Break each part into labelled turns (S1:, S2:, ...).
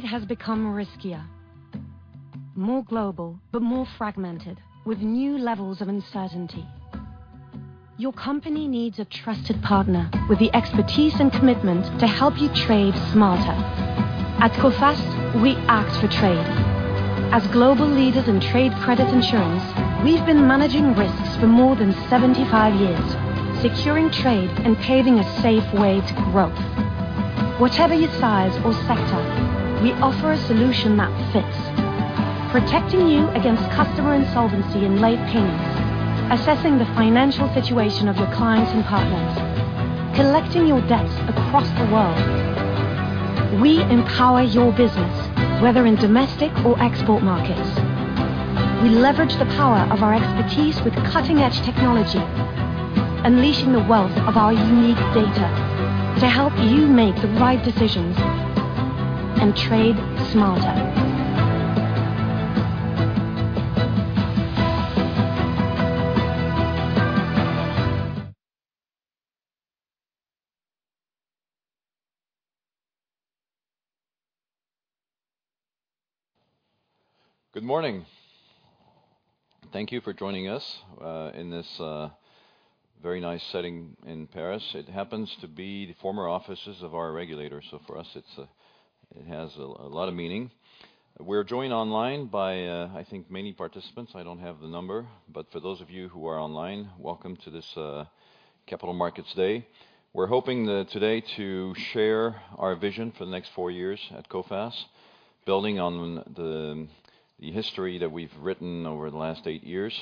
S1: Trade has become riskier. More global, but more fragmented, with new levels of uncertainty. Your company needs a trusted partner with the expertise and commitment to help you trade smarter. At Coface, we act for trade. As global leaders in trade credit insurance, we've been managing risks for more than 75 years, securing trade and paving a safe way to growth. Whatever your size or sector, we offer a solution that fits: protecting you against customer insolvency and late payments, assessing the financial situation of your clients and partners, collecting your debts across the world. We empower your business, whether in domestic or export markets. We leverage the power of our expertise with cutting-edge technology, unleashing the wealth of our unique data to help you make the right decisions and trade smarter.
S2: Good morning. Thank you for joining us in this very nice setting in Paris. It happens to be the former offices of our regulator, so for us it's, it has a lot of meaning. We're joined online by, I think, many participants. I don't have the number. But for those of you who are online, welcome to this Capital Markets Day. We're hoping today to share our vision for the next four years at Coface, building on the history that we've written over the last eight years.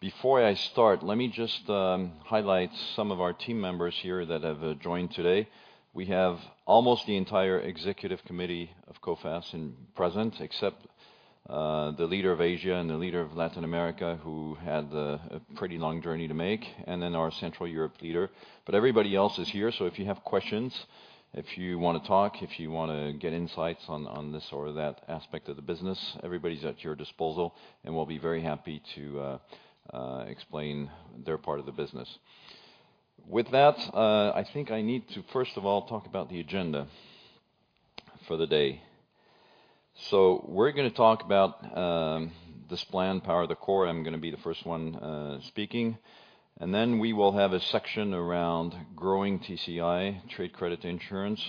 S2: Before I start, let me just highlight some of our team members here that have joined today. We have almost the entire executive committee of Coface present, except the leader of Asia and the leader of Latin America who had a pretty long journey to make, and then our Central Europe leader. But everybody else is here, so if you have questions, if you want to talk, if you want to get insights on, on this or that aspect of the business, everybody's at your disposal, and we'll be very happy to explain their part of the business. With that, I think I need to, first of all, talk about the agenda for the day. So we're going to talk about this plan, Power the Core. I'm going to be the first one speaking. Then we will have a section around growing TCI, trade credit insurance,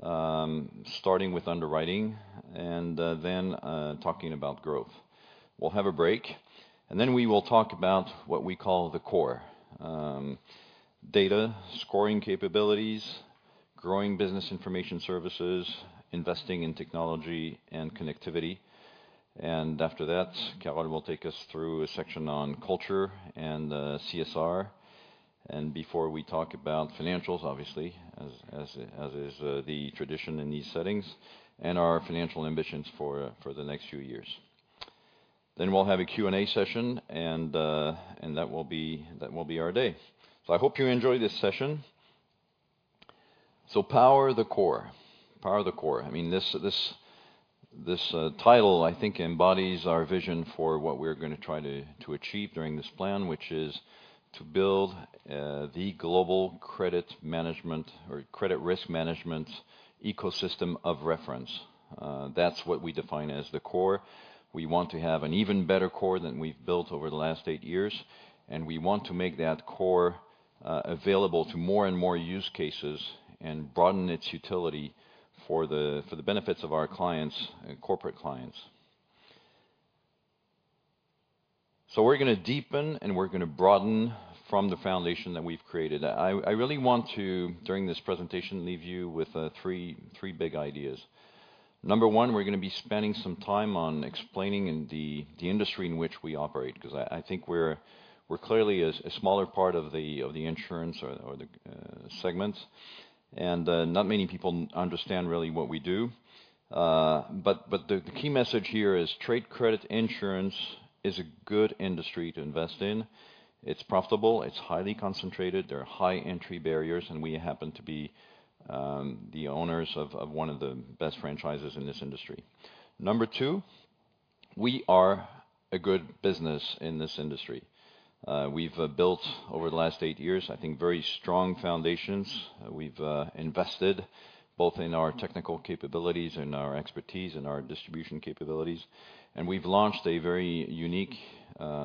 S2: starting with underwriting, and then talking about growth. We'll have a break, and then we will talk about what we call the core, data, scoring capabilities, growing Business Information Services, investing in technology, and connectivity. And after that, Carole will take us through a section on culture and CSR. Before we talk about financials, obviously, as is the tradition in these settings, and our financial ambitions for the next few years. Then we'll have a Q&A session, and that will be our day. So I hope you enjoy this session. So Power the Core. Power of the Core. I mean, this title, I think, embodies our vision for what we're going to try to achieve during this plan, which is to build the global credit management or credit risk management ecosystem of reference. That's what we define as the core. We want to have an even better core than we've built over the last eight years, and we want to make that core available to more and more use cases and broaden its utility for the benefits of our clients, corporate clients. So we're going to deepen, and we're going to broaden from the foundation that we've created. I really want to, during this presentation, leave you with three big ideas. Number one, we're going to be spending some time on explaining the industry in which we operate, because I think we're clearly a smaller part of the insurance or the segments, and not many people understand really what we do. But the key message here is trade credit insurance is a good industry to invest in. It's profitable. It's highly concentrated. There are high entry barriers, and we happen to be the owners of one of the best franchises in this industry. Number two, we are a good business in this industry. We've built over the last eight years, I think, very strong foundations. We've invested both in our technical capabilities and our expertise and our distribution capabilities. And we've launched a very unique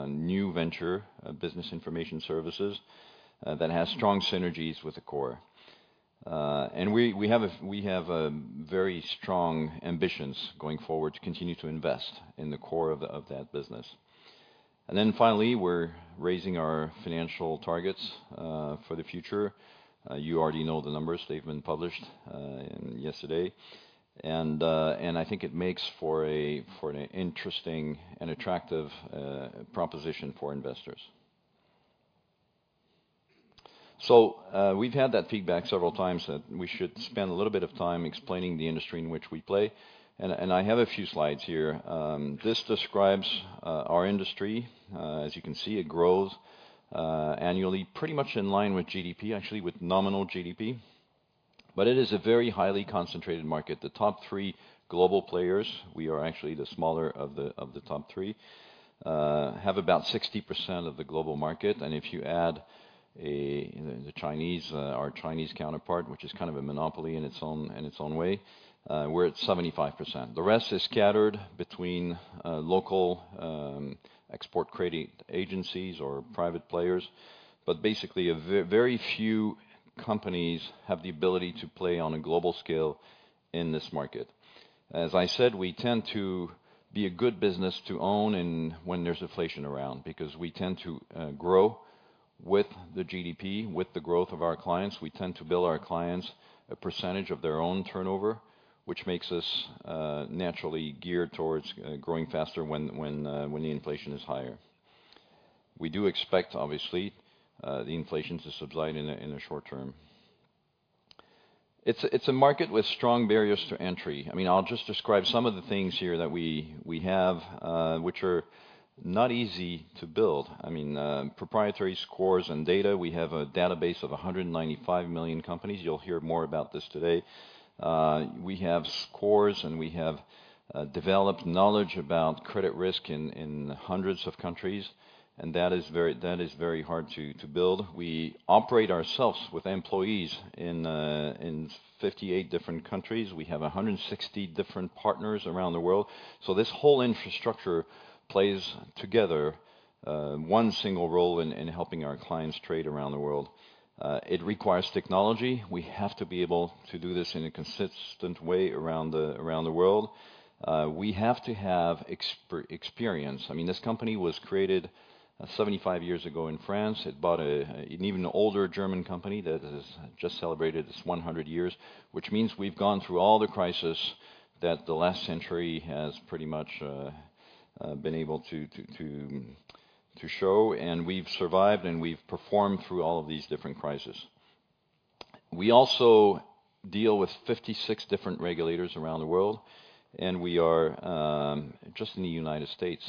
S2: new venture, Business Information Services, that has strong synergies with the core. And we have very strong ambitions going forward to continue to invest in the core of that business. And then finally, we're raising our financial targets for the future. You already know the numbers. They've been published yesterday. And I think it makes for an interesting and attractive proposition for investors. So, we've had that feedback several times that we should spend a little bit of time explaining the industry in which we play. And I have a few slides here. This describes our industry. As you can see, it grows annually pretty much in line with GDP, actually, with nominal GDP. But it is a very highly concentrated market. The top three global players, we are actually the smaller of the top three, have about 60% of the global market. And if you add a, you know, the Chinese, our Chinese counterpart, which is kind of a monopoly in its own way, we're at 75%. The rest is scattered between local export credit agencies or private players. But basically, very few companies have the ability to play on a global scale in this market. As I said, we tend to be a good business to own in when there's inflation around, because we tend to grow with the GDP, with the growth of our clients. We tend to bill our clients a percentage of their own turnover, which makes us naturally geared towards growing faster when the inflation is higher. We do expect, obviously, the inflation to subside in a short term. It's a market with strong barriers to entry. I mean, I'll just describe some of the things here that we have, which are not easy to build. I mean, proprietary scores and data. We have a database of 195 million companies. You'll hear more about this today. We have scores, and we have developed knowledge about credit risk in hundreds of countries, and that is very hard to build. We operate ourselves with employees in 58 different countries. We have 160 different partners around the world. So this whole infrastructure plays together, one single role in helping our clients trade around the world. It requires technology. We have to be able to do this in a consistent way around the world. We have to have experience. I mean, this company was created 75 years ago in France. It bought an even older German company that has just celebrated its 100 years, which means we've gone through all the crises that the last century has pretty much been able to show, and we've survived, and we've performed through all of these different crises. We also deal with 56 different regulators around the world, and we are just in the United States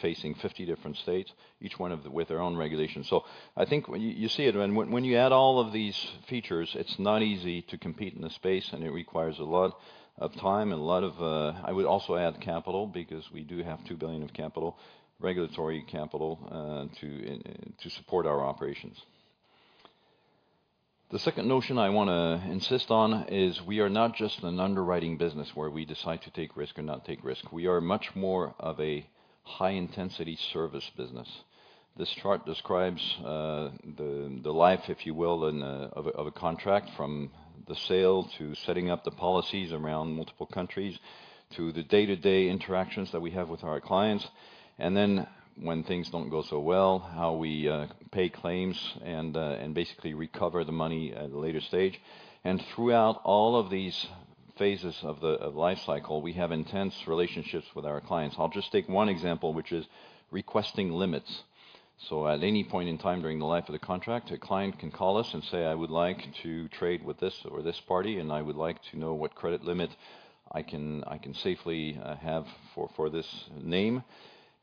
S2: facing 50 different states, each one of them with their own regulations. So I think you see it. And when you add all of these features, it's not easy to compete in this space, and it requires a lot of time and a lot of, I would also add capital, because we do have 2 billion of capital, regulatory capital, to support our operations. The second notion I want to insist on is we are not just an underwriting business where we decide to take risk or not take risk. We are much more of a high-intensity service business. This chart describes the life, if you will, of a contract, from the sale to setting up the policies around multiple countries to the day-to-day interactions that we have with our clients, and then when things don't go so well, how we pay claims and basically recover the money at a later stage. And throughout all of these phases of the life cycle, we have intense relationships with our clients. I'll just take one example, which is requesting limits. So at any point in time during the life of the contract, a client can call us and say, "I would like to trade with this or this party, and I would like to know what credit limit I can safely have for this name."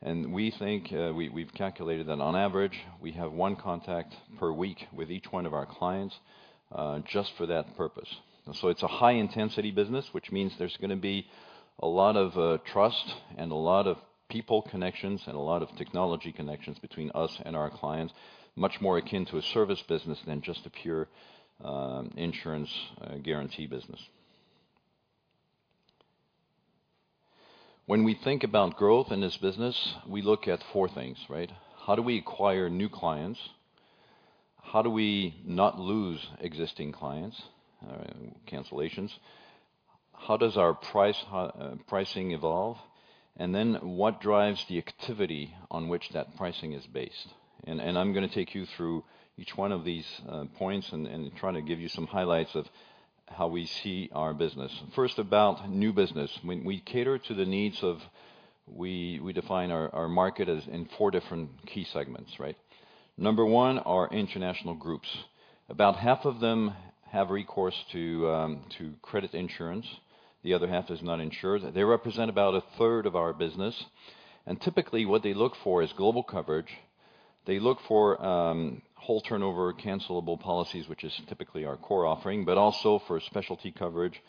S2: And we think we've calculated that on average, we have one contact per week with each one of our clients, just for that purpose. So it's a high-intensity business, which means there's going to be a lot of trust and a lot of people connections and a lot of technology connections between us and our clients, much more akin to a service business than just a pure insurance guarantee business. When we think about growth in this business, we look at four things, right? How do we acquire new clients? How do we not lose existing clients, cancellations? How does our pricing evolve? And then what drives the activity on which that pricing is based? And, and I'm going to take you through each one of these points and, and try to give you some highlights of how we see our business. First, about new business. We, we cater to the needs of we, we define our, our market as in four different key segments, right? Number one, our international groups. About half of them have recourse to, to credit insurance. The other half is not insured. They represent about a third of our business. And typically, what they look for is global coverage. They look for whole turnover cancelable policies, which is typically our core offering, but also for specialty coverage,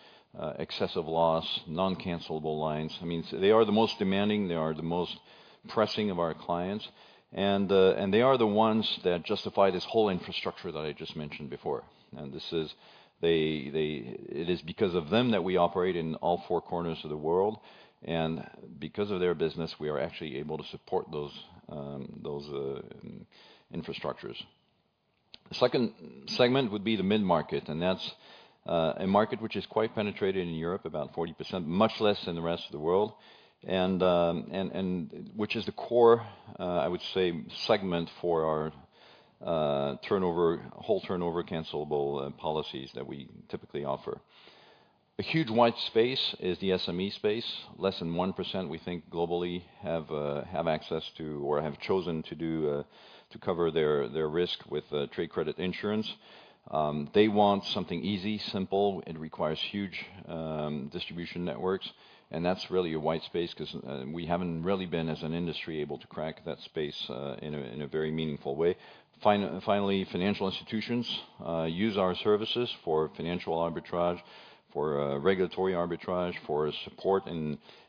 S2: excess of loss, non-cancelable lines. I mean, so they are the most demanding. They are the most pressing of our clients. They are the ones that justify this whole infrastructure that I just mentioned before. And this is because of them that we operate in all four corners of the world, and because of their business, we are actually able to support those infrastructures. The second segment would be the mid-market, and that's a market which is quite penetrated in Europe, about 40%, much less in the rest of the world, and which is the core, I would say, segment for our whole turnover, cancelable policies that we typically offer. A huge white space is the SME space. Less than 1%, we think, globally have access to or have chosen to cover their risk with trade credit insurance. They want something easy, simple. It requires huge distribution networks, and that's really a white space because we haven't really been, as an industry, able to crack that space in a very meaningful way. Finally, financial institutions use our services for financial arbitrage, for regulatory arbitrage, for support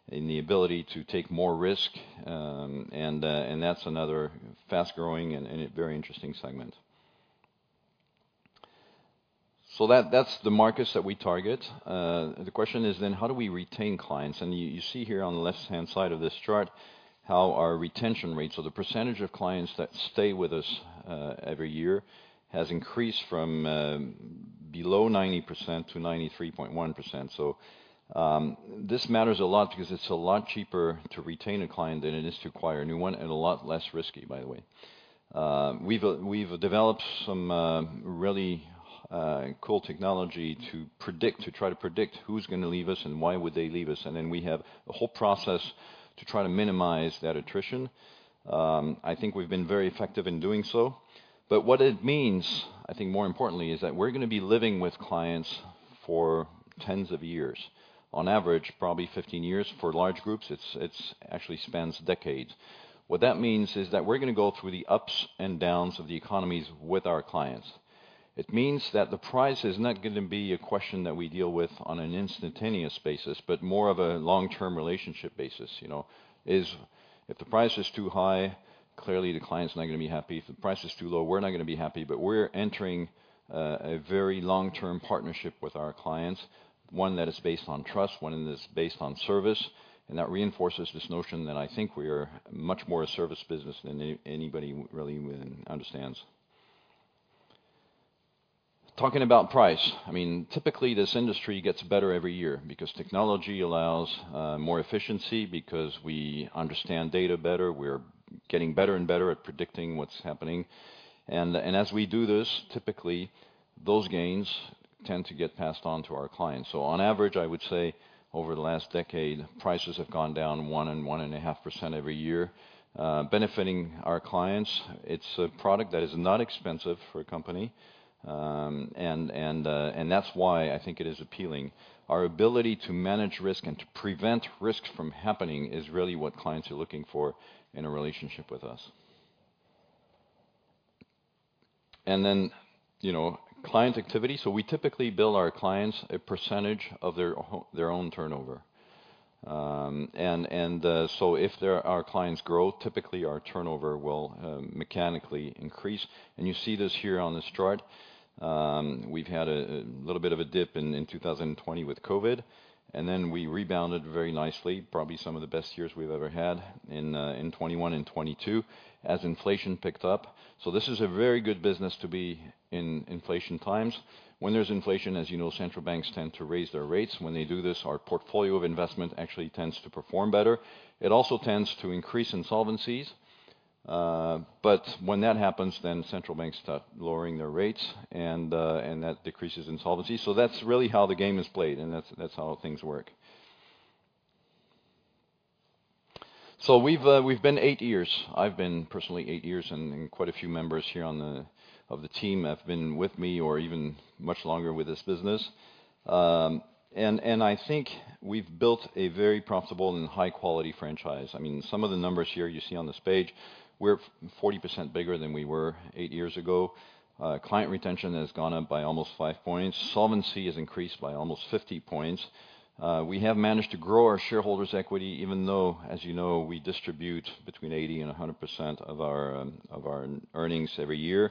S2: in the ability to take more risk, and that's another fast-growing and very interesting segment. So that's the markets that we target. The question is then, how do we retain clients? And you see here on the left-hand side of this chart how our retention rate, so the percentage of clients that stay with us every year, has increased from below 90% to 93.1%. So this matters a lot because it's a lot cheaper to retain a client than it is to acquire a new one, and a lot less risky, by the way. We've developed some really cool technology to try to predict who's going to leave us and why they would leave us. And then we have a whole process to try to minimize that attrition. I think we've been very effective in doing so. But what it means, I think more importantly, is that we're going to be living with clients for tens of years. On average, probably 15 years. For large groups, it's actually spans decades. What that means is that we're going to go through the ups and downs of the economies with our clients. It means that the price is not going to be a question that we deal with on an instantaneous basis, but more of a long-term relationship basis, you know? If the price is too high, clearly the client's not going to be happy. If the price is too low, we're not going to be happy. But we're entering a very long-term partnership with our clients, one that is based on trust, one that is based on service, and that reinforces this notion that I think we are much more a service business than anybody really even understands. Talking about price, I mean, typically this industry gets better every year because technology allows more efficiency, because we understand data better. We're getting better and better at predicting what's happening. And as we do this, typically, those gains tend to get passed on to our clients. So on average, I would say over the last decade, prices have gone down 1%-1.5% every year, benefiting our clients. It's a product that is not expensive for a company, and that's why I think it is appealing. Our ability to manage risk and to prevent risk from happening is really what clients are looking for in a relationship with us. And then, you know, client activity. So we typically bill our clients a percentage of their own turnover. And so if our clients grow, typically our turnover will mechanically increase. And you see this here on this chart. We've had a little bit of a dip in 2020 with COVID, and then we rebounded very nicely, probably some of the best years we've ever had in 2021 and 2022 as inflation picked up. So this is a very good business to be in inflation times. When there's inflation, as you know, central banks tend to raise their rates. When they do this, our portfolio of investment actually tends to perform better. It also tends to increase insolvencies. But when that happens, then central banks start lowering their rates, and that decreases insolvencies. So that's really how the game is played, and that's how things work. So we've been eight years. I've been personally eight years, and quite a few members here of the team have been with me or even much longer with this business. I think we've built a very profitable and high-quality franchise. I mean, some of the numbers here you see on this page, we're 40% bigger than we were eight years ago. Client retention has gone up by almost five points. Solvency has increased by almost 50 points. We have managed to grow our shareholders' equity even though, as you know, we distribute between 80% and 100% of our earnings every year.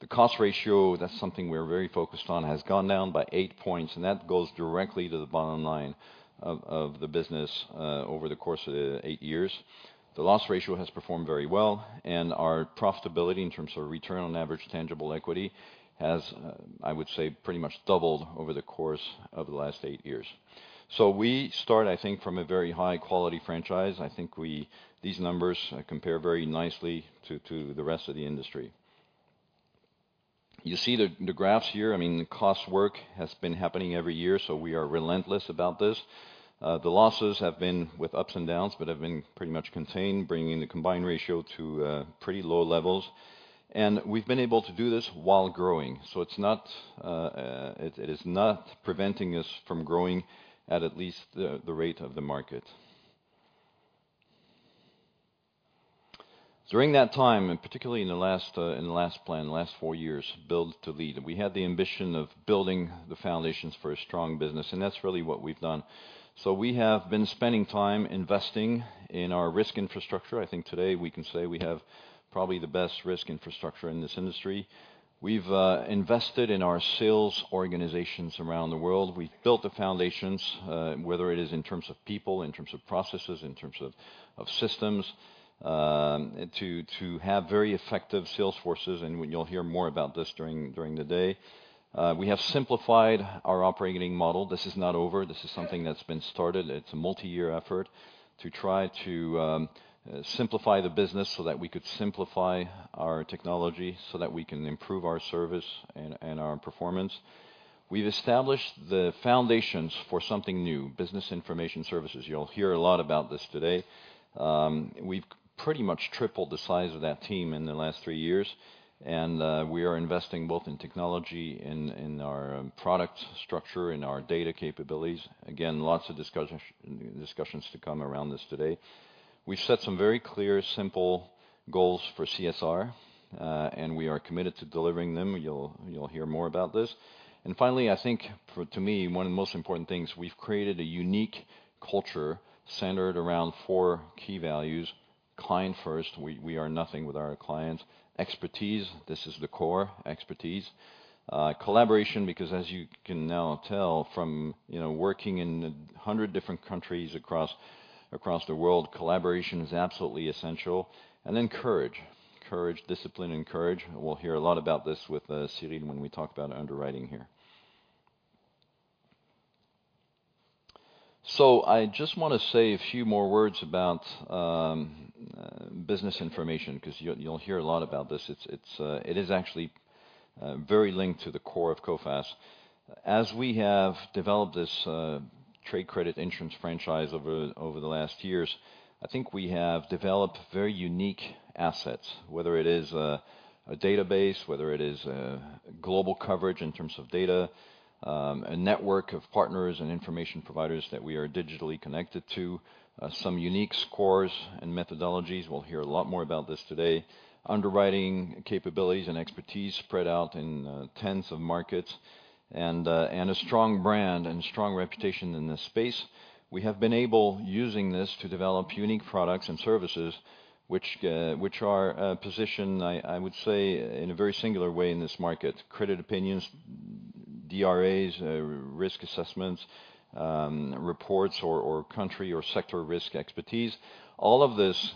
S2: The cost ratio, that's something we're very focused on, has gone down by 8 points, and that goes directly to the bottom line of, of the business, over the course of the 8 years. The loss ratio has performed very well, and our profitability in terms of return on average tangible equity has, I would say, pretty much doubled over the course of the last 8 years. So we start, I think, from a very high-quality franchise. I think these numbers compare very nicely to, to the rest of the industry. You see the graphs here. I mean, the cost work has been happening every year, so we are relentless about this. The losses have been with ups and downs but have been pretty much contained, bringing the combined ratio to pretty low levels. And we've been able to do this while growing. So it's not, it is not preventing us from growing at least the rate of the market. During that time, and particularly in the last plan, the last four years, Build to Lead. We had the ambition of building the foundations for a strong business, and that's really what we've done. So we have been spending time investing in our risk infrastructure. I think today we can say we have probably the best risk infrastructure in this industry. We've invested in our sales organizations around the world. We've built the foundations, whether it is in terms of people, in terms of processes, in terms of systems, to have very effective sales forces, and you'll hear more about this during the day. We have simplified our operating model. This is not over. This is something that's been started. It's a multi-year effort to try to simplify the business so that we could simplify our technology so that we can improve our service and our performance. We've established the foundations for something new, business information services. You'll hear a lot about this today. We've pretty much tripled the size of that team in the last three years, and we are investing both in technology, in our product structure, in our data capabilities. Again, lots of discussions to come around this today. We've set some very clear, simple goals for CSR, and we are committed to delivering them. You'll hear more about this. And finally, I think for to me, one of the most important things, we've created a unique culture centered around four key values: client-first. We, we are nothing without our clients. Expertise, this is the core, expertise. Collaboration, because as you can now tell from, you know, working in 100 different countries across, across the world, collaboration is absolutely essential. And then courage, courage, discipline, and courage. We'll hear a lot about this with Cyrille when we talk about underwriting here. So I just want to say a few more words about business information because you'll, you'll hear a lot about this. It's, it's, it is actually very linked to the core of Coface. As we have developed this trade credit insurance franchise over the last years, I think we have developed very unique assets, whether it is a database, whether it is global coverage in terms of data, a network of partners and information providers that we are digitally connected to, some unique scores and methodologies. We'll hear a lot more about this today. Underwriting capabilities and expertise spread out in tens of markets and a strong brand and strong reputation in this space. We have been able, using this, to develop unique products and services which are positioned, I would say, in a very singular way in this market: credit opinions, DRAs, risk assessments, reports, or country or sector risk expertise. All of this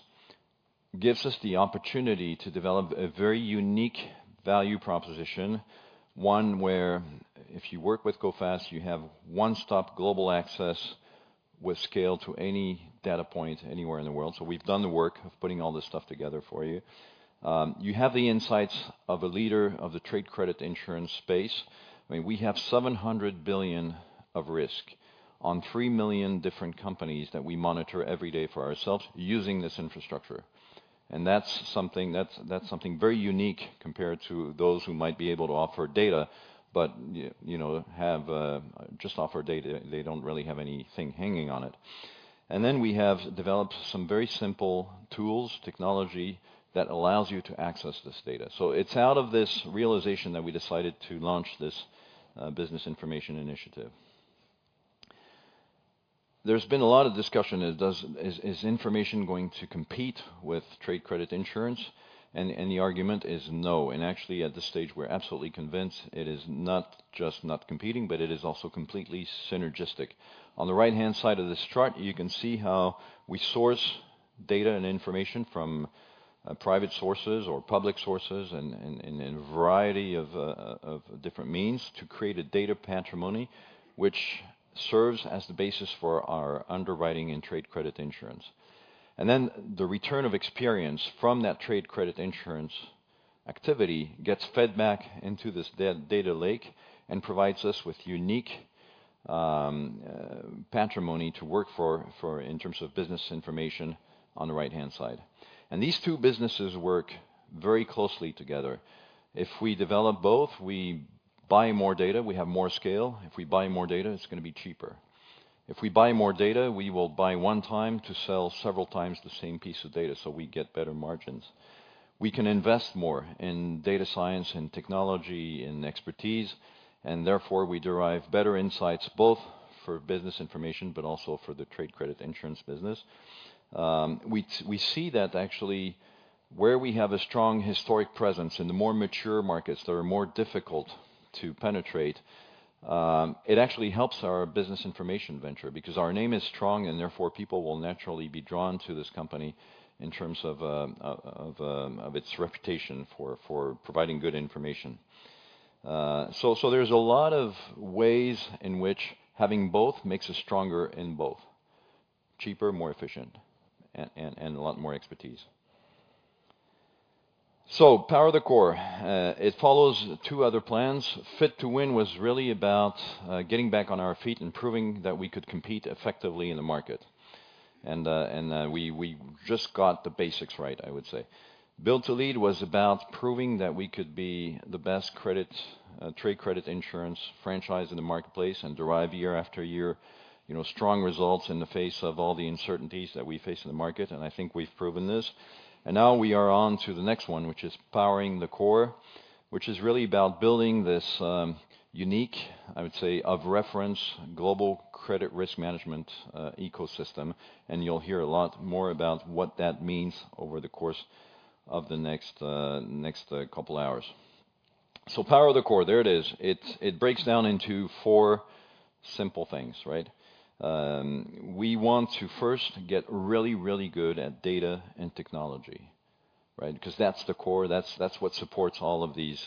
S2: gives us the opportunity to develop a very unique value proposition, one where if you work with Coface, you have one-stop global access with scale to any data point anywhere in the world. So we've done the work of putting all this stuff together for you. You have the insights of a leader of the trade credit insurance space. I mean, we have 700 billion of risk on 3 million different companies that we monitor every day for ourselves using this infrastructure. And that's something that's, that's something very unique compared to those who might be able to offer data but, you know, have, just offer data. They don't really have anything hanging on it. And then we have developed some very simple tools, technology, that allows you to access this data. So it's out of this realization that we decided to launch this, business information initiative. There's been a lot of discussion. Is information going to compete with trade credit insurance? And the argument is no. And actually, at this stage, we're absolutely convinced it is not just not competing, but it is also completely synergistic. On the right-hand side of this chart, you can see how we source data and information from private sources or public sources and a variety of different means to create a data patrimony which serves as the basis for our underwriting and trade credit insurance. And then the return of experience from that trade credit insurance activity gets fed back into this data lake and provides us with unique patrimony to work for in terms of business information on the right-hand side. And these two businesses work very closely together. If we develop both, we buy more data. We have more scale. If we buy more data, it's going to be cheaper. If we buy more data, we will buy one time to sell several times the same piece of data so we get better margins. We can invest more in data science, in technology, in expertise, and therefore we derive better insights both for business information but also for the trade credit insurance business. We see that actually where we have a strong historic presence in the more mature markets that are more difficult to penetrate, it actually helps our business information venture because our name is strong and therefore people will naturally be drawn to this company in terms of its reputation for providing good information. So there's a lot of ways in which having both makes us stronger in both: cheaper, more efficient, and a lot more expertise. So, Power the Core. It follows two other plans. Fit to Win was really about getting back on our feet and proving that we could compete effectively in the market. And we just got the basics right, I would say. Build to Lead was about proving that we could be the best credit, trade credit insurance franchise in the marketplace and derive year after year, you know, strong results in the face of all the uncertainties that we face in the market. And I think we've proven this. And now we are on to the next one, which is Powering the Core, which is really about building this unique, I would say, of reference global credit risk management ecosystem. And you'll hear a lot more about what that means over the course of the next couple hours. So Power the Core, there it is. It breaks down into four simple things, right? We want to first get really, really good at data and technology, right, because that's the core. That's what supports all of these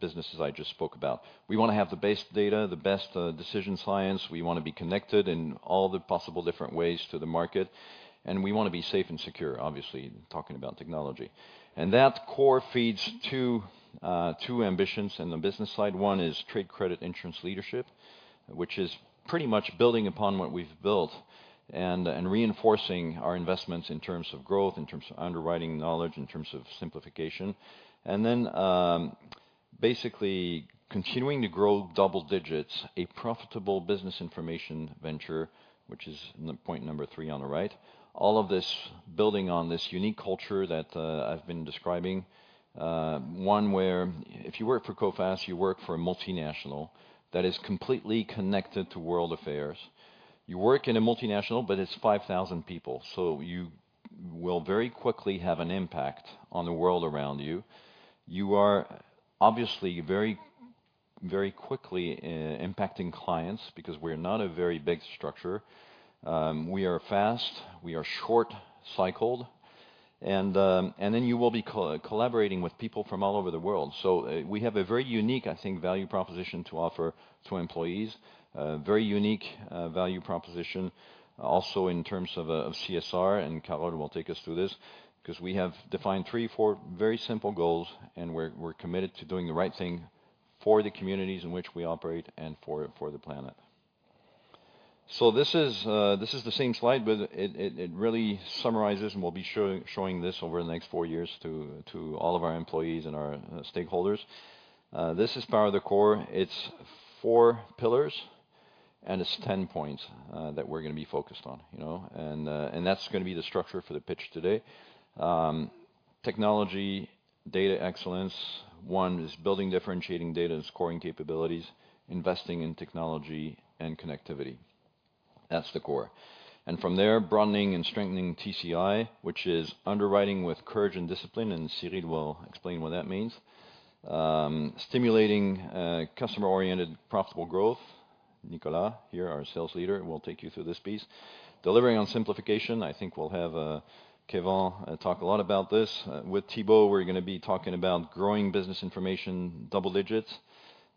S2: businesses I just spoke about. We want to have the best data, the best decision science. We want to be connected in all the possible different ways to the market. And we want to be safe and secure, obviously, talking about technology. And that core feeds two ambitions in the business side. One is trade credit insurance leadership, which is pretty much building upon what we've built and reinforcing our investments in terms of growth, in terms of underwriting knowledge, in terms of simplification. And then, basically continuing to grow double digits, a profitable business information venture, which is point number three on the right. All of this building on this unique culture that, I've been describing, one where if you work for Coface, you work for a multinational that is completely connected to world affairs. You work in a multinational, but it's 5,000 people, so you will very quickly have an impact on the world around you. You are obviously very, very quickly, impacting clients because we're not a very big structure. We are fast. We are short-cycled. And then you will be co-collaborating with people from all over the world. So, we have a very unique, I think, value proposition to offer to employees, very unique value proposition, also in terms of, of CSR. And Carole will take us through this because we have defined three, four very simple goals, and we're, we're committed to doing the right thing for the communities in which we operate and for, for the planet. So this is the same slide, but it really summarizes, and we'll be showing this over the next four years to all of our employees and our stakeholders. This is Power the Core. It's four pillars, and it's 10 points, that we're going to be focused on, you know? And that's going to be the structure for the pitch today. Technology, data excellence. One is building differentiating data and scoring capabilities, investing in technology, and connectivity. That's the core. And from there, broadening and strengthening TCI, which is underwriting with courage and discipline, and Cyril will explain what that means. Stimulating, customer-oriented profitable growth. Nicolas, here, our sales leader, will take you through this piece. Delivering on simplification. I think we'll have Keyvan talk a lot about this. With Thibault, we're going to be talking about growing business information, double digits,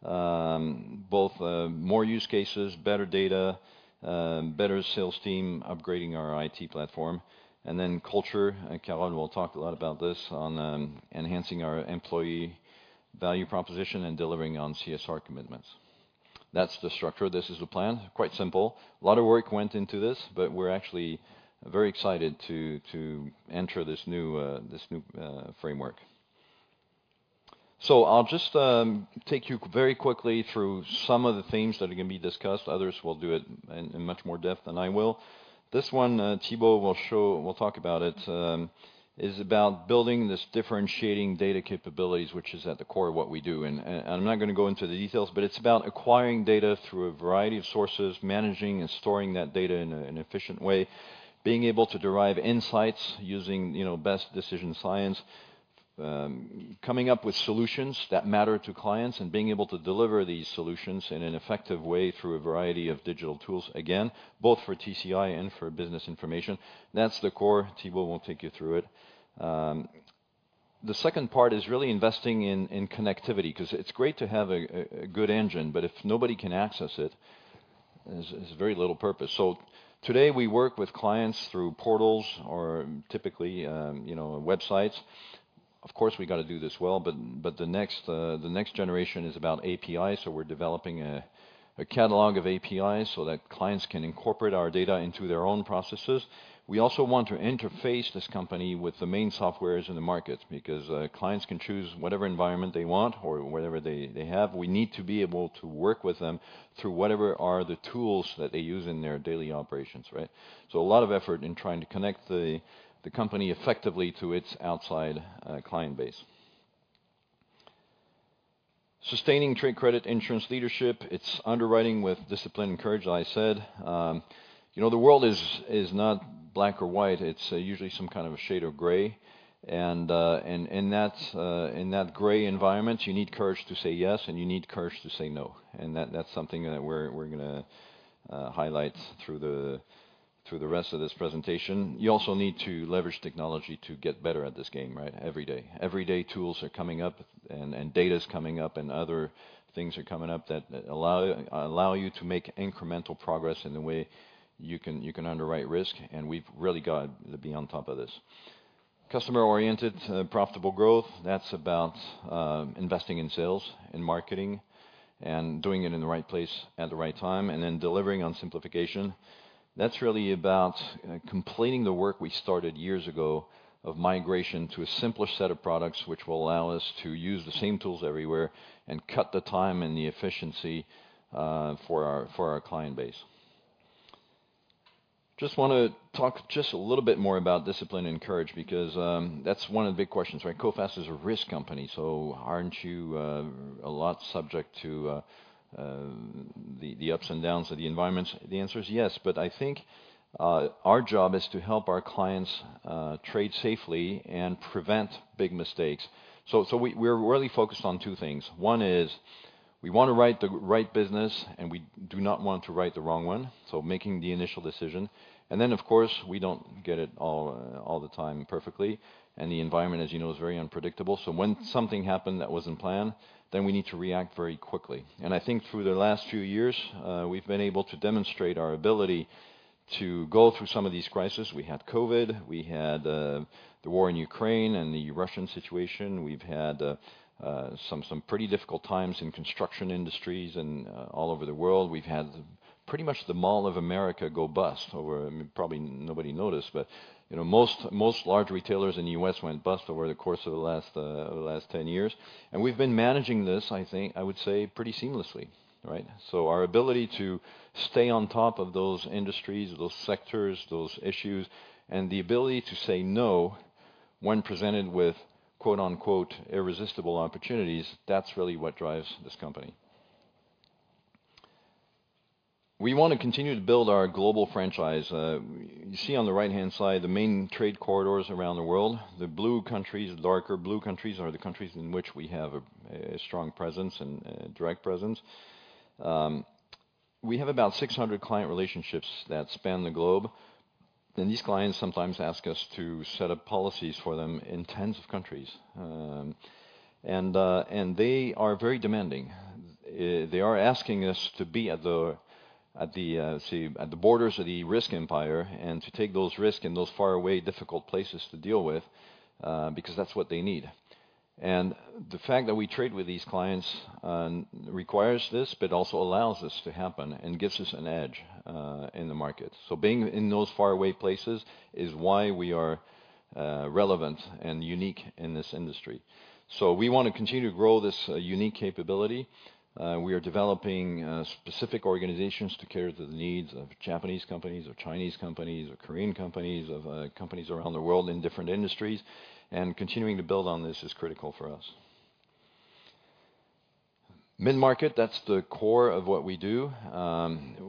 S2: both, more use cases, better data, better sales team, upgrading our IT platform. And then culture. Carole will talk a lot about this on enhancing our employee value proposition and delivering on CSR commitments. That's the structure. This is the plan. Quite simple. A lot of work went into this, but we're actually very excited to enter this new framework. So I'll just take you very quickly through some of the themes that are going to be discussed. Others will do it in much more depth than I will. This one, Thibault will show will talk about it, is about building this differentiating data capabilities, which is at the core of what we do. I'm not going to go into the details, but it's about acquiring data through a variety of sources, managing and storing that data in an efficient way, being able to derive insights using, you know, best decision science, coming up with solutions that matter to clients, and being able to deliver these solutions in an effective way through a variety of digital tools, again, both for TCI and for business information. That's the core. Thibault will take you through it. The second part is really investing in connectivity because it's great to have a good engine, but if nobody can access it, there's very little purpose. So today, we work with clients through portals or typically, you know, websites. Of course, we got to do this well, but the next generation is about APIs. So we're developing a catalog of APIs so that clients can incorporate our data into their own processes. We also want to interface this company with the main softwares in the market because clients can choose whatever environment they want or whatever they have. We need to be able to work with them through whatever are the tools that they use in their daily operations, right? So a lot of effort in trying to connect the company effectively to its outside client base. Sustaining trade credit insurance leadership. It's underwriting with discipline and courage, as I said. You know, the world is not black or white. It's usually some kind of a shade of gray. And that, in that gray environment, you need courage to say yes, and you need courage to say no. That, that's something that we're going to highlight through the rest of this presentation. You also need to leverage technology to get better at this game, right, every day. Every day, tools are coming up, and data's coming up, and other things are coming up that allow you to make incremental progress in the way you can underwrite risk. And we've really got to be on top of this. Customer-oriented, profitable growth. That's about investing in sales, in marketing, and doing it in the right place at the right time, and then delivering on simplification. That's really about completing the work we started years ago of migration to a simpler set of products which will allow us to use the same tools everywhere and cut the time and the efficiency for our client base. Just want to talk just a little bit more about discipline and courage because that's one of the big questions, right? Coface is a risk company, so aren't you a lot subject to the ups and downs of the environments? The answer is yes, but I think our job is to help our clients trade safely and prevent big mistakes. So we, we're really focused on two things. One is we want to write the right business, and we do not want to write the wrong one, so making the initial decision. And then, of course, we don't get it all the time perfectly. And the environment, as you know, is very unpredictable. So when something happened that wasn't planned, then we need to react very quickly. I think through the last few years, we've been able to demonstrate our ability to go through some of these crises. We had COVID. We had the war in Ukraine and the Russian situation. We've had some, some pretty difficult times in construction industries and all over the world. We've had pretty much the Mall of America go bust or probably nobody noticed, but you know, most, most large retailers in the U.S. went bust over the course of the last, over the last 10 years. We've been managing this, I think, I would say, pretty seamlessly, right? Our ability to stay on top of those industries, those sectors, those issues, and the ability to say no when presented with quote-unquote "irresistible opportunities," that's really what drives this company. We want to continue to build our global franchise. You see on the right-hand side the main trade corridors around the world. The blue countries, the darker blue countries, are the countries in which we have a strong presence and direct presence. We have about 600 client relationships that span the globe. And these clients sometimes ask us to set up policies for them in tens of countries. And they are very demanding. They are asking us to be at the borders of the risk empire and to take those risks in those faraway, difficult places to deal with, because that's what they need. And the fact that we trade with these clients requires this but also allows this to happen and gives us an edge in the market. So being in those faraway places is why we are relevant and unique in this industry. So we want to continue to grow this unique capability. We are developing specific organizations to cater to the needs of Japanese companies or Chinese companies or Korean companies of companies around the world in different industries. And continuing to build on this is critical for us. Mid-market, that's the core of what we do.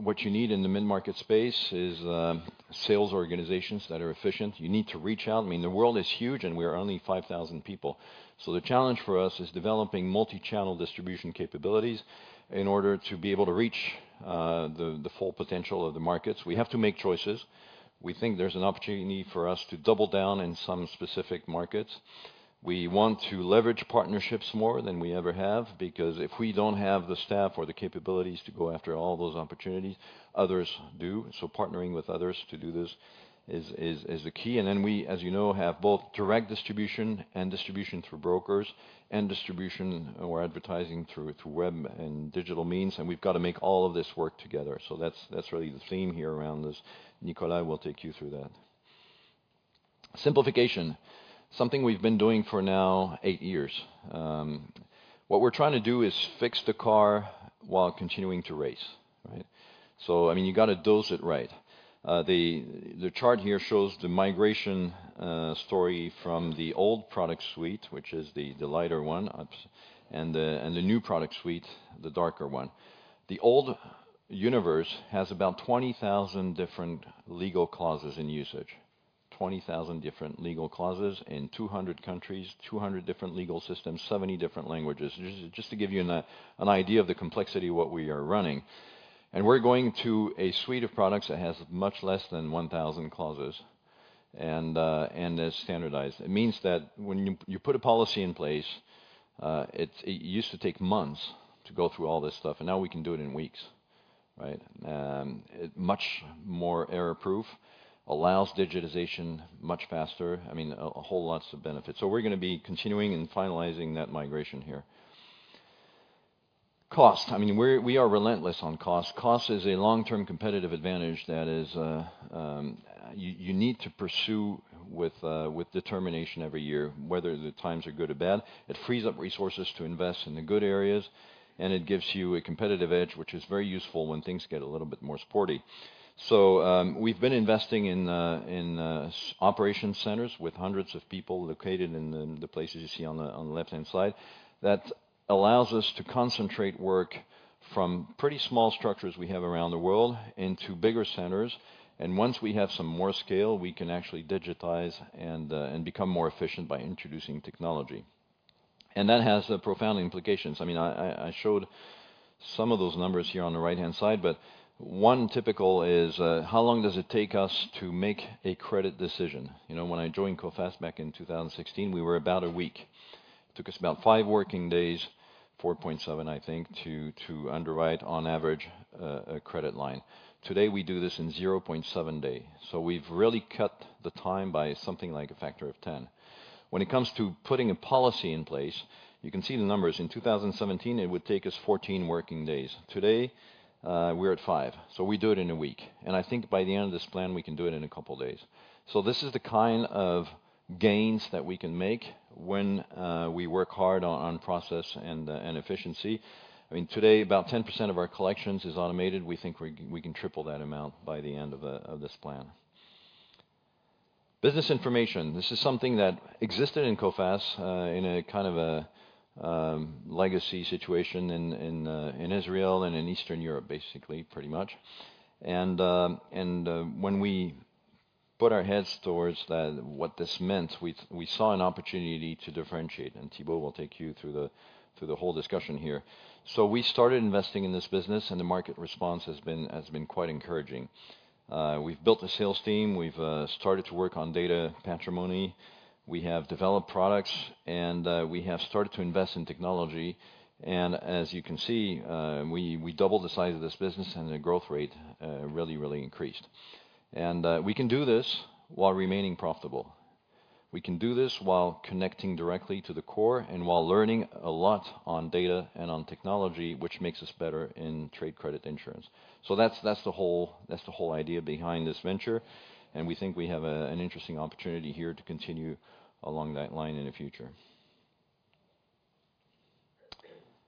S2: What you need in the mid-market space is sales organizations that are efficient. You need to reach out. I mean, the world is huge, and we are only 5,000 people. So the challenge for us is developing multi-channel distribution capabilities in order to be able to reach the full potential of the markets. We have to make choices. We think there's an opportunity for us to double down in some specific markets. We want to leverage partnerships more than we ever have because if we don't have the staff or the capabilities to go after all those opportunities, others do. So partnering with others to do this is the key. And then we, as you know, have both direct distribution and distribution through brokers and distribution where advertising through web and digital means. And we've got to make all of this work together. So that's really the theme here around this. Nicolas will take you through that. Simplification, something we've been doing for now eight years. What we're trying to do is fix the car while continuing to race, right? So, I mean, you got to dose it right. The chart here shows the migration story from the old product suite, which is the lighter one, and the new product suite, the darker one. The old universe has about 20,000 different legal clauses in usage, 20,000 different legal clauses in 200 countries, 200 different legal systems, 70 different languages, just to give you an idea of the complexity of what we are running. We're going to a suite of products that has much less than 1,000 clauses and is standardized. It means that when you put a policy in place, it used to take months to go through all this stuff, and now we can do it in weeks, right? It's much more error-proof, allows digitization much faster. I mean, a whole lot of benefits. So we're going to be continuing and finalizing that migration here. Cost. I mean, we are relentless on cost. Cost is a long-term competitive advantage that you need to pursue with determination every year, whether the times are good or bad. It frees up resources to invest in the good areas, and it gives you a competitive edge, which is very useful when things get a little bit more sporty. So, we've been investing in operations centers with hundreds of people located in the places you see on the left-hand side. That allows us to concentrate work from pretty small structures we have around the world into bigger centers. Once we have some more scale, we can actually digitize and become more efficient by introducing technology. That has profound implications. I mean, I showed some of those numbers here on the right-hand side, but one typical is, how long does it take us to make a credit decision? You know, when I joined Coface back in 2016, we were about a week. It took us about five working days, 4.7, I think, to underwrite on average, a credit line. Today, we do this in 0.7 days. So we've really cut the time by something like a factor of 10. When it comes to putting a policy in place, you can see the numbers. In 2017, it would take us 14 working days. Today, we're at 5. So we do it in a week. And I think by the end of this plan, we can do it in a couple of days. So this is the kind of gains that we can make when we work hard on process and efficiency. I mean, today, about 10% of our collections is automated. We think we can triple that amount by the end of this plan. Business information. This is something that existed in Coface, in a kind of legacy situation in Israel and in Eastern Europe, basically, pretty much. And when we put our heads towards that, what this meant, we saw an opportunity to differentiate. And Thibault will take you through the whole discussion here. So we started investing in this business, and the market response has been quite encouraging. We've built a sales team. We've started to work on data patrimony. We have developed products. And we have started to invest in technology. As you can see, we doubled the size of this business, and the growth rate really, really increased. We can do this while remaining profitable. We can do this while connecting directly to the core and while learning a lot on data and on technology, which makes us better in trade credit insurance. So that's the whole idea behind this venture. We think we have an interesting opportunity here to continue along that line in the future.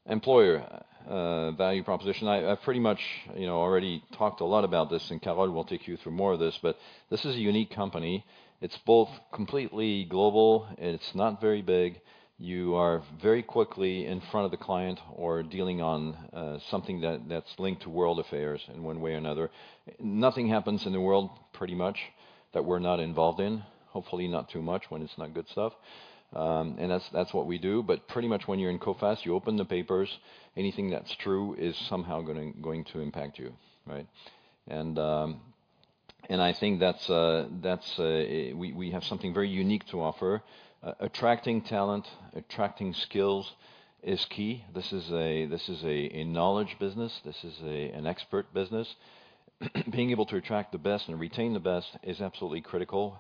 S2: Employer value proposition. I've pretty much, you know, already talked a lot about this, and Carole will take you through more of this, but this is a unique company. It's both completely global. It's not very big. You are very quickly in front of the client or dealing on something that's linked to world affairs in one way or another. Nothing happens in the world, pretty much, that we're not involved in, hopefully not too much when it's not good stuff. That's, that's what we do. But pretty much when you're in Coface, you open the papers, anything that's true is somehow going to, going to impact you, right? And, and I think that's, that's, we, we have something very unique to offer. Attracting talent, attracting skills is key. This is a, this is a, a knowledge business. This is a, an expert business. Being able to attract the best and retain the best is absolutely critical,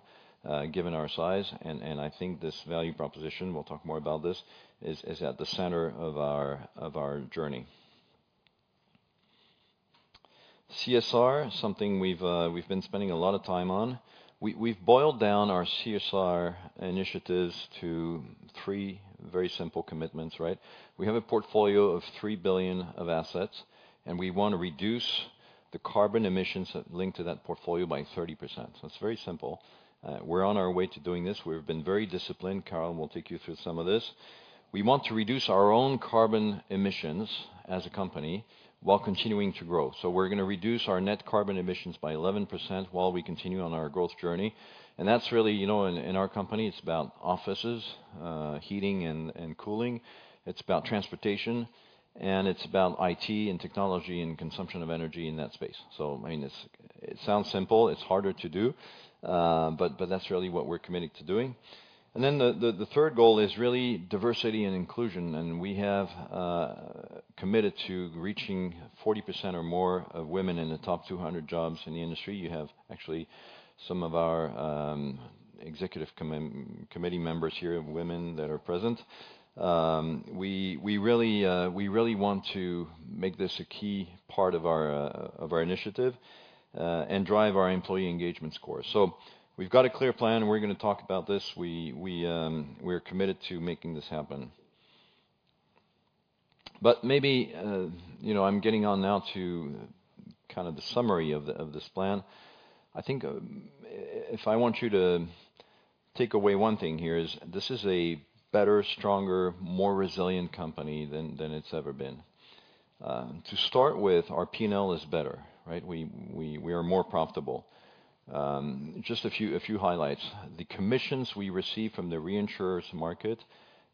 S2: given our size. And, and I think this value proposition, we'll talk more about this, is, is at the center of our, of our journey. CSR, something we've, we've been spending a lot of time on. We, we've boiled down our CSR initiatives to three very simple commitments, right? We have a portfolio of 3 billion of assets, and we want to reduce the carbon emissions linked to that portfolio by 30%. So it's very simple. We're on our way to doing this. We've been very disciplined. Carole will take you through some of this. We want to reduce our own carbon emissions as a company while continuing to grow. So we're going to reduce our net carbon emissions by 11% while we continue on our growth journey. And that's really, you know, in, in our company, it's about offices, heating and, and cooling. It's about transportation. And it's about IT and technology and consumption of energy in that space. So, I mean, it's, it sounds simple. It's harder to do. But, but that's really what we're committed to doing. And then the, the, the third goal is really diversity and inclusion. And we have committed to reaching 40% or more of women in the top 200 jobs in the industry. You have actually some of our executive committee members here, women that are present. We, we really, we really want to make this a key part of our, of our initiative, and drive our employee engagement score. So we've got a clear plan. We're going to talk about this. We, we, we're committed to making this happen. But maybe, you know, I'm getting on now to kind of the summary of the, of this plan. I think, if I want you to take away one thing here is this is a better, stronger, more resilient company than, than it's ever been. To start with, our P&L is better, right? We, we, we are more profitable. Just a few, a few highlights. The commissions we receive from the reinsurers market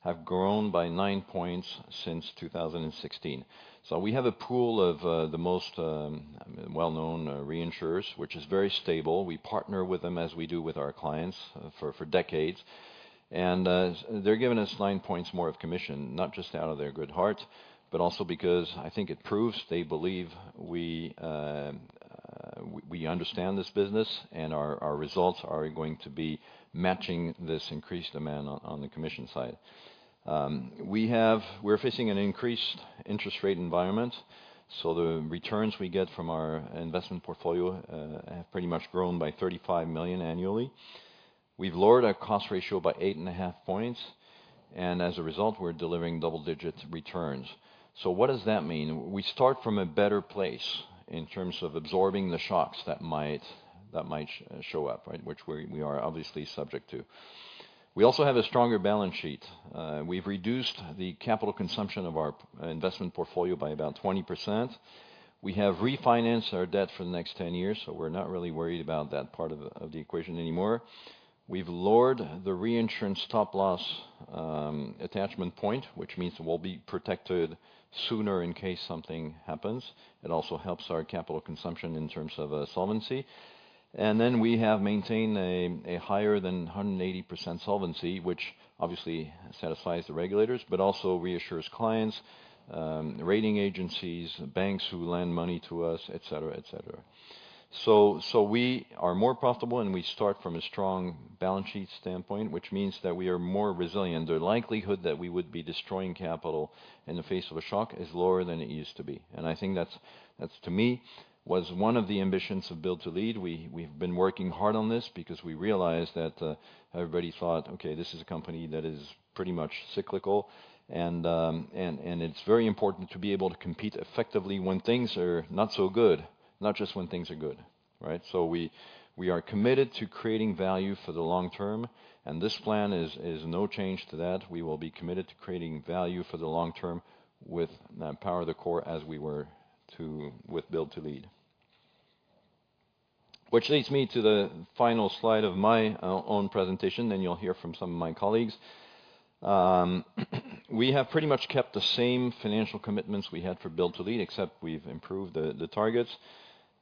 S2: have grown by nine points since 2016. So we have a pool of the most well-known reinsurers, which is very stable. We partner with them as we do with our clients for decades. And they're giving us nine points more of commission, not just out of their good heart, but also because I think it proves they believe we understand this business, and our results are going to be matching this increased demand on the commission side. We're facing an increased interest rate environment. So the returns we get from our investment portfolio have pretty much grown by 35 million annually. We've lowered our cost ratio by 8.5 points. And as a result, we're delivering double-digit returns. So what does that mean? We start from a better place in terms of absorbing the shocks that might, that might show up, right, which we, we are obviously subject to. We also have a stronger balance sheet. We've reduced the capital consumption of our, investment portfolio by about 20%. We have refinanced our debt for the next ten years, so we're not really worried about that part of, of the equation anymore. We've lowered the reinsurance stop-loss, attachment point, which means we'll be protected sooner in case something happens. It also helps our capital consumption in terms of, solvency. And then we have maintained a, a higher than 180% solvency, which obviously satisfies the regulators but also reassures clients, rating agencies, banks who lend money to us, etc., etc. So, so we are more profitable, and we start from a strong balance sheet standpoint, which means that we are more resilient. The likelihood that we would be destroying capital in the face of a shock is lower than it used to be. I think that's, to me, was one of the ambitions of Build to Lead. We've been working hard on this because we realized that everybody thought, "Okay, this is a company that is pretty much cyclical." And it's very important to be able to compete effectively when things are not so good, not just when things are good, right? So we are committed to creating value for the long term. And this plan is no change to that. We will be committed to creating value for the long term with Power the Core as we were with Build to Lead. Which leads me to the final slide of my own presentation. Then you'll hear from some of my colleagues. We have pretty much kept the same financial commitments we had for Build to Lead, except we've improved the targets.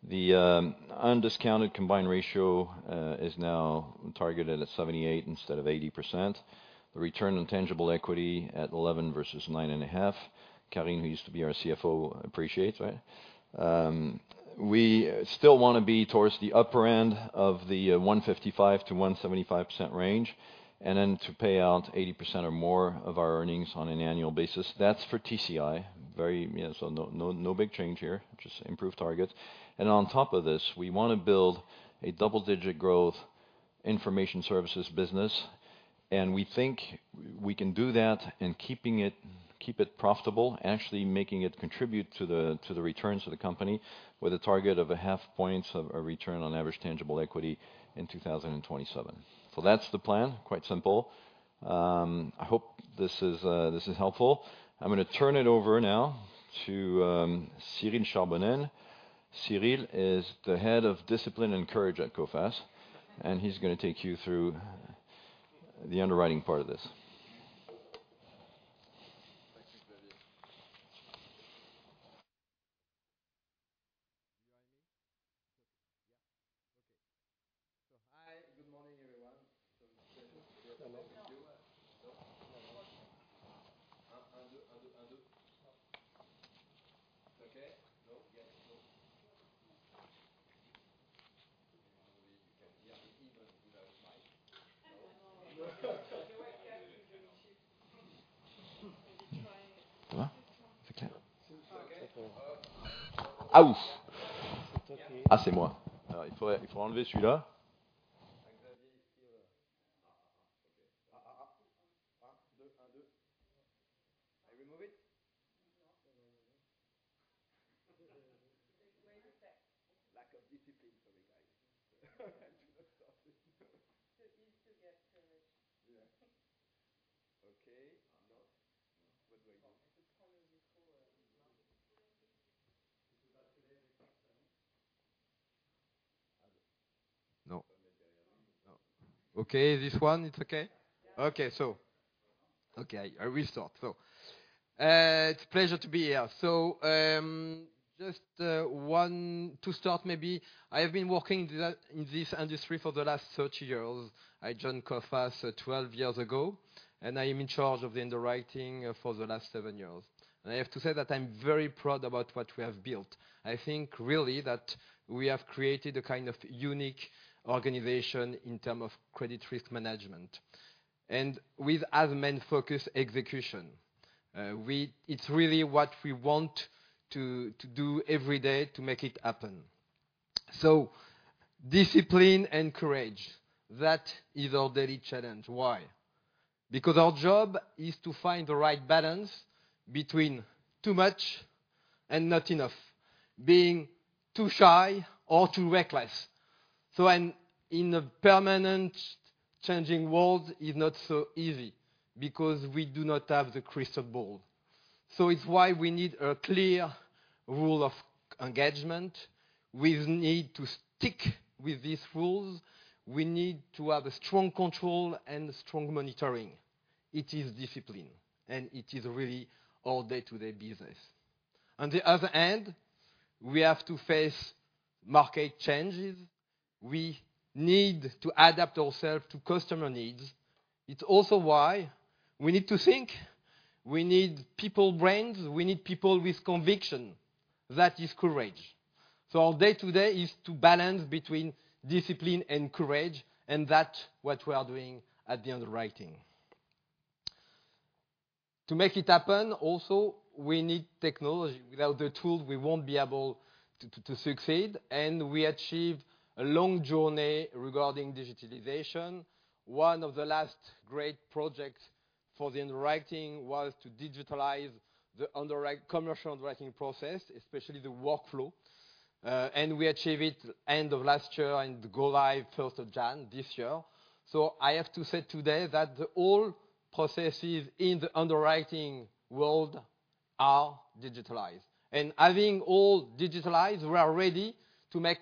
S2: The undiscounted combined ratio is now targeted at 78% instead of 80%. The return on tangible equity at 11 versus 9.5. Carine, who used to be our CFO, appreciates, right? We still want to be towards the upper end of the 155%-175% range and then to pay out 80% or more of our earnings on an annual basis. That's for TCI, very, yeah, so no, no, no big change here, just improved targets. And on top of this, we want to build a double-digit growth information services business. We think we can do that, keep it profitable, actually making it contribute to the returns of the company with a target of 0.5 point of return on average tangible equity in 2027. So that's the plan, quite simple. I hope this is helpful. I'm going to turn it over now to Cyrille Charbonnel. Cyrille is the Group Chief Underwriting Officer at Coface. He's going to take you through the underwriting part of this.
S3: Thank you, Xavier. Do you hear me? Yeah. Okay. So hi. Good morning, everyone. So it's a pleasure to be here. Hello. Hello. Hello. It's okay? No? Yes? No. Okay. Maybe you can hear me even without a mic. No. The webcam can do shift. Maybe try. Hello? It's okay. Okay. Oh. Ow. It's okay. C'est moi. It's a pleasure to be here. So, just one to start, maybe I have been working in this, in this industry for the last 30 years. I joined Coface 12 years ago, and I am in charge of the underwriting for the last seven years. And I have to say that I'm very proud about what we have built. I think really that we have created a kind of unique organization in terms of credit risk management and with as man-focused execution. We, it's really what we want to do every day to make it happen. Discipline and courage, that is our daily challenge. Why? Because our job is to find the right balance between too much and not enough, being too shy or too reckless. In a permanently changing world, it's not so easy because we do not have the crystal ball. It's why we need a clear rule of engagement. We need to stick with these rules. We need to have a strong control and strong monitoring. It is discipline, and it is really our day-to-day business. On the other hand, we have to face market changes. We need to adapt ourselves to customer needs. It's also why we need to think. We need people brains. We need people with conviction. That is courage. So our day-to-day is to balance between discipline and courage and that's what we are doing at the underwriting. To make it happen, also, we need technology. Without the tools, we won't be able to succeed. And we achieved a long journey regarding digitalization. One of the last great projects for the underwriting was to digitalize the underwriting, commercial underwriting process, especially the workflow, and we achieved it end of last year and go live 1st of January this year. So I have to say today that all processes in the underwriting world are digitalized. And having all digitalized, we are ready to make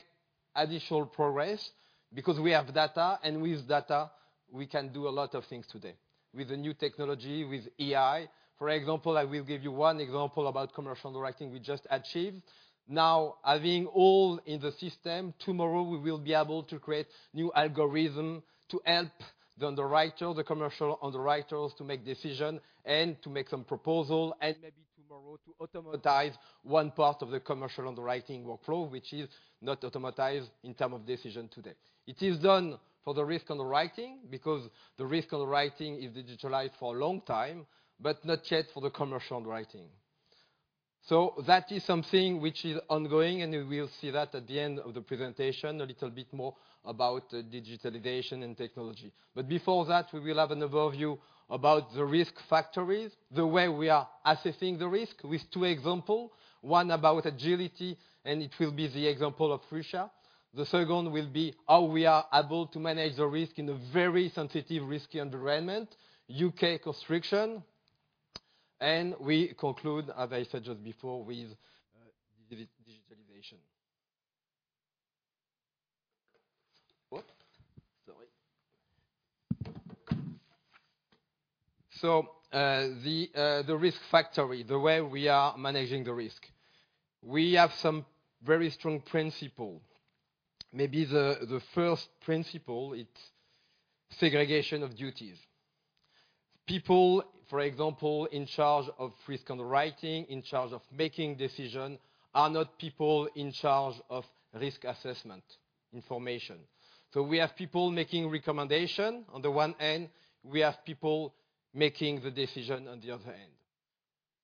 S3: additional progress because we have data, and with data, we can do a lot of things today with the new technology, with AI. For example, I will give you one example about commercial underwriting we just achieved. Now, having all in the system, tomorrow, we will be able to create new algorithms to help the underwriter, the commercial underwriters to make decisions and to make some proposals and maybe tomorrow to automatize one part of the commercial underwriting workflow, which is not automatized in terms of decision today. It is done for the risk underwriting because the risk underwriting is digitalized for a long time but not yet for the commercial underwriting. So that is something which is ongoing, and we will see that at the end of the presentation, a little bit more about digitalization and technology. But before that, we will have an overview about the risk factors, the way we are assessing the risk with two examples. One about agility, and it will be the example of Russia. The second will be how we are able to manage the risk in a very sensitive, risky environment, UK construction. And we conclude, as I said just before, with digitalization. Oops. Sorry. So, the risk factors, the way we are managing the risk. We have some very strong principles. Maybe the first principle, it's segregation of duties. People, for example, in charge of risk underwriting, in charge of making decisions, are not people in charge of risk assessment information. So we have people making recommendations. On the one end, we have people making the decisions on the other end.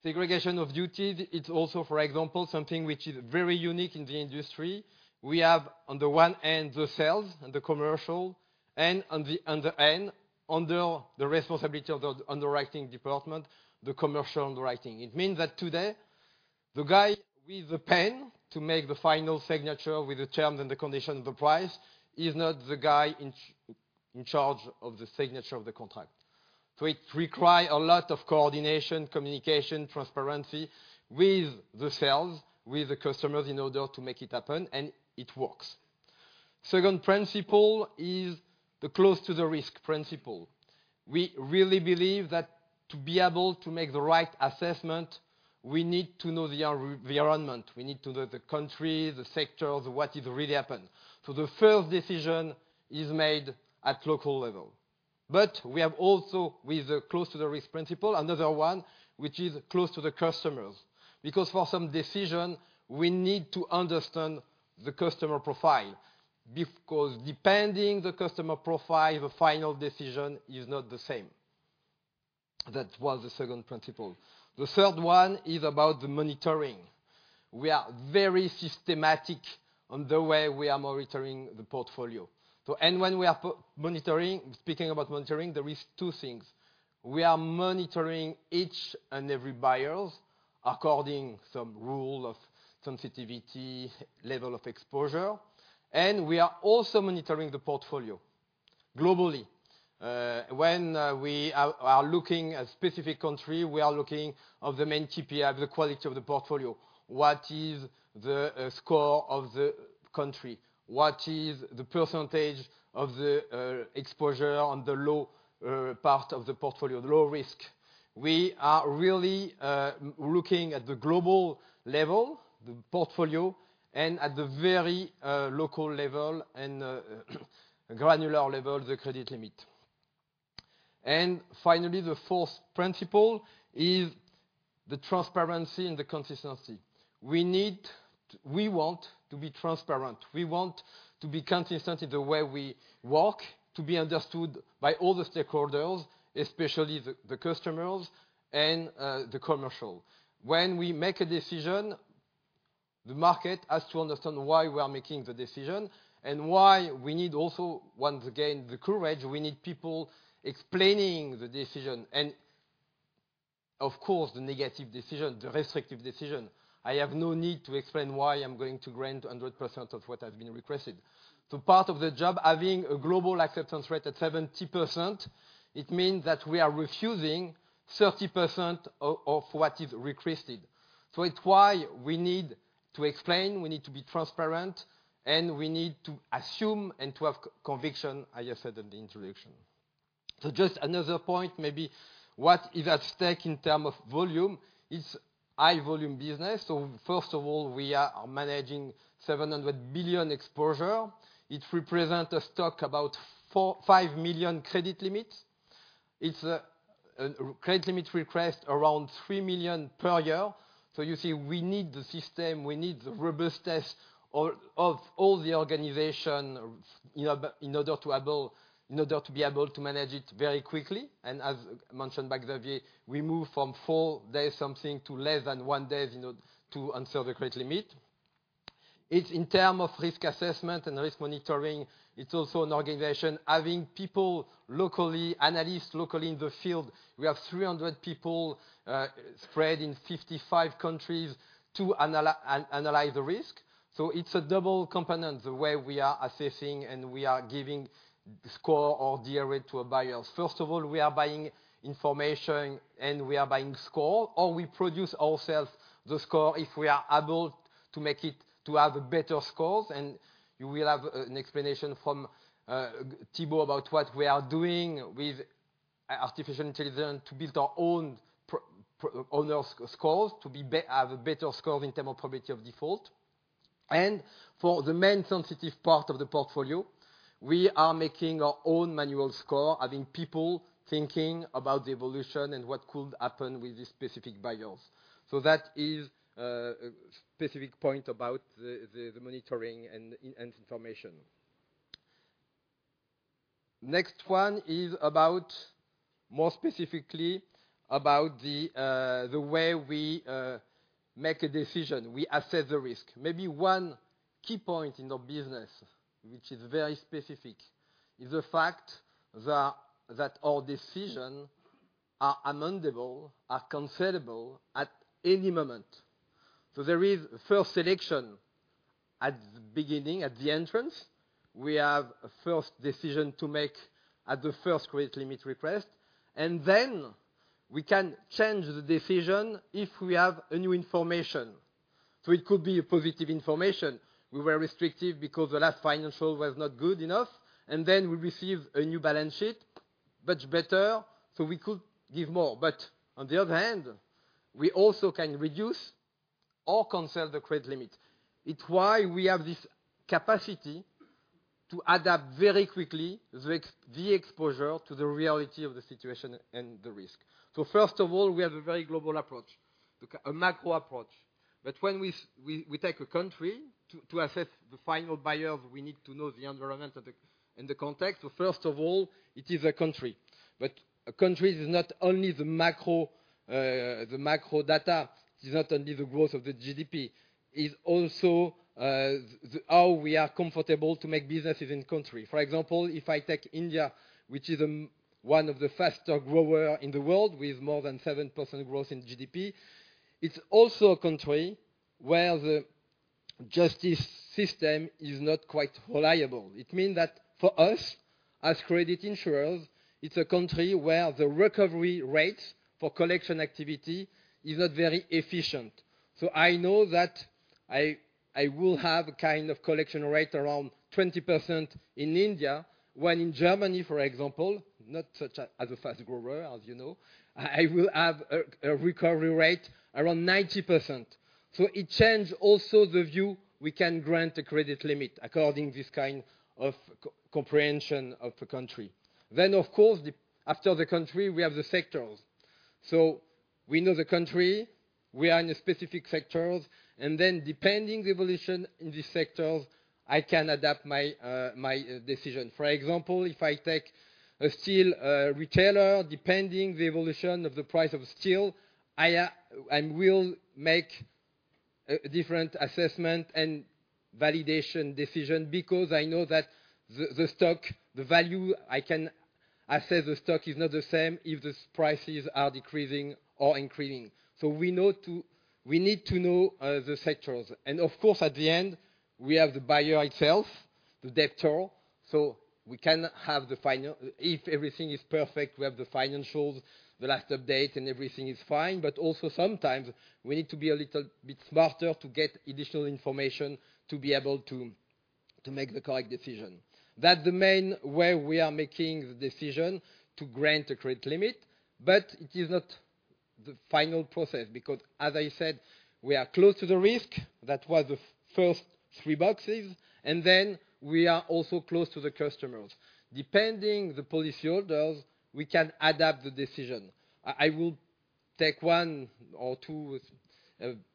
S3: Segregation of duties, it's also, for example, something which is very unique in the industry. We have, on the one end, the sales and the commercial, and on the other end, under the responsibility of the underwriting department, the commercial underwriting. It means that today, the guy with the pen to make the final signature with the terms and the conditions of the price is not the guy in charge of the signature of the contract. So it requires a lot of coordination, communication, transparency with the sales, with the customers in order to make it happen, and it works. Second principle is the close-to-the-risk principle. We really believe that to be able to make the right assessment, we need to know the environment. We need to know the country, the sectors, what is really happening. So the first decision is made at local level. But we have also, with the close-to-the-risk principle, another one which is close to the customers because for some decisions, we need to understand the customer profile because depending on the customer profile, the final decision is not the same. That was the second principle. The third one is about the monitoring. We are very systematic on the way we are monitoring the portfolio. So when we are monitoring, speaking about monitoring, there are two things. We are monitoring each and every buyer according to some rule of sensitivity, level of exposure. We are also monitoring the portfolio globally. When we are looking at a specific country, we are looking at the main KPI of the quality of the portfolio. What is the score of the country? What is the percentage of the exposure on the low part of the portfolio, the low risk? We are really looking at the global level, the portfolio, and at the very local level and granular level, the credit limit. Finally, the fourth principle is the transparency and the consistency. We need to. We want to be transparent. We want to be consistent in the way we work, to be understood by all the stakeholders, especially the customers and the commercial. When we make a decision, the market has to understand why we are making the decision and why we need also, once again, the courage. We need people explaining the decision and, of course, the negative decision, the restrictive decision. I have no need to explain why I'm going to grant 100% of what has been requested. So part of the job, having a global acceptance rate at 70%, it means that we are refusing 30% of what is requested. So it's why we need to explain. We need to be transparent, and we need to assume and to have conviction, as I said in the introduction. So just another point, maybe, what is at stake in terms of volume, it's high-volume business. So first of all, we are managing 700 billion exposure. It represents a stock of about 5 million credit limits. It's a credit limit request around 3 million per year. So you see, we need the system. We need the robustness of all the organization in order to be able to manage it very quickly. And as mentioned by Xavier, we move from four days something to less than 1 day to answer the credit limit. It's in terms of risk assessment and risk monitoring. It's also an organization having people locally, analysts locally in the field. We have 300 people spread in 55 countries to analyze the risk. So it's a double component, the way we are assessing and we are giving score or DRA to our buyers. First of all, we are buying information, and we are buying score. Or we produce ourselves the score if we are able to make it to have better scores. And you will have an explanation from Thibault about what we are doing with artificial intelligence to build our own own scores to have better scores in terms of probability of default. And for the main sensitive part of the portfolio, we are making our own manual score, having people thinking about the evolution and what could happen with these specific buyers. So that is a specific point about the monitoring and information. Next one is about, more specifically, about the way we make a decision. We assess the risk. Maybe one key point in our business which is very specific is the fact that our decisions are amendable, are cancellable at any moment. So there is first selection at the beginning, at the entrance. We have a first decision to make at the first credit limit request. Then we can change the decision if we have new information. It could be positive information. We were restrictive because the last financial was not good enough. Then we received a new balance sheet, much better. We could give more. But on the other hand, we also can reduce or cancel the credit limit. It's why we have this capacity to adapt very quickly the exposure to the reality of the situation and the risk. First of all, we have a very global approach, a macro approach. But when we take a country to assess the final buyers, we need to know the environment and the context. First of all, it is a country. But a country is not only the macro data. It is not only the growth of the GDP. It's also how we are comfortable to make businesses in country. For example, if I take India, which is one of the faster growers in the world with more than 7% growth in GDP, it's also a country where the justice system is not quite reliable. It means that for us, as credit insurers, it's a country where the recovery rate for collection activity is not very efficient. So I know that I will have a kind of collection rate around 20% in India when in Germany, for example, not such as a fast grower, as you know, I will have a recovery rate around 90%. So it changes also the view we can grant a credit limit according to this kind of comprehension of a country. Then, of course, after the country, we have the sectors. So we know the country. We are in specific sectors. And then depending on the evolution in these sectors, I can adapt my decision. For example, if I take a steel retailer, depending on the evolution of the price of steel, I will make a different assessment and validation decision because I know that the stock, the value I can assess the stock is not the same if the prices are decreasing or increasing. So we need to know the sectors. And of course, at the end, we have the buyer itself, the debtor. So we can have the final if everything is perfect, we have the financials, the last update, and everything is fine. But also sometimes, we need to be a little bit smarter to get additional information to be able to make the correct decision. That's the main way we are making the decision to grant a credit limit. But it is not the final process because, as I said, we are close to the risk. That was the first three boxes. And then we are also close to the customers. Depending on the policyholders, we can adapt the decision. I will take one or two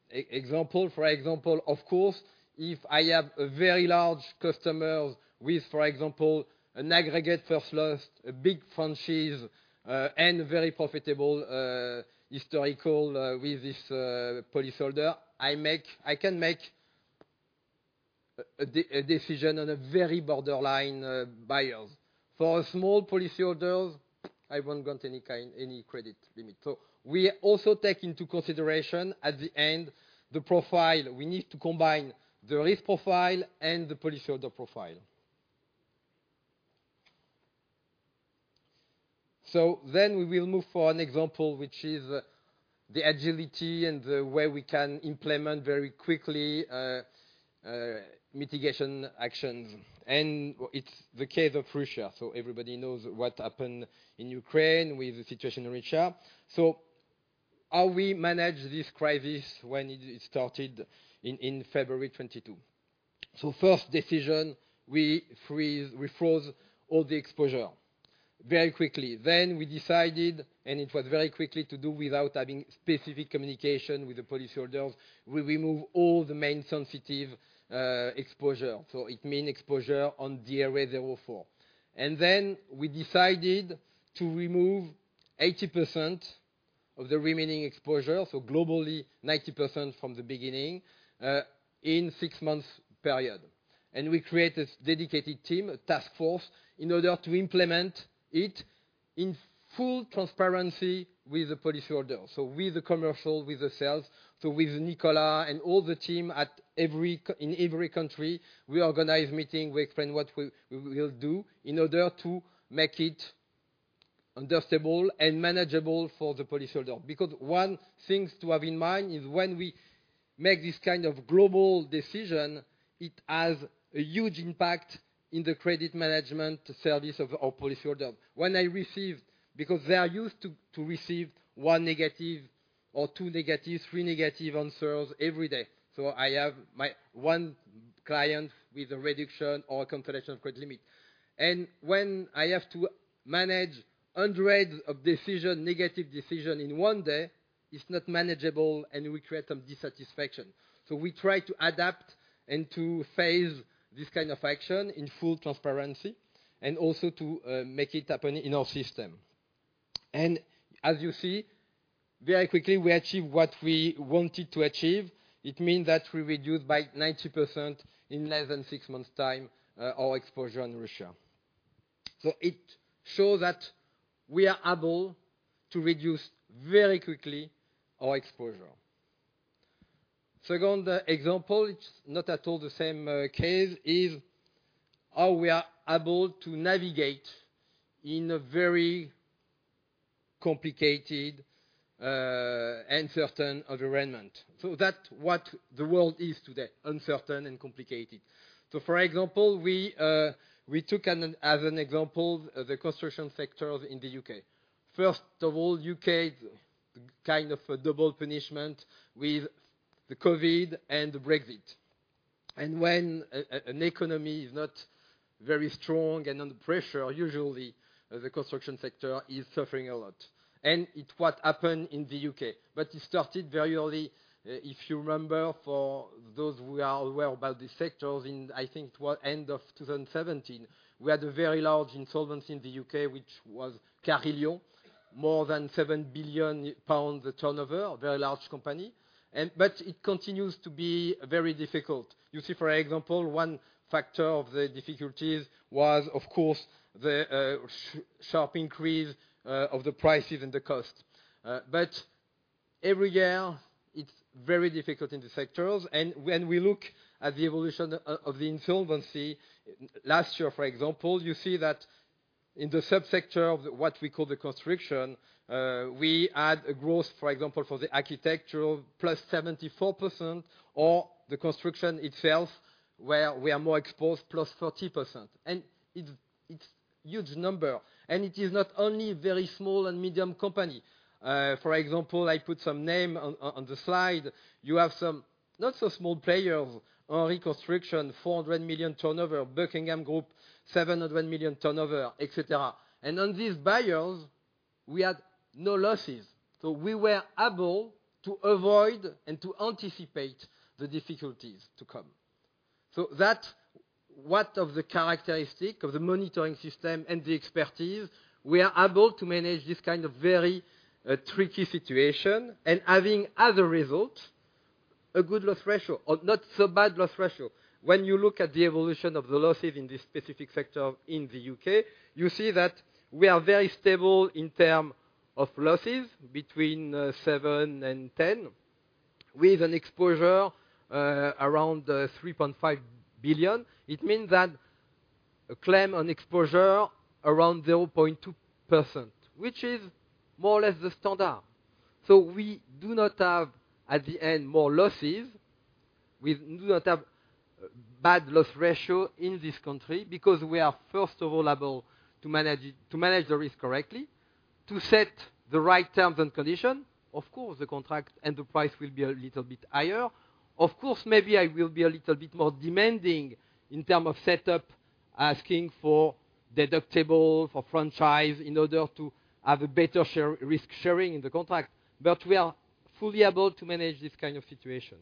S3: examples. For example, of course, if I have very large customers with, for example, an aggregate first loss, a big franchise, and very profitable historical with this policyholder, I can make a decision on very borderline buyers. For small policyholders, I won't grant any credit limit. So we also take into consideration at the end the profile. We need to combine the risk profile and the policyholder profile. So then we will move to an example which is the agility and the way we can implement very quickly mitigation actions. And it's the case of Russia. Everybody knows what happened in Ukraine with the situation in Russia. How we manage this crisis when it started in February 2022. First decision, we freeze, we freeze all the exposure very quickly. Then we decided, and it was very quickly to do without having specific communication with the policyholders, we remove all the main sensitive exposure. It means exposure on DRA 04. And then we decided to remove 80% of the remaining exposure, so globally 90% from the beginning, in a six-month period. And we created a dedicated team, a task force, in order to implement it in full transparency with the policyholders, so with the commercial, with the sales. So with Nicolas and all the team in every country, we organize meetings. We explain what we will do in order to make it understandable and manageable for the policyholder. Because one thing to have in mind is when we make this kind of global decision, it has a huge impact on the credit management service of our policyholders because they are used to receive one negative or two negative, three negative answers every day. So I have one client with a reduction or a cancellation of credit limit. And when I have to manage hundreds of decisions, negative decisions in one day, it's not manageable, and we create some dissatisfaction. So we try to adapt and to phase this kind of action in full transparency and also to make it happen in our system. And as you see, very quickly, we achieved what we wanted to achieve. It means that we reduced by 90% in less than six months' time our exposure in Russia. So it shows that we are able to reduce very quickly our exposure. Second example, it's not at all the same case, is how we are able to navigate in a very complicated, uncertain environment. So that's what the world is today, uncertain and complicated. So for example, we took as an example the construction sector in the U.K. First of all, the U.K., kind of a double punishment with the COVID and the Brexit. And when an economy is not very strong and under pressure, usually, the construction sector is suffering a lot. And it's what happened in the U.K. But it started very early. If you remember, for those who are aware about these sectors, I think it was the end of 2017, we had a very large insolvency in the U.K. which was Carillion, more than 7 billion pounds a turnover, a very large company. But it continues to be very difficult. You see, for example, one factor of the difficulties was, of course, the sharp increase of the prices and the cost. But every year, it's very difficult in the sectors. And when we look at the evolution of the insolvency, last year, for example, you see that in the subsector of what we call the construction, we had a growth, for example, for the architectural +74% or the construction itself where we are more exposed +40%. And it's a huge number. And it is not only very small and medium company. For example, I put some names on the slide. You have some not so small players on construction, 400 million turnover, Buckingham Group, 700 million turnover, etc. On these buyers, we had no losses. We were able to avoid and to anticipate the difficulties to come. That's one of the characteristics of the monitoring system and the expertise. We are able to manage this kind of very tricky situation and having, as a result, a good loss ratio or not so bad loss ratio. When you look at the evolution of the losses in this specific sector in the U.K., you see that we are very stable in terms of losses between seven and ten with an exposure around 3.5 billion. It means that a claim on exposure around 0.2% which is more or less the standard. We do not have, at the end, more losses. We do not have a bad loss ratio in this country because we are, first of all, able to manage the risk correctly, to set the right terms and conditions. Of course, the contract and the price will be a little bit higher. Of course, maybe I will be a little bit more demanding in terms of setup, asking for deductible, for franchise in order to have a better risk sharing in the contract. But we are fully able to manage this kind of situation.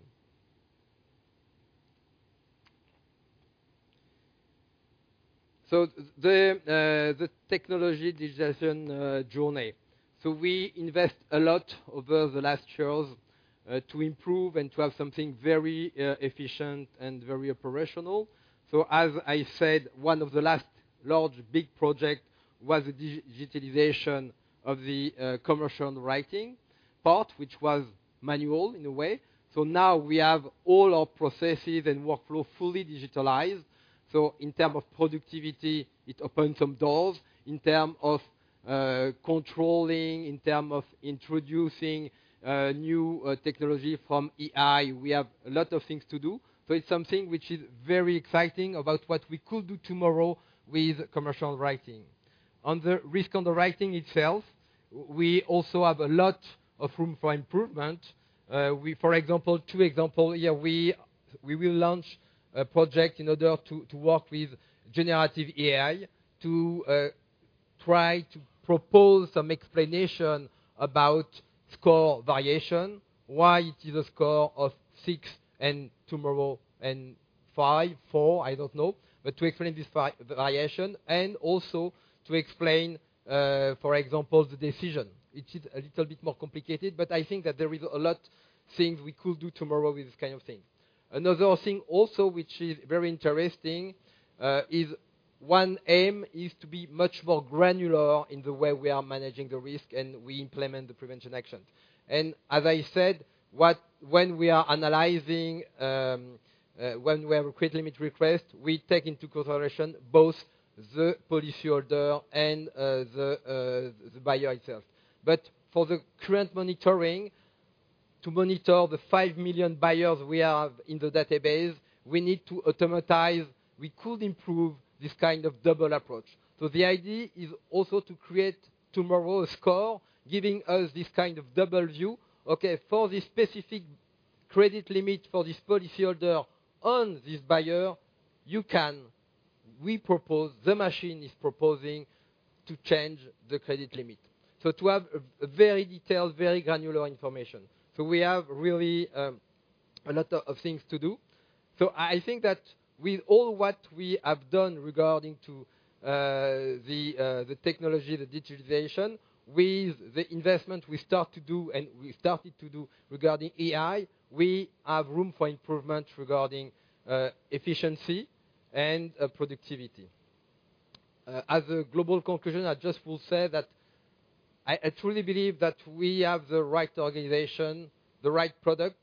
S3: The technology digitization journey. We invest a lot over the last years to improve and to have something very efficient and very operational. As I said, one of the last large, big projects was the digitalization of the commercial underwriting part which was manual in a way. Now we have all our processes and workflow fully digitalized. In terms of productivity, it opens some doors. In terms of controlling, in terms of introducing new technology from AI, we have a lot of things to do. It's something which is very exciting about what we could do tomorrow with underwriting. On the risk on the underwriting itself, we also have a lot of room for improvement. For example, two examples here, we will launch a project in order to work with generative AI to try to propose some explanation about score variation, why it is a score of six and tomorrow and five, four, I don't know. But to explain this variation and also to explain, for example, the decision. It is a little bit more complicated. But I think that there is a lot of things we could do tomorrow with this kind of thing. Another thing also which is very interesting is one aim is to be much more granular in the way we are managing the risk and we implement the prevention actions. As I said, when we are analyzing, when we have a credit limit request, we take into consideration both the policyholder and the buyer itself. But for the current monitoring, to monitor the five million buyers we have in the database, we need to automate. We could improve this kind of double approach. The idea is also to create tomorrow a score giving us this kind of double view. Okay, for this specific credit limit for this policyholder on this buyer, we propose the machine is proposing to change the credit limit. So to have very detailed, very granular information. So we have really a lot of things to do. So I think that with all what we have done regarding to the technology, the digitization, with the investment we start to do and we started to do regarding AI, we have room for improvement regarding efficiency and productivity. As a global conclusion, I just will say that I truly believe that we have the right organization, the right product,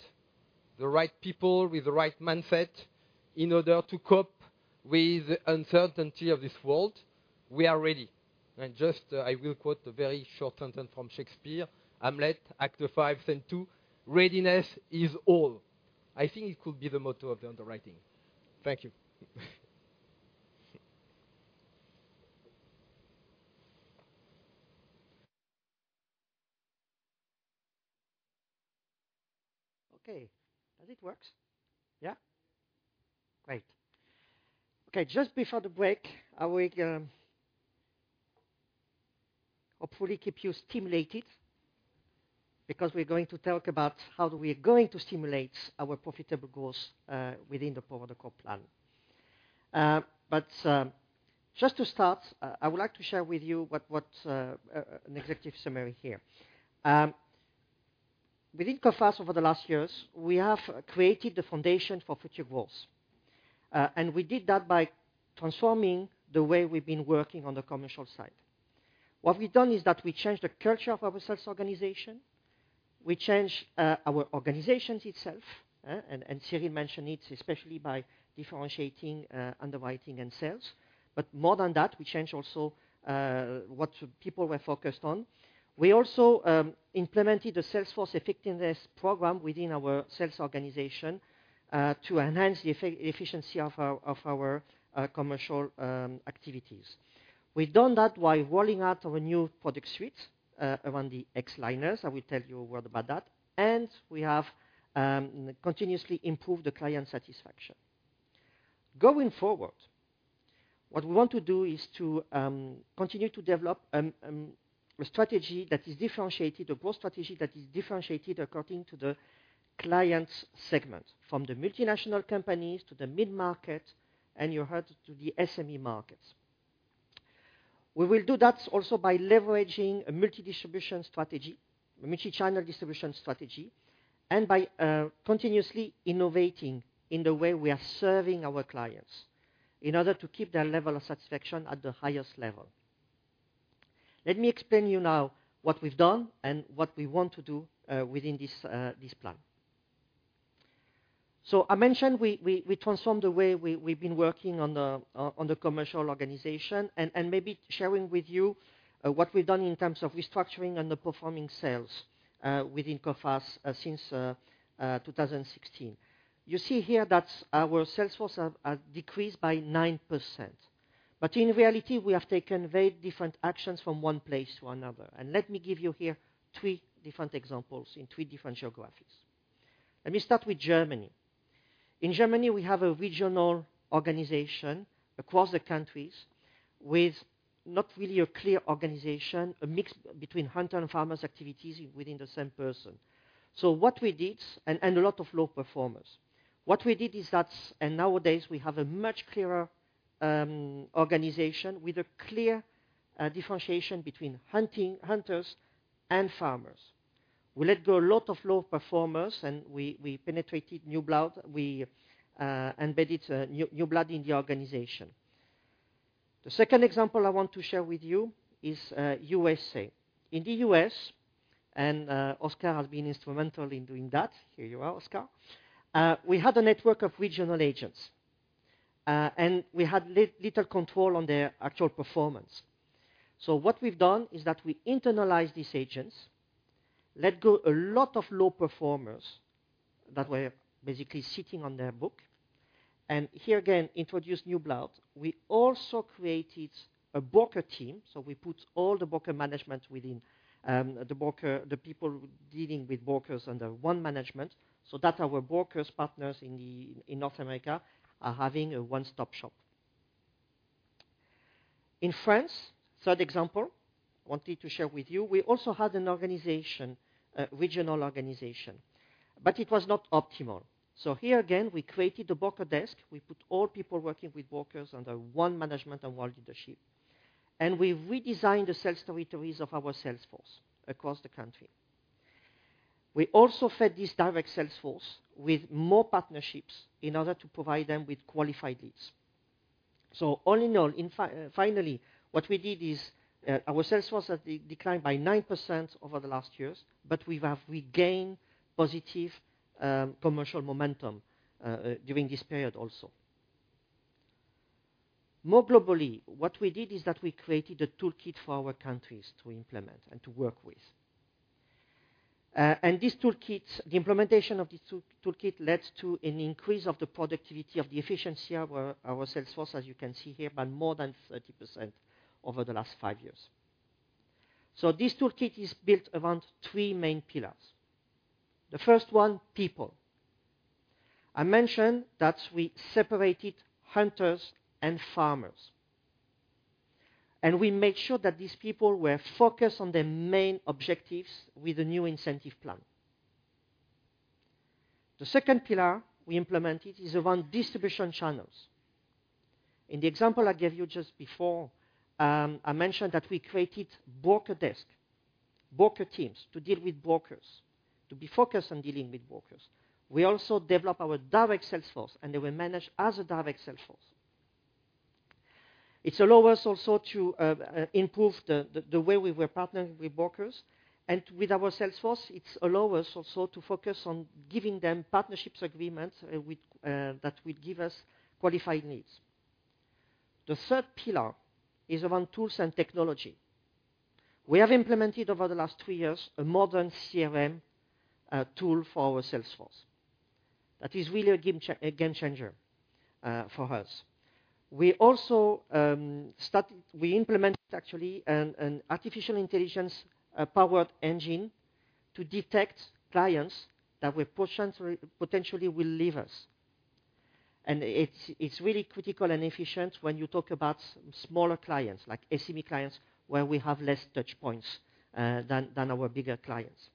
S3: the right people with the right mindset in order to cope with the uncertainty of this world. We are ready. And just I will quote a very short sentence from Shakespeare, Hamlet, Act V, Scene II: "Readiness is all." I think it could be the motto of the underwriting. Thank you.
S4: Okay. Does it work? Yeah? Great. Okay, just before the break, I will hopefully keep you stimulated because we're going to talk about how we are going to stimulate our profitable goals within the Power the Core plan. But just to start, I would like to share with you an executive summary here. Within Coface, over the last years, we have created the foundation for future goals. We did that by transforming the way we've been working on the commercial side. What we've done is that we changed the culture of our sales organization. We changed our organization itself. And Cyrille mentioned it, especially by differentiating underwriting and sales. But more than that, we changed also what people were focused on. We also implemented the sales force effectiveness program within our sales organization to enhance the efficiency of our commercial activities. We've done that by rolling out a new product suite around the X-Liners. I will tell you a word about that. We have continuously improved the client satisfaction. Going forward, what we want to do is to continue to develop a strategy that is differentiated, a growth strategy that is differentiated according to the client segment from the multinational companies to the mid-market and you heard to the SME markets. We will do that also by leveraging a multi-distribution strategy, a multi-channel distribution strategy, and by continuously innovating in the way we are serving our clients in order to keep their level of satisfaction at the highest level. Let me explain to you now what we've done and what we want to do within this plan. So I mentioned we transformed the way we've been working on the commercial organization and maybe sharing with you what we've done in terms of restructuring and the performing sales within Coface since 2016. You see here that our sales force has decreased by 9%. But in reality, we have taken very different actions from one place to another. Let me give you here three different examples in three different geographies. Let me start with Germany. In Germany, we have a regional organization across the countries with not really a clear organization, a mix between hunters and farmers activities within the same person. So what we did and a lot of low performers. What we did is that and nowadays, we have a much clearer organization with a clear differentiation between hunters and farmers. We let go a lot of low performers, and we penetrated new blood. We embedded new blood in the organization. The second example I want to share with you is USA. In the U.S., and Oscar has been instrumental in doing that, here you are, Oscar, we had a network of regional agents. We had little control on their actual performance. What we've done is that we internalized these agents, let go a lot of low performers that were basically sitting on their book, and here again, introduced new blood. We also created a broker team. We put all the broker management within the people dealing with brokers under one management so that our brokers, partners in North America, are having a one-stop shop. In France, third example I wanted to share with you, we also had an organization, a regional organization. It was not optimal. Here again, we created a broker desk. We put all people working with brokers under one management and one leadership. We redesigned the sales territories of our sales force across the country. We also fed this direct sales force with more partnerships in order to provide them with qualified leads. All in all, finally, what we did is our sales force has declined by 9% over the last years. We've regained positive commercial momentum during this period also. More globally, what we did is that we created a toolkit for our countries to implement and to work with. This toolkit, the implementation of this toolkit led to an increase of the productivity of the efficiency of our sales force, as you can see here, by more than 30% over the last five years. This toolkit is built around three main pillars. The first one, people. I mentioned that we separated hunters and farmers. We made sure that these people were focused on their main objectives with the new incentive plan. The second pillar we implemented is around distribution channels. In the example I gave you just before, I mentioned that we created broker desk, broker teams to deal with brokers, to be focused on dealing with brokers. We also developed our direct sales force, and they were managed as a direct sales force. It allowed us also to improve the way we were partnering with brokers. With our sales force, it allowed us also to focus on giving them partnerships agreements that would give us qualified leads. The third pillar is around tools and technology. We have implemented over the last three years a modern CRM tool for our sales force. That is really a game changer for us. We also implemented, actually, an artificial intelligence-powered engine to detect clients that were potentially will leave us. And it's really critical and efficient when you talk about smaller clients like SME clients where we have less touch points than our bigger clients.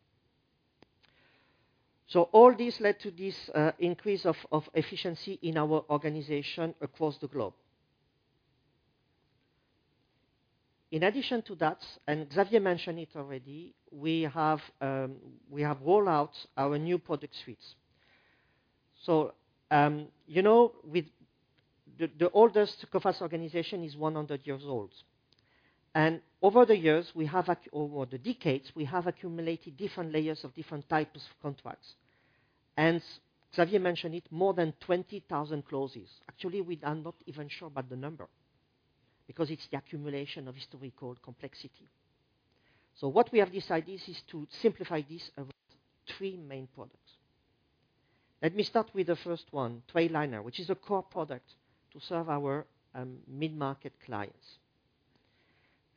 S4: So all this led to this increase of efficiency in our organization across the globe. In addition to that, and Xavier mentioned it already, we have rolled out our new product suites. So you know the oldest Coface organization is 100 years old. And over the years, we have over the decades, we have accumulated different layers of different types of contracts. And Xavier mentioned it, more than 20,000 clauses. Actually, we are not even sure about the number because it's the accumulation of historical complexity. So what we have decided is to simplify this over three main products. Let me start with the first one, TradeLiner, which is a core product to serve our mid-market clients.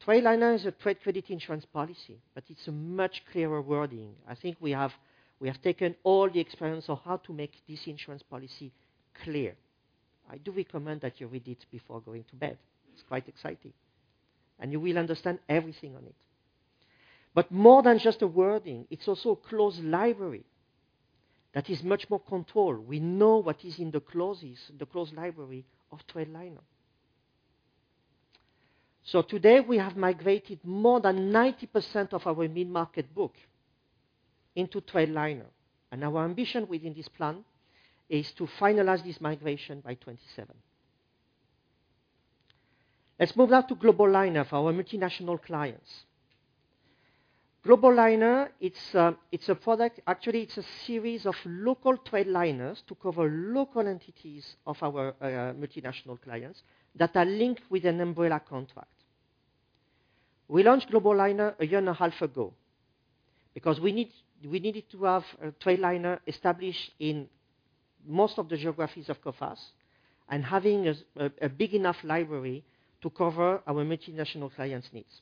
S4: TradeLiner is a trade credit insurance policy. But it's a much clearer wording. I think we have taken all the experience of how to make this insurance policy clear. I do recommend that you read it before going to bed. It's quite exciting. And you will understand everything on it. But more than just a wording, it's also a closed library that is much more controlled. We know what is in the clauses, the closed library of TradeLiner. So today, we have migrated more than 90% of our mid-market book into TradeLiner. And our ambition within this plan is to finalize this migration by 2027. Let's move now to GlobaLiner for our multinational clients. GlobaLiner, it's a product actually, it's a series of local TradeLiners to cover local entities of our multinational clients that are linked with an umbrella contract. We launched GlobaLiner a year and a half ago because we needed to have TradeLiner established in most of the geographies of Coface and having a big enough library to cover our multinational clients' needs.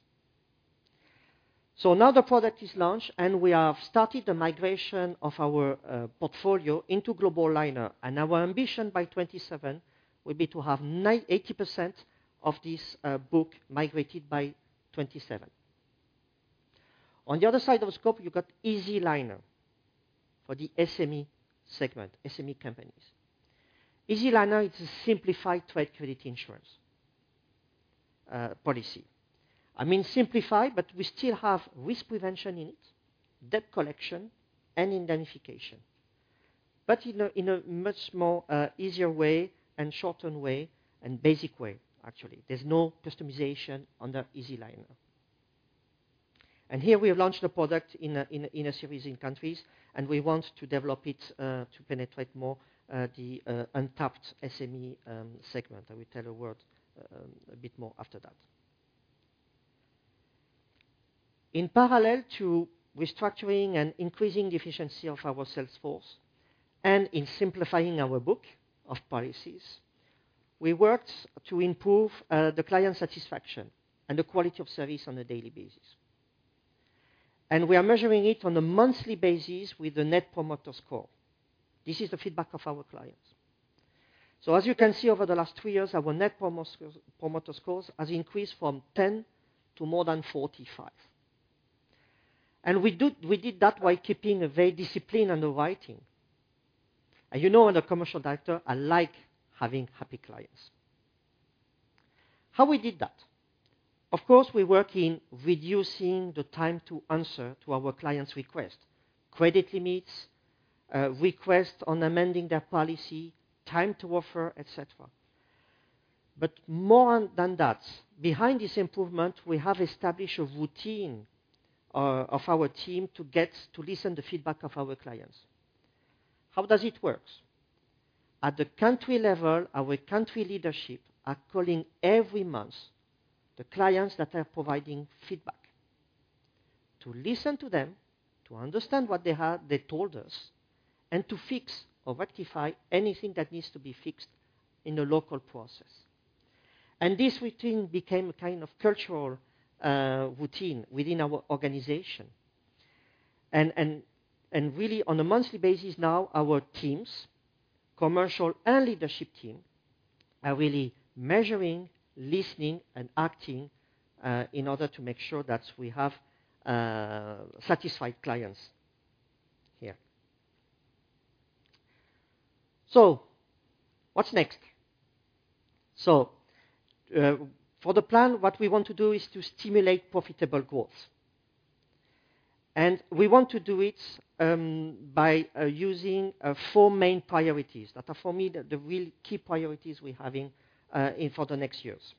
S4: So now the product is launched, and we have started the migration of our portfolio into GlobaLiner. Our ambition by 2027 will be to have 80% of this book migrated by 2027. On the other side of the scope, you've got EasyLiner for the SME segment, SME companies. EasyLiner, it's a simplified trade credit insurance policy. I mean simplified, but we still have risk prevention in it, debt collection, and indemnification. But in a much more easier way and shortened way and basic way, actually. There's no customization under EasyLiner. Here, we have launched the product in a series of countries. We want to develop it to penetrate more the untapped SME segment. I will tell a word a bit more after that. In parallel to restructuring and increasing the efficiency of our sales force and in simplifying our book of policies, we worked to improve the client satisfaction and the quality of service on a daily basis. We are measuring it on a monthly basis with the Net Promoter Score. This is the feedback of our clients. As you can see, over the last three years, our Net Promoter Scores have increased from 10 to more than 45. We did that while keeping a very disciplined underwriting. You know, as a commercial director, I like having happy clients. How we did that? Of course, we work in reducing the time to answer to our clients' requests, credit limits, requests on amending their policy, time to offer, et cetera. But more than that, behind this improvement, we have established a routine of our team to listen to the feedback of our clients. How does it work? At the country level, our country leadership are calling every month the clients that are providing feedback to listen to them, to understand what they told us, and to fix or rectify anything that needs to be fixed in a local process. And this routine became a kind of cultural routine within our organization. And really, on a monthly basis now, our teams, commercial and leadership team, are really measuring, listening, and acting in order to make sure that we have satisfied clients here. So what's next? So for the plan, what we want to do is to stimulate profitable growth. We want to do it by using four main priorities that are, for me, the real key priorities we're having for the next years.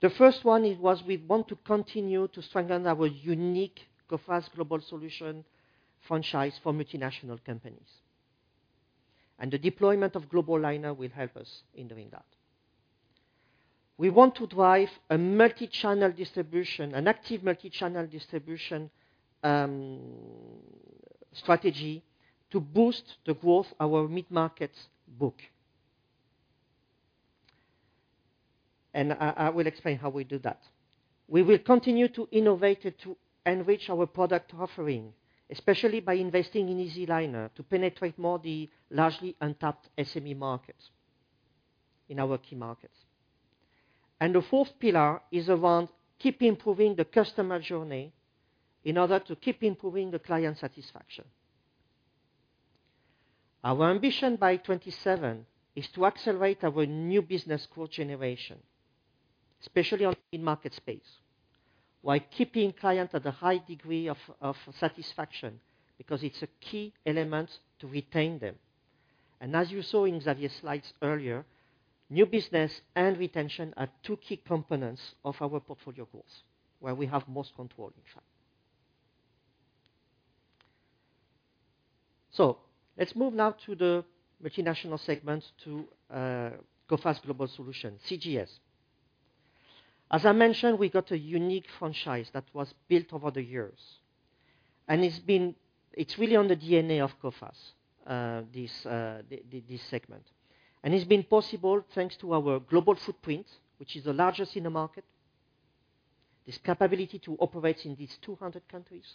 S4: The first one was we want to continue to strengthen our unique Coface Global Solutions franchise for multinational companies. The deployment of GlobaLiner will help us in doing that. We want to drive a multi-channel distribution, an active multi-channel distribution strategy to boost the growth of our mid-market book. I will explain how we do that. We will continue to innovate it to enrich our product offering, especially by investing in EasyLiner to penetrate more the largely untapped SME markets in our key markets. The fourth pillar is around keeping improving the customer journey in order to keep improving the client satisfaction. Our ambition by 2027 is to accelerate our new business core generation, especially on the mid-market space, while keeping clients at a high degree of satisfaction because it's a key element to retain them. And as you saw in Xavier's slides earlier, new business and retention are two key components of our portfolio course where we have most control, in fact. So let's move now to the multinational segment, to Coface Global Solutions, CGS. As I mentioned, we've got a unique franchise that was built over the years. And it's really on the DNA of Coface, this segment. And it's been possible thanks to our global footprint, which is the largest in the market, this capability to operate in these 200 countries,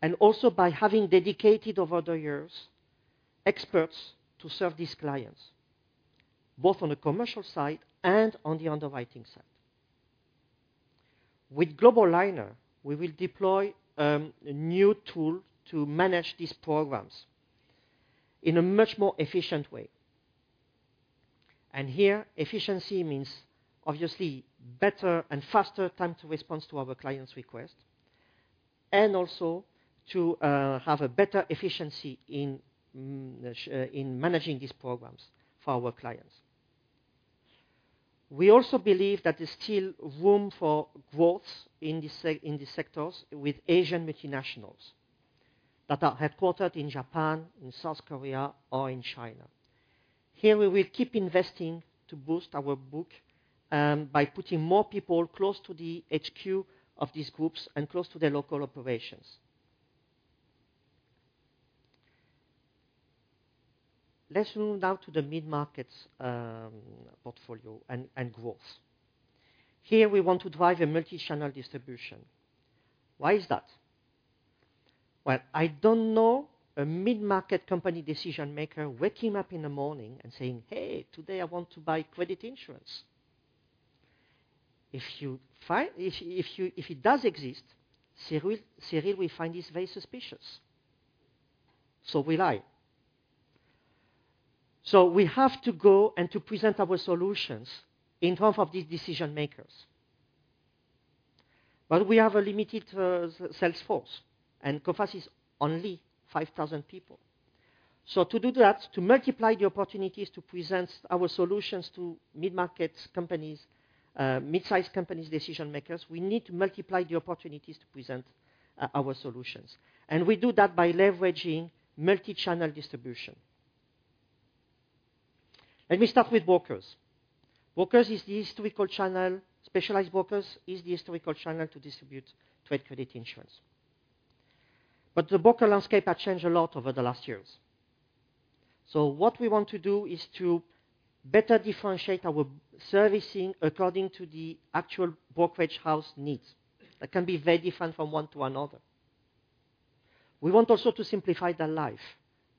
S4: and also by having dedicated, over the years, experts to serve these clients, both on the commercial side and on the underwriting side. With GlobaLiner, we will deploy a new tool to manage these programs in a much more efficient way. Here, efficiency means, obviously, better and faster time to respond to our clients' requests and also to have a better efficiency in managing these programs for our clients. We also believe that there's still room for growth in these sectors with Asian multinationals that are headquartered in Japan, in South Korea, or in China. Here, we will keep investing to boost our book by putting more people close to the HQ of these groups and close to their local operations. Let's move now to the mid-market portfolio and growth. Here, we want to drive a multi-channel distribution. Why is that? Well, I don't know a mid-market company decision maker waking up in the morning and saying, hey, today, I want to buy credit insurance. If it does exist, Cyrille will find this very suspicious. So we lie. So we have to go and to present our solutions in front of these decision makers. But we have a limited sales force. And Coface is only 5,000 people. So to do that, to multiply the opportunities to present our solutions to mid-market companies, midsize companies' decision makers, we need to multiply the opportunities to present our solutions. And we do that by leveraging multi-channel distribution. Let me start with brokers. Brokers is the historical channel. Specialized brokers is the historical channel to distribute trade credit insurance. But the broker landscape has changed a lot over the last years. So what we want to do is to better differentiate our servicing according to the actual brokerage house needs. That can be very different from one to another. We want also to simplify their life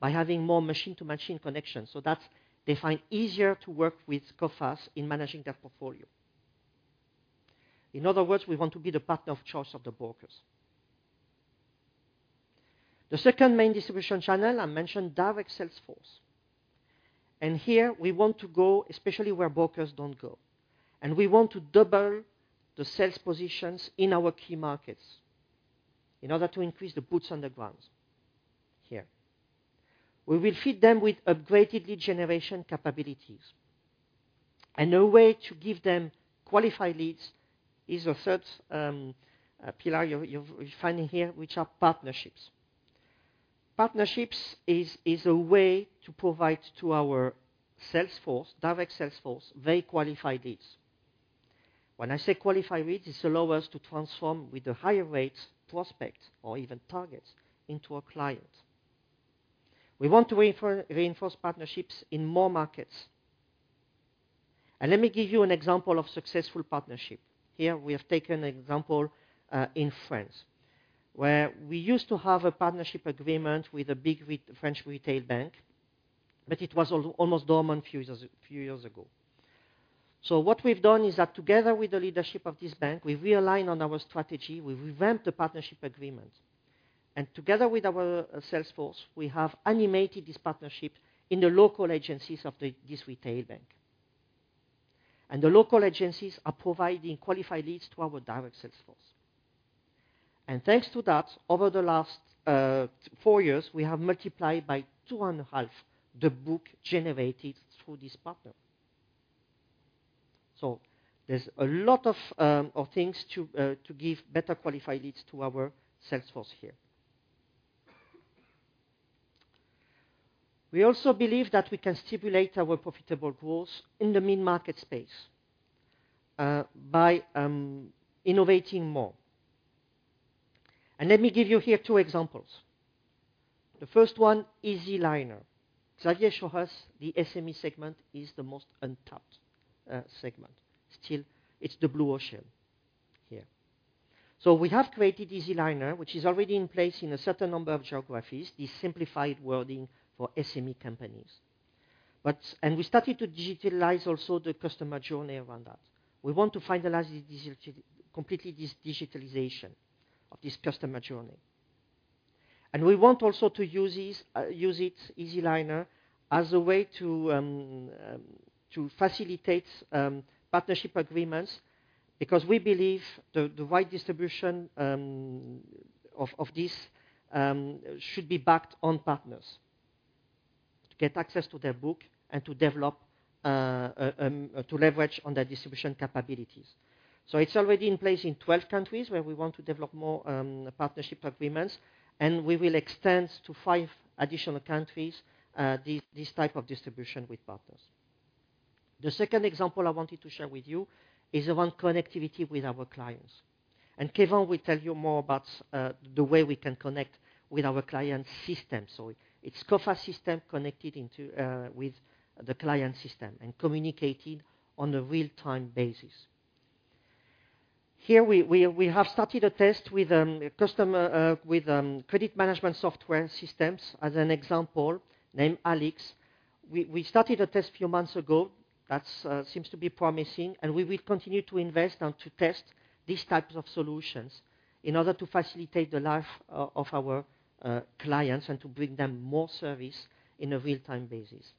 S4: by having more machine-to-machine connections so that they find it easier to work with Coface in managing their portfolio. In other words, we want to be the partner of choice of the brokers. The second main distribution channel, I mentioned, direct sales force. And here, we want to go especially where brokers don't go. And we want to double the sales positions in our key markets in order to increase the boots on the ground here. We will feed them with upgraded lead generation capabilities. And a way to give them qualified leads is the third pillar you're finding here, which are partnerships. Partnerships is a way to provide to our sales force, direct sales force, very qualified leads. When I say qualified leads, it allows us to transform with a higher rate prospect or even targets into a client. We want to reinforce partnerships in more markets. Let me give you an example of successful partnership. Here, we have taken an example in France where we used to have a partnership agreement with a big French retail bank. But it was almost dormant a few years ago. So what we've done is that together with the leadership of this bank, we've realigned on our strategy. We've revamped the partnership agreement. Together with our sales force, we have animated this partnership in the local agencies of this retail bank. The local agencies are providing qualified leads to our direct sales force. Thanks to that, over the last four years, we have multiplied by 2.5 the book generated through this partner. There's a lot of things to give better qualified leads to our sales force here. We also believe that we can stimulate our profitable growth in the mid-market space by innovating more. And let me give you here two examples. The first one, EasyLiner. Xavier showed us the SME segment is the most untapped segment. Still, it's the blue ocean here. So we have created EasyLiner, which is already in place in a certain number of geographies, this simplified wording for SME companies. And we started to digitalize also the customer journey around that. We want to finalize completely this digitalization of this customer journey. And we want also to use it, EasyLiner, as a way to facilitate partnership agreements because we believe the right distribution of this should be backed on partners to get access to their book and to leverage on their distribution capabilities. So it's already in place in 12 countries where we want to develop more partnership agreements. We will extend to five additional countries this type of distribution with partners. The second example I wanted to share with you is around connectivity with our clients. Keyvan will tell you more about the way we can connect with our client's system. It's Coface system connected with the client system and communicating on a real-time basis. Here, we have started a test with credit management software systems as an example named Allix. We started a test a few months ago. That seems to be promising. We will continue to invest and to test these types of solutions in order to facilitate the life of our clients and to bring them more service in a real-time basis.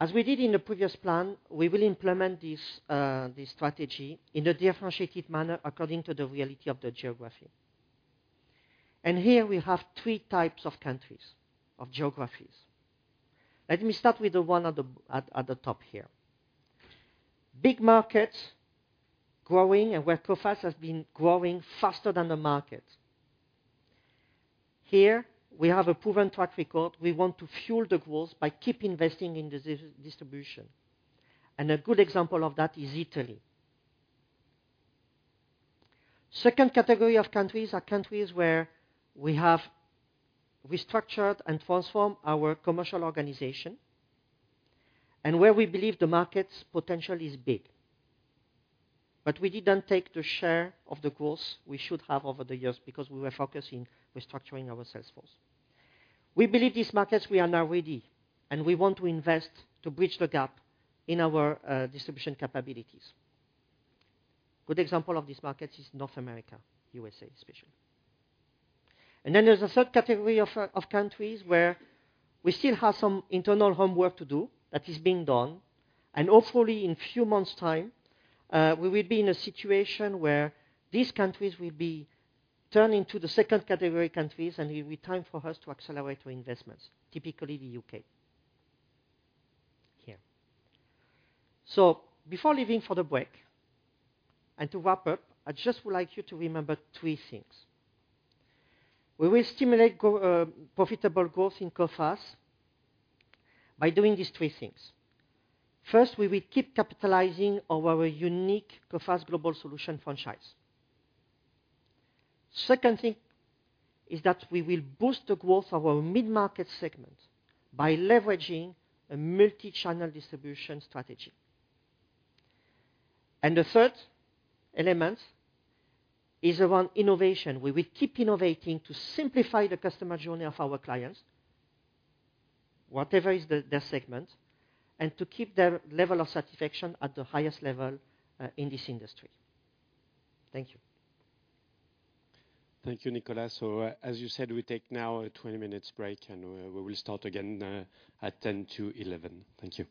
S4: As we did in the previous plan, we will implement this strategy in a differentiated manner according to the reality of the geography. Here, we have three types of countries, of geographies. Let me start with the one at the top here. Big markets growing and where Coface has been growing faster than the market. Here, we have a proven track record. We want to fuel the growth by keep investing in this distribution. A good example of that is Italy. The second category of countries are countries where we have restructured and transformed our commercial organization and where we believe the market's potential is big. We didn't take the share of the growth we should have over the years because we were focused on restructuring our sales force. We believe these markets we are now ready. We want to invest to bridge the gap in our distribution capabilities. A good example of these markets is North America, U.S. especially. And then there's a third category of countries where we still have some internal homework to do that is being done. And hopefully, in a few months' time, we will be in a situation where these countries will be turned into the second category of countries. And it will be time for us to accelerate our investments, typically the U.K. here. So before leaving for the break and to wrap up, I just would like you to remember three things. We will stimulate profitable growth in Coface by doing these three things. First, we will keep capitalizing on our unique Coface Global Solution franchise. The second thing is that we will boost the growth of our mid-market segment by leveraging a multi-channel distribution strategy. And the third element is around innovation. We will keep innovating to simplify the customer journey of our clients, whatever is their segment, and to keep their level of satisfaction at the highest level in this industry. Thank you.
S2: Thank you, Nicolas. So as you said, we take now a 20-minute break. We will start again at 10:00 to 11:00. Thank you.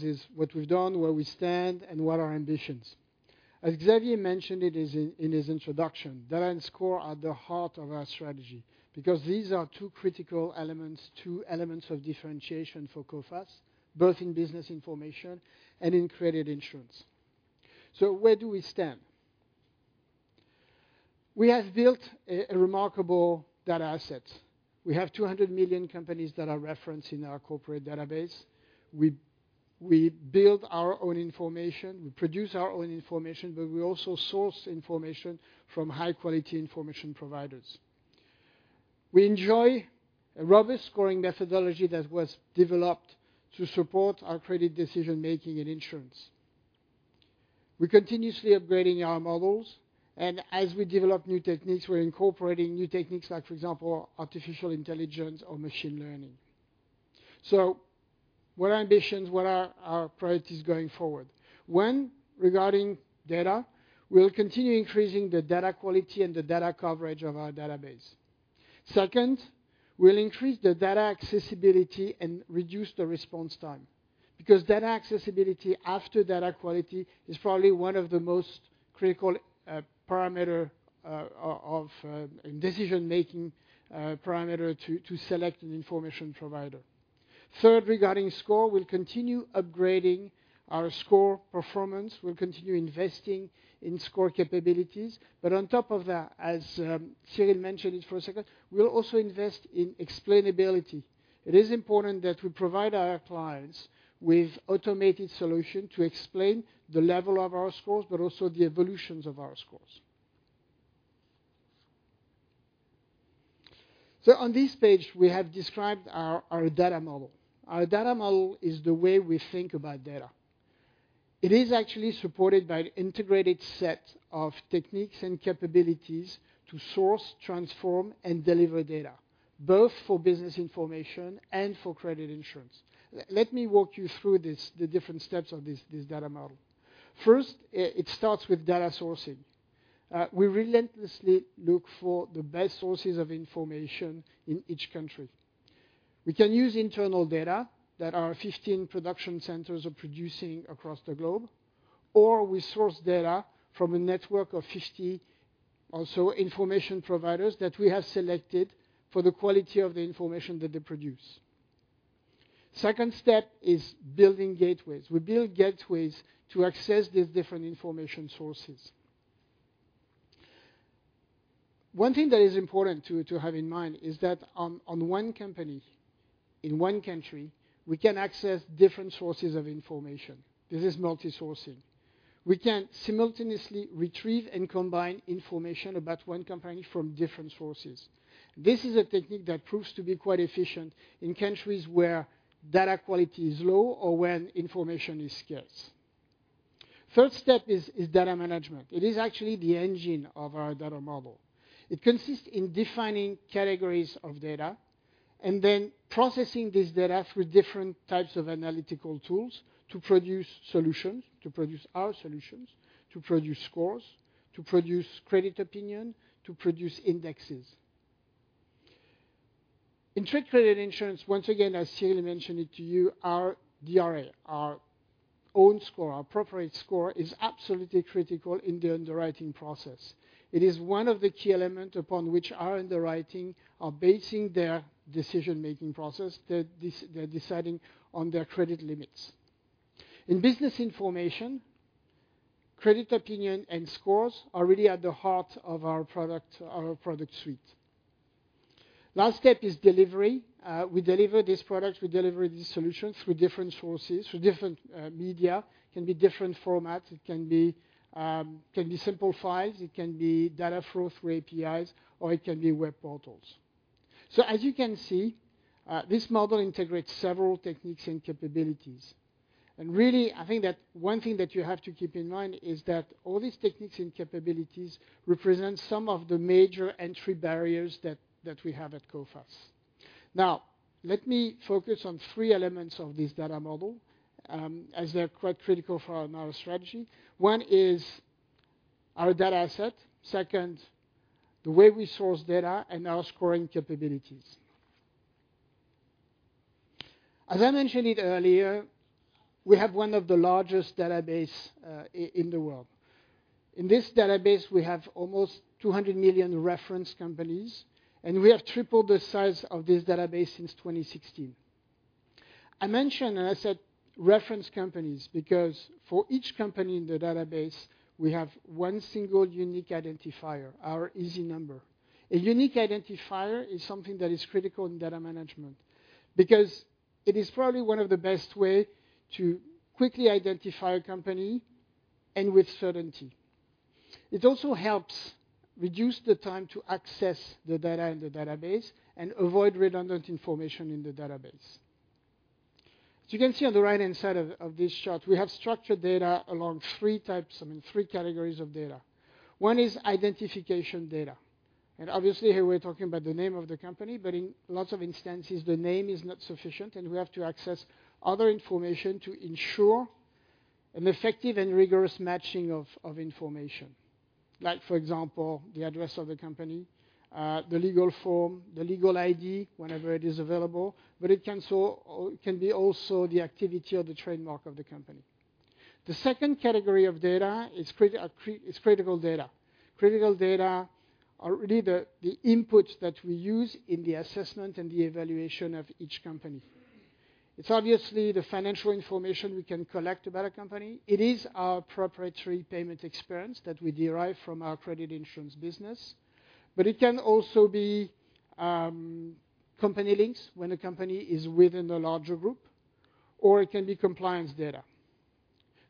S5: Is what we've done, where we stand, and what our ambitions. As Xavier mentioned in his introduction, Data and Score are at the heart of our strategy because these are two critical elements, two elements of differentiation for Coface, both in business information and in credit insurance. So where do we stand? We have built a remarkable data asset. We have 200 million companies that are referenced in our corporate database. We build our own information, we produce our own information, but we also source information from high-quality information providers. We enjoy a robust scoring methodology that was developed to support our credit decision-making in insurance. We're continuously upgrading our models, and as we develop new techniques, we're incorporating new techniques like, for example, artificial intelligence or machine learning. So what are our ambitions? What are our priorities going forward? One, regarding data, we'll continue increasing the data quality and the data coverage of our database. Second, we'll increase the data accessibility and reduce the response time because data accessibility after data quality is probably one of the most critical parameters and decision-making parameters to select an information provider. Third, regarding score, we'll continue upgrading our score performance. We'll continue investing in score capabilities. But on top of that, as Cyrille mentioned it for a second, we'll also invest in explainability. It is important that we provide our clients with automated solutions to explain the level of our scores, but also the evolutions of our scores. So on this page, we have described our data model. Our data model is the way we think about data. It is actually supported by an integrated set of techniques and capabilities to source, transform, and deliver data, both for business information and for credit insurance. Let me walk you through the different steps of this data model. First, it starts with data sourcing. We relentlessly look for the best sources of information in each country. We can use internal data that our 15 production centers are producing across the globe, or we source data from a network of 50 also information providers that we have selected for the quality of the information that they produce. Second step is building gateways. We build gateways to access these different information sources. One thing that is important to have in mind is that on one company in one country, we can access different sources of information. This is multi-sourcing. We can simultaneously retrieve and combine information about one company from different sources. This is a technique that proves to be quite efficient in countries where data quality is low or when information is scarce. Third step is data management. It is actually the engine of our data model. It consists in defining categories of data and then processing this data through different types of analytical tools to produce solutions, to produce our solutions, to produce scores, to produce Credit Opinion, to produce indexes. In trade credit insurance, once again, as Cyrille mentioned it to you, our DRA, our own score, our corporate score, is absolutely critical in the underwriting process. It is one of the key elements upon which our underwriting are basing their decision-making process, they're deciding on their credit limits. In business information, Credit Opinion and scores are really at the heart of our product suite. Last step is delivery. We deliver these products, we deliver these solutions through different sources, through different media. It can be different formats. It can be simple files. It can be data flow through APIs, or it can be web portals. So as you can see, this model integrates several techniques and capabilities. Really, I think that one thing that you have to keep in mind is that all these techniques and capabilities represent some of the major entry barriers that we have at Coface. Now, let me focus on three elements of this data model as they're quite critical for our strategy. One is our data asset. Second, the way we source data and our scoring capabilities. As I mentioned it earlier, we have one of the largest databases in the world. In this database, we have almost 200 million reference companies, and we have tripled the size of this database since 2016. I mentioned and I said reference companies because for each company in the database, we have one single unique identifier: our EasyNumber. A unique identifier is something that is critical in data management because it is probably one of the best ways to quickly identify a company and with certainty. It also helps reduce the time to access the data in the database and avoid redundant information in the database. As you can see on the right-hand side of this chart, we have structured data along three types, I mean, three categories of data. One is identification data. Obviously, here we're talking about the name of the company, but in lots of instances, the name is not sufficient, and we have to access other information to ensure an effective and rigorous matching of information. Like, for example, the address of the company, the legal form, the legal ID whenever it is available. But it can also be also the activity or the trademark of the company. The second category of data is critical data. Critical data are really the inputs that we use in the assessment and the evaluation of each company. It's obviously the financial information we can collect about a company. It is our proprietary payment experience that we derive from our credit insurance business. But it can also be company links when a company is within a larger group, or it can be compliance data.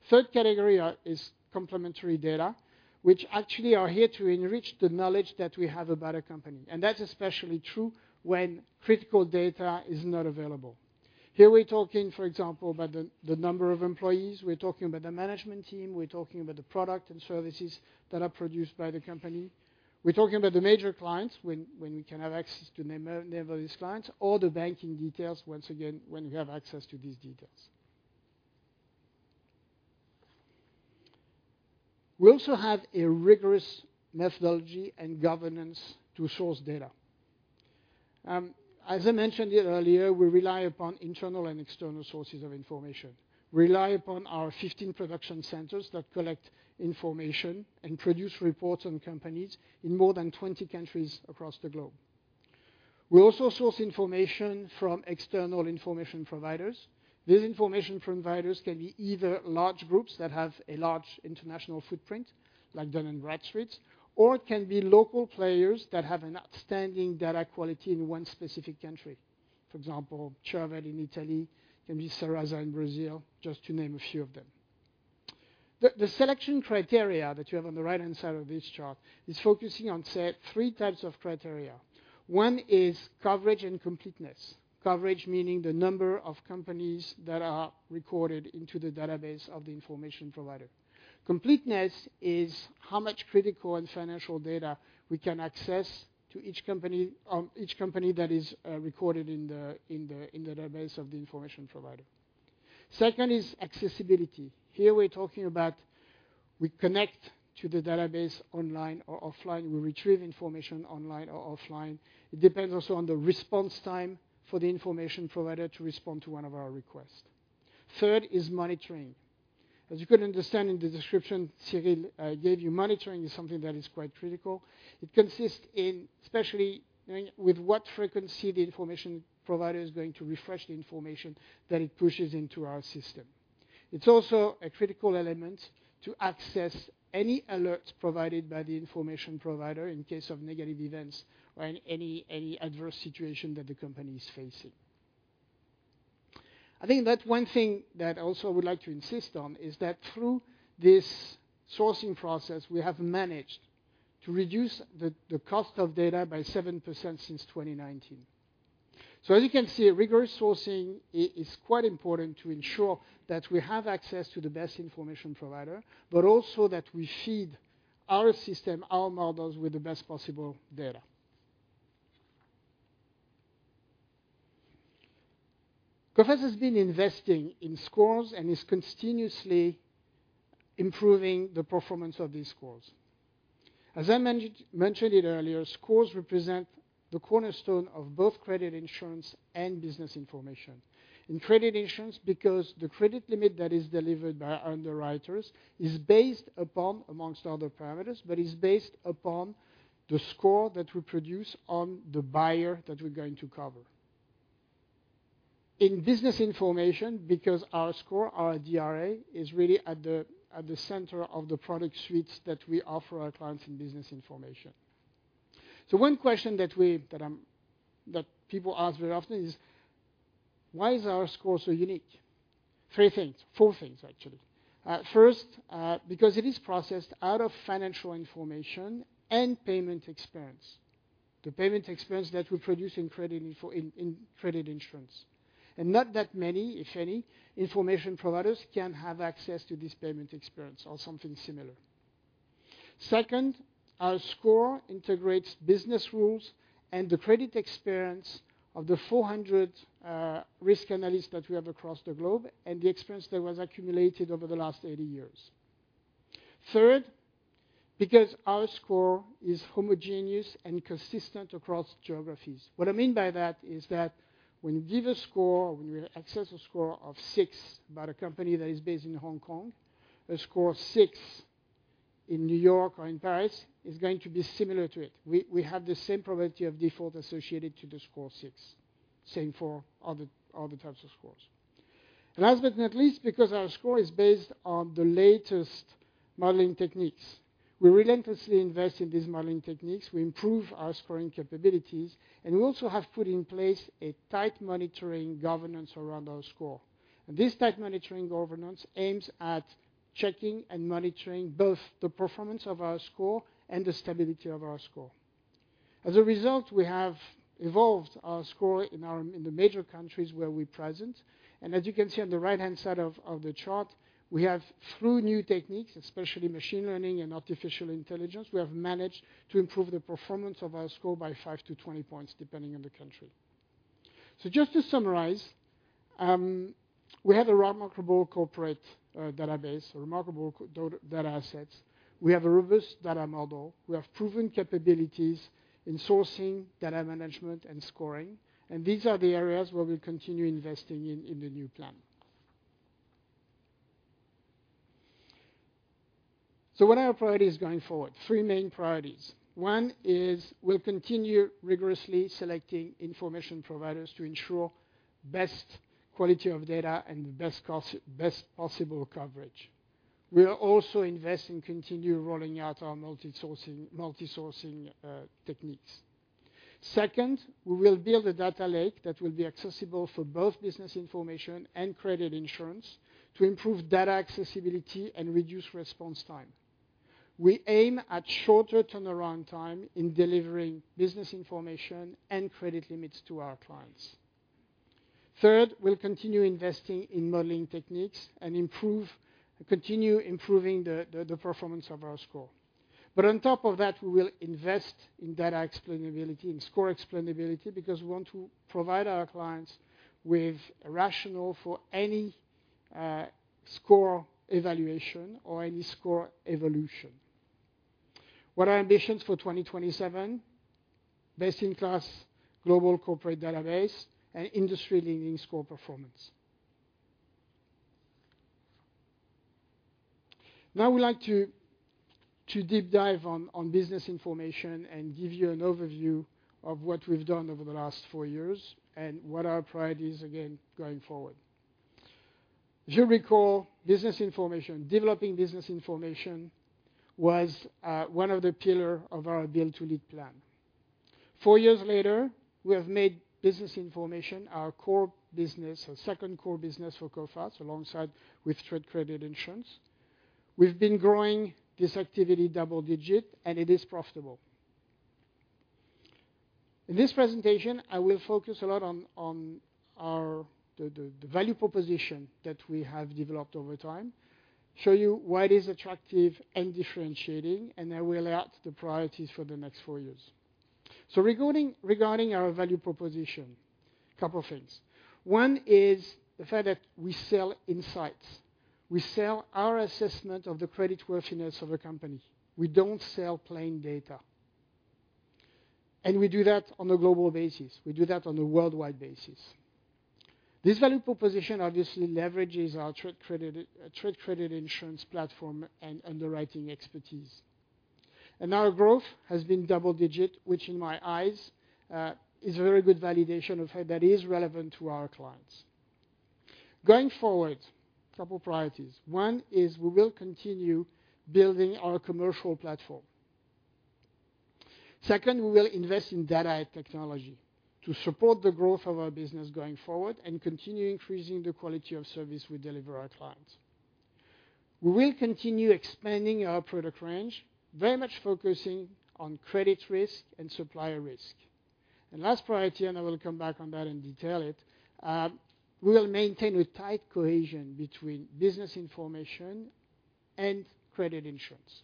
S5: Third category is complementary data, which actually are here to enrich the knowledge that we have about a company. That's especially true when critical data is not available. Here we're talking, for example, about the number of employees. We're talking about the management team. We're talking about the product and services that are produced by the company. We're talking about the major clients when we can have access to the name of these clients, or the banking details once again when we have access to these details. We also have a rigorous methodology and governance to source data. As I mentioned it earlier, we rely upon internal and external sources of information. We rely upon our 15 production centers that collect information and produce reports on companies in more than 20 countries across the globe. We also source information from external information providers. These information providers can be either large groups that have a large international footprint like Dun & Bradstreet, or it can be local players that have an outstanding data quality in one specific country. For example, Cerved in Italy can be Serasa in Brazil, just to name a few of them. The selection criteria that you have on the right-hand side of this chart is focusing on, say, three types of criteria. One is coverage and completeness. Coverage meaning the number of companies that are recorded into the database of the information provider. Completeness is how much critical and financial data we can access to each company that is recorded in the database of the information provider. Second is accessibility. Here we're talking about we connect to the database online or offline. We retrieve information online or offline. It depends also on the response time for the information provider to respond to one of our requests. Third is monitoring. As you could understand in the description Cyrille gave you, monitoring is something that is quite critical. It consists in especially with what frequency the information provider is going to refresh the information that it pushes into our system. It's also a critical element to access any alerts provided by the information provider in case of negative events or any adverse situation that the company is facing. I think that one thing that also I would like to insist on is that through this sourcing process, we have managed to reduce the cost of data by 7% since 2019. So as you can see, rigorous sourcing is quite important to ensure that we have access to the best information provider, but also that we feed our system, our models, with the best possible data. Coface has been investing in scores and is continuously improving the performance of these scores. As I mentioned it earlier, scores represent the cornerstone of both credit insurance and business information. In credit insurance, because the credit limit that is delivered by underwriters is based upon, among other parameters, but is based upon the score that we produce on the buyer that we're going to cover. In business information, because our score, our DRA, is really at the center of the product suites that we offer our clients in business information. So one question that people ask very often is: Why is our score so unique? Three things. Four things, actually. First, because it is processed out of financial information and payment experience. The payment experience that we produce in credit insurance. And not that many, if any, information providers can have access to this payment experience or something similar. Second, our score integrates business rules and the credit experience of the 400 risk analysts that we have across the globe and the experience that was accumulated over the last 80 years. Third, because our score is homogeneous and consistent across geographies. What I mean by that is that when we give a score or when we access a score of 6 about a company that is based in Hong Kong, a score 6 in New York or in Paris is going to be similar to it. We have the same probability of default associated to the score 6. Same for other types of scores. Last but not least, because our score is based on the latest modeling techniques. We relentlessly invest in these modeling techniques. We improve our scoring capabilities. We also have put in place a tight monitoring governance around our score. This tight monitoring governance aims at checking and monitoring both the performance of our score and the stability of our score. As a result, we have evolved our score in the major countries where we're present. As you can see on the right-hand side of the chart, we have through new techniques, especially machine learning and artificial intelligence, we have managed to improve the performance of our score by 5-20 points depending on the country. Just to summarize, we have a remarkable corporate database, remarkable data assets. We have a robust data model. We have proven capabilities in sourcing, data management, and scoring. These are the areas where we'll continue investing in the new plan. So what are our priorities going forward? Three main priorities. One is we'll continue rigorously selecting information providers to ensure best quality of data and the best possible coverage. We'll also invest in continuing rolling out our multi-sourcing techniques. Second, we will build a data lake that will be accessible for both business information and credit insurance to improve data accessibility and reduce response time. We aim at shorter turnaround time in delivering business information and credit limits to our clients. Third, we'll continue investing in modeling techniques and continue improving the performance of our score. But on top of that, we will invest in data explainability, in score explainability, because we want to provide our clients with a rationale for any score evaluation or any score evolution. What are our ambitions for 2027? Best-in-class global corporate database and industry-leading score performance. Now we'd like to deep dive on business information and give you an overview of what we've done over the last four years and what our priorities are again going forward. As you'll recall, business information, developing business information, was one of the pillars of our Build to Lead plan. Four years later, we have made business information our core business, our second core business for Coface alongside with trade credit insurance. We've been growing this activity double digit, and it is profitable. In this presentation, I will focus a lot on the value proposition that we have developed over time, show you why it is attractive and differentiating, and I will outline the priorities for the next four years. Regarding our value proposition, a couple of things. One is the fact that we sell insights. We sell our assessment of the creditworthiness of a company. We don't sell plain data. We do that on a global basis. We do that on a worldwide basis. This value proposition obviously leverages our trade credit insurance platform and underwriting expertise. Our growth has been double-digit, which in my eyes is a very good validation of how that is relevant to our clients. Going forward, a couple of priorities. One is we will continue building our commercial platform. Second, we will invest in data and technology to support the growth of our business going forward and continue increasing the quality of service we deliver our clients. We will continue expanding our product range, very much focusing on credit risk and supplier risk. And last priority, and I will come back on that and detail it, we will maintain a tight cohesion between business information and credit insurance.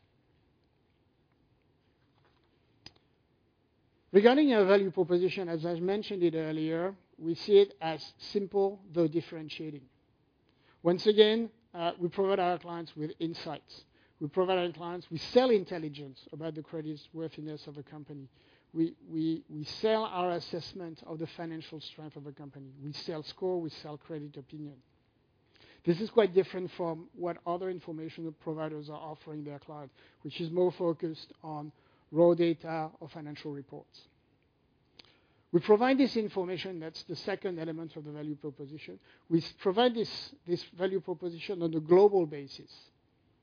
S5: Regarding our value proposition, as I mentioned it earlier, we see it as simple though differentiating. Once again, we provide our clients with insights. We provide our clients, we sell intelligence about the credit worthiness of a company. We sell our assessment of the financial strength of a company. We sell score. We sell credit opinion. This is quite different from what other information providers are offering their clients, which is more focused on raw data or financial reports. We provide this information, that's the second element of the value proposition, we provide this value proposition on a global basis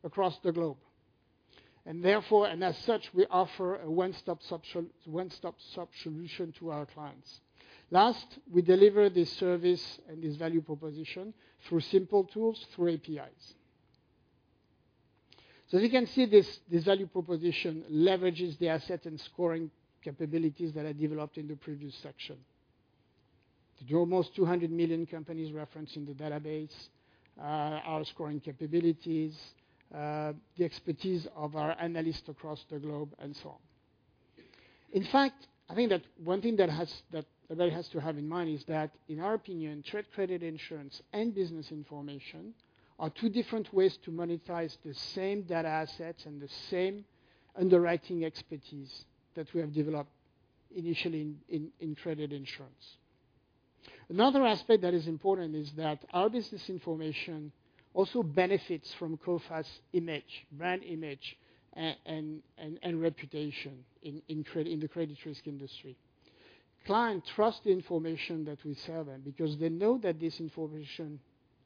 S5: across the globe. And therefore, and as such, we offer a one-stop solution to our clients. Last, we deliver this service and this value proposition through simple tools, through APIs. So as you can see, this value proposition leverages the asset and scoring capabilities that I developed in the previous section. There are almost 200 million companies referenced in the database, our scoring capabilities, the expertise of our analysts across the globe, and so on. In fact, I think that one thing that everybody has to have in mind is that in our opinion, trade credit insurance and business information are two different ways to monetize the same data assets and the same underwriting expertise that we have developed initially in credit insurance. Another aspect that is important is that our business information also benefits from Coface's image, brand image, and reputation in the credit risk industry. Clients trust the information that we sell them because they know that this information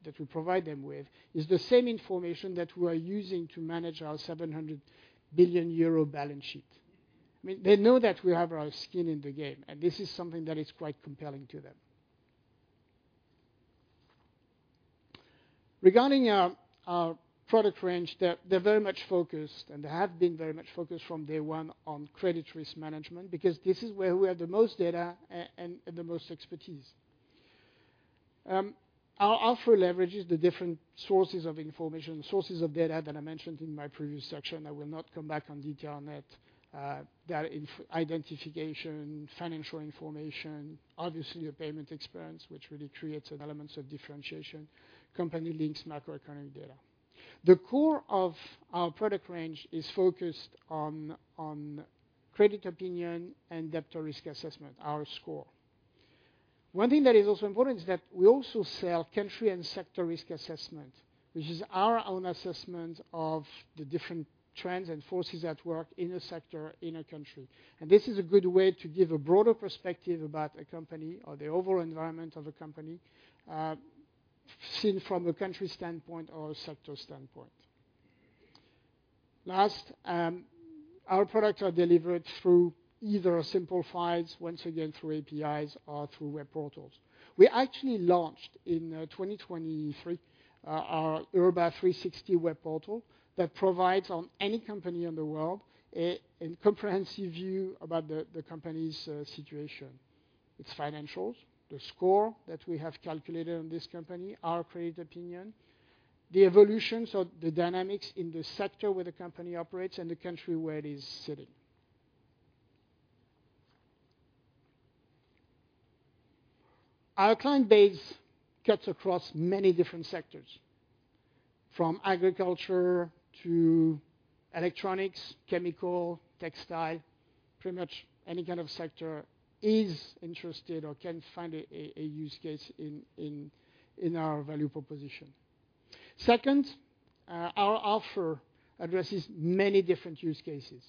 S5: that we provide them with is the same information that we are using to manage our 700 billion euro balance sheet. I mean, they know that we have our skin in the game, and this is something that is quite compelling to them. Regarding our product range, they're very much focused, and they have been very much focused from day one, on credit risk management because this is where we have the most data and the most expertise. Our offer leverages the different sources of information, sources of data that I mentioned in my previous section. I will not come back on detail on that. Data identification, financial information, obviously the payment experience, which really creates elements of differentiation, company links, macroeconomic data. The core of our product range is focused on credit opinion and Debtor Risk Assessment, our score. One thing that is also important is that we also sell Country and Sector Risk Assessment, which is our own assessment of the different trends and forces at work in a sector, in a country. This is a good way to give a broader perspective about a company or the overall environment of a company seen from a country standpoint or a sector standpoint. Last, our products are delivered through either simple files, once again through APIs, or through web portals. We actually launched in 2023 our URBA360 web portal that provides on any company in the world a comprehensive view about the company's situation. Its financials, the score that we have calculated on this company, our credit opinion, the evolution or the dynamics in the sector where the company operates and the country where it is sitting. Our client base cuts across many different sectors. From agriculture to electronics, chemical, textile, pretty much any kind of sector is interested or can find a use case in our value proposition. Second, our offer addresses many different use cases.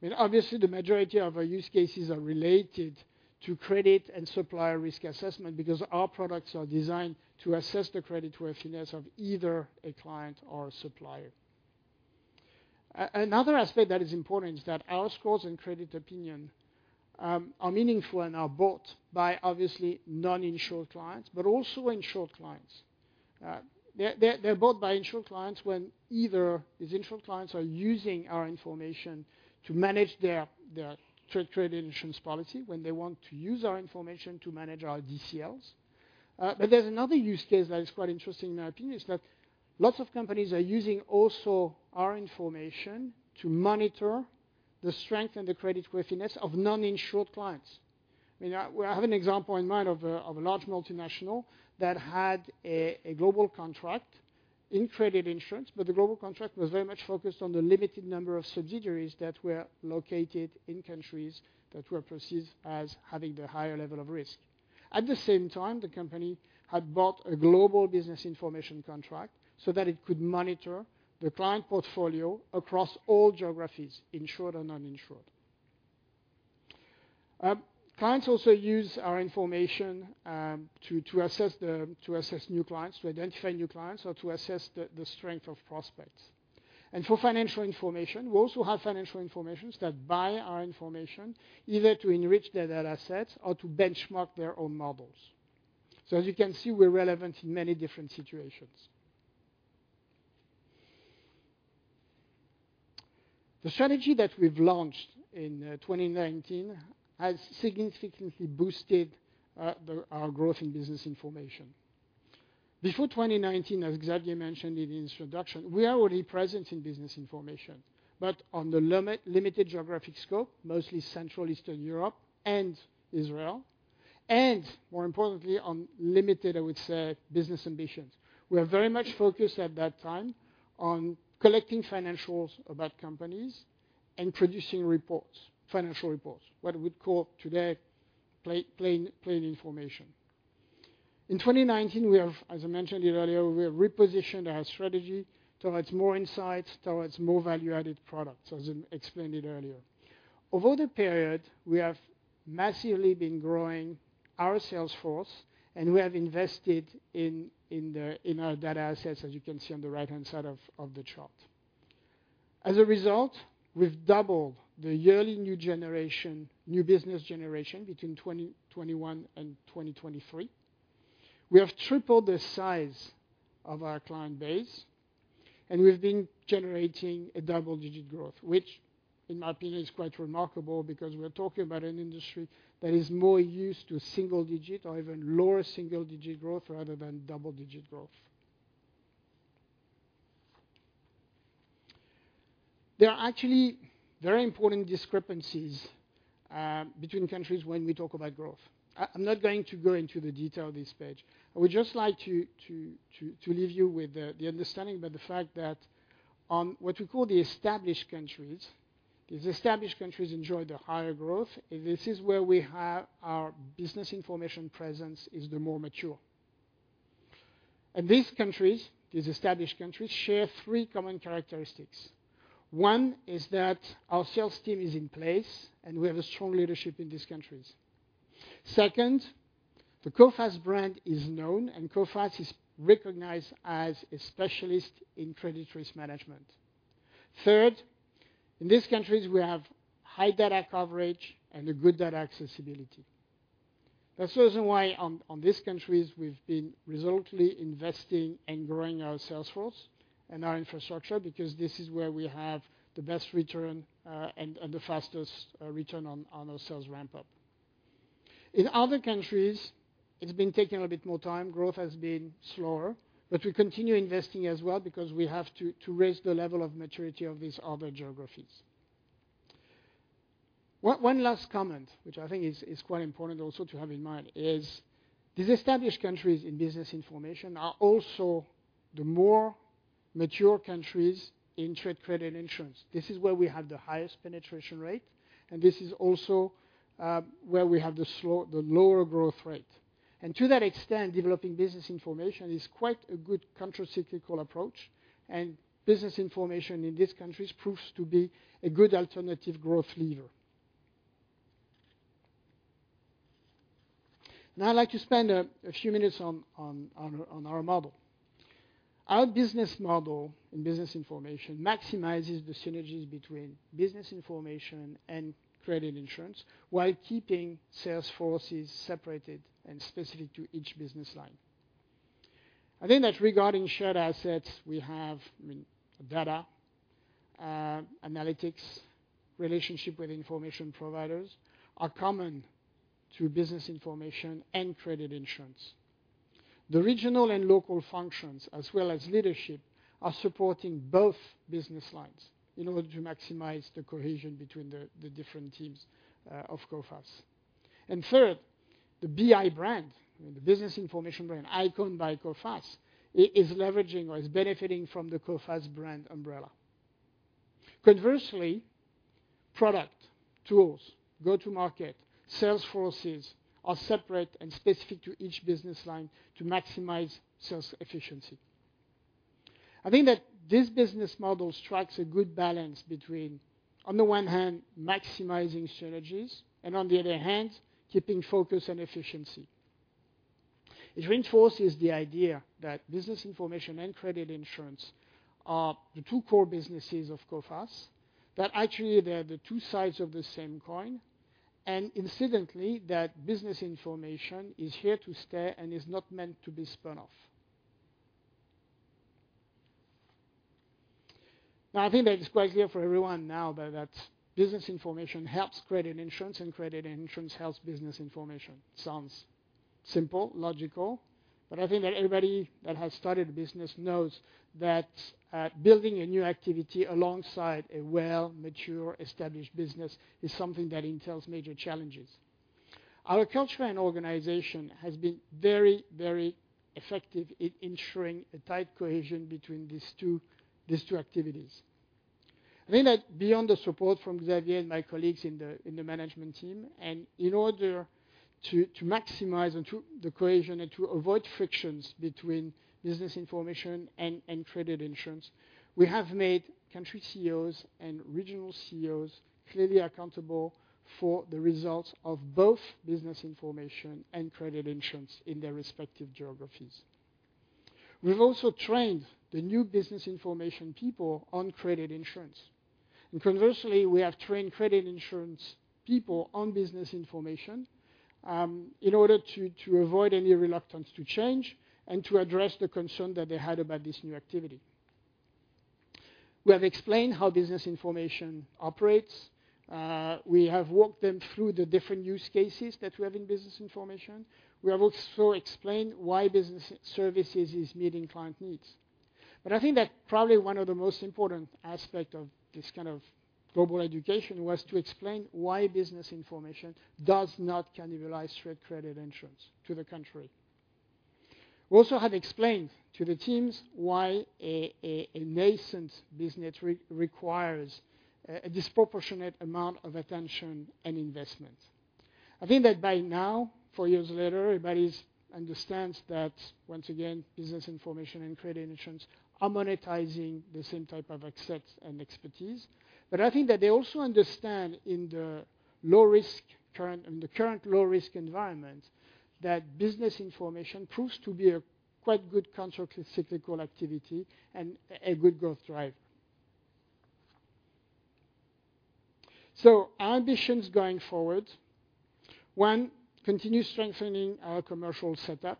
S5: I mean, obviously the majority of our use cases are related to credit and supplier risk assessment because our products are designed to assess the creditworthiness of either a client or a supplier. Another aspect that is important is that our scores and credit opinion are meaningful and are bought by obviously non-insured clients but also insured clients. They're bought by insured clients when either these insured clients are using our information to manage their trade credit insurance policy, when they want to use our information to manage our DCLs. But there's another use case that is quite interesting in my opinion is that lots of companies are using also our information to monitor the strength and the creditworthiness of non-insured clients. I mean, I have an example in mind of a large multinational that had a global contract in credit insurance, but the global contract was very much focused on the limited number of subsidiaries that were located in countries that were perceived as having the higher level of risk. At the same time, the company had bought a global business information contract so that it could monitor the client portfolio across all geographies, insured and non-insured. Clients also use our information to assess new clients, to identify new clients, or to assess the strength of prospects. For financial information, we also have financial information that buy our information either to enrich their data assets or to benchmark their own models. As you can see, we're relevant in many different situations. The strategy that we've launched in 2019 has significantly boosted our growth in business information. Before 2019, as Xavier mentioned in the introduction, we are already present in business information but on the limited geographic scope, mostly Central Eastern Europe and Israel, and more importantly on limited, I would say, business ambitions. We are very much focused at that time on collecting financials about companies and producing reports, financial reports, what we'd call today plain information. In 2019, we have, as I mentioned it earlier, we have repositioned our strategy towards more insights, towards more value-added products, as I explained it earlier. Over the period, we have massively been growing our sales force, and we have invested in our data assets, as you can see on the right-hand side of the chart. As a result, we've doubled the yearly new generation, new business generation between 2021 and 2023. We have tripled the size of our client base, and we've been generating a double-digit growth, which in my opinion is quite remarkable because we're talking about an industry that is more used to single-digit or even lower single-digit growth rather than double-digit growth. There are actually very important discrepancies between countries when we talk about growth. I'm not going to go into the detail of this page. I would just like to leave you with the understanding about the fact that on what we call the established countries, these established countries enjoy the higher growth, and this is where we have our business information presence is the more mature. These countries, these established countries, share three common characteristics. One is that our sales team is in place, and we have a strong leadership in these countries. Second, the Coface brand is known, and Coface is recognized as a specialist in credit risk management. Third, in these countries, we have high data coverage and a good data accessibility. That's the reason why on these countries we've been resultantly investing and growing our sales force and our infrastructure because this is where we have the best return and the fastest return on our sales ramp-up. In other countries, it's been taking a little bit more time. Growth has been slower, but we continue investing as well because we have to raise the level of maturity of these other geographies. One last comment, which I think is quite important also to have in mind, is these established countries in business information are also the more mature countries in trade credit insurance. This is where we have the highest penetration rate, and this is also where we have the lower growth rate. To that extent, developing business information is quite a good contracyclical approach, and business information in these countries proves to be a good alternative growth lever. Now I'd like to spend a few minutes on our model. Our business model in business information maximizes the synergies between business information and credit insurance while keeping sales forces separated and specific to each business line. I think that regarding shared assets, we have data, analytics, relationship with information providers are common to business information and credit insurance. The regional and local functions, as well as leadership, are supporting both business lines in order to maximize the cohesion between the different teams of Coface. And third, the BI brand, the business information brand, owned by Coface, is leveraging or is benefiting from the Coface brand umbrella. Conversely, product, tools, go-to-market, sales forces are separate and specific to each business line to maximize sales efficiency. I think that this business model strikes a good balance between, on the one hand, maximizing synergies and on the other hand, keeping focus and efficiency. It reinforces the idea that business information and credit insurance are the two core businesses of Coface, that actually they're the two sides of the same coin, and incidentally that business information is here to stay and is not meant to be spun off. Now I think that it's quite clear for everyone now that business information helps credit insurance, and credit insurance helps business information. Sounds simple, logical. But I think that everybody that has started a business knows that building a new activity alongside a well, mature, established business is something that entails major challenges. Our culture and organization has been very, very effective in ensuring a tight cohesion between these two activities. I think that beyond the support from Xavier and my colleagues in the management team, and in order to maximize the cohesion and to avoid frictions between business information and credit insurance, we have made country CEOs and regional CEOs clearly accountable for the results of both business information and credit insurance in their respective geographies. We've also trained the new business information people on credit insurance. Conversely, we have trained credit insurance people on business information in order to avoid any reluctance to change and to address the concern that they had about this new activity. We have explained how business information operates. We have walked them through the different use cases that we have in business information. We have also explained why business services are meeting client needs. But I think that probably one of the most important aspects of this kind of global education was to explain why business information does not cannibalize trade credit insurance to the country. We also have explained to the teams why a nascent business requires a disproportionate amount of attention and investment. I think that by now, four years later, everybody understands that once again business information and credit insurance are monetizing the same type of assets and expertise. But I think that they also understand in the low-risk current, in the current low-risk environment, that business information proves to be a quite good contracyclical activity and a good growth driver. So our ambitions going forward: one, continue strengthening our commercial setup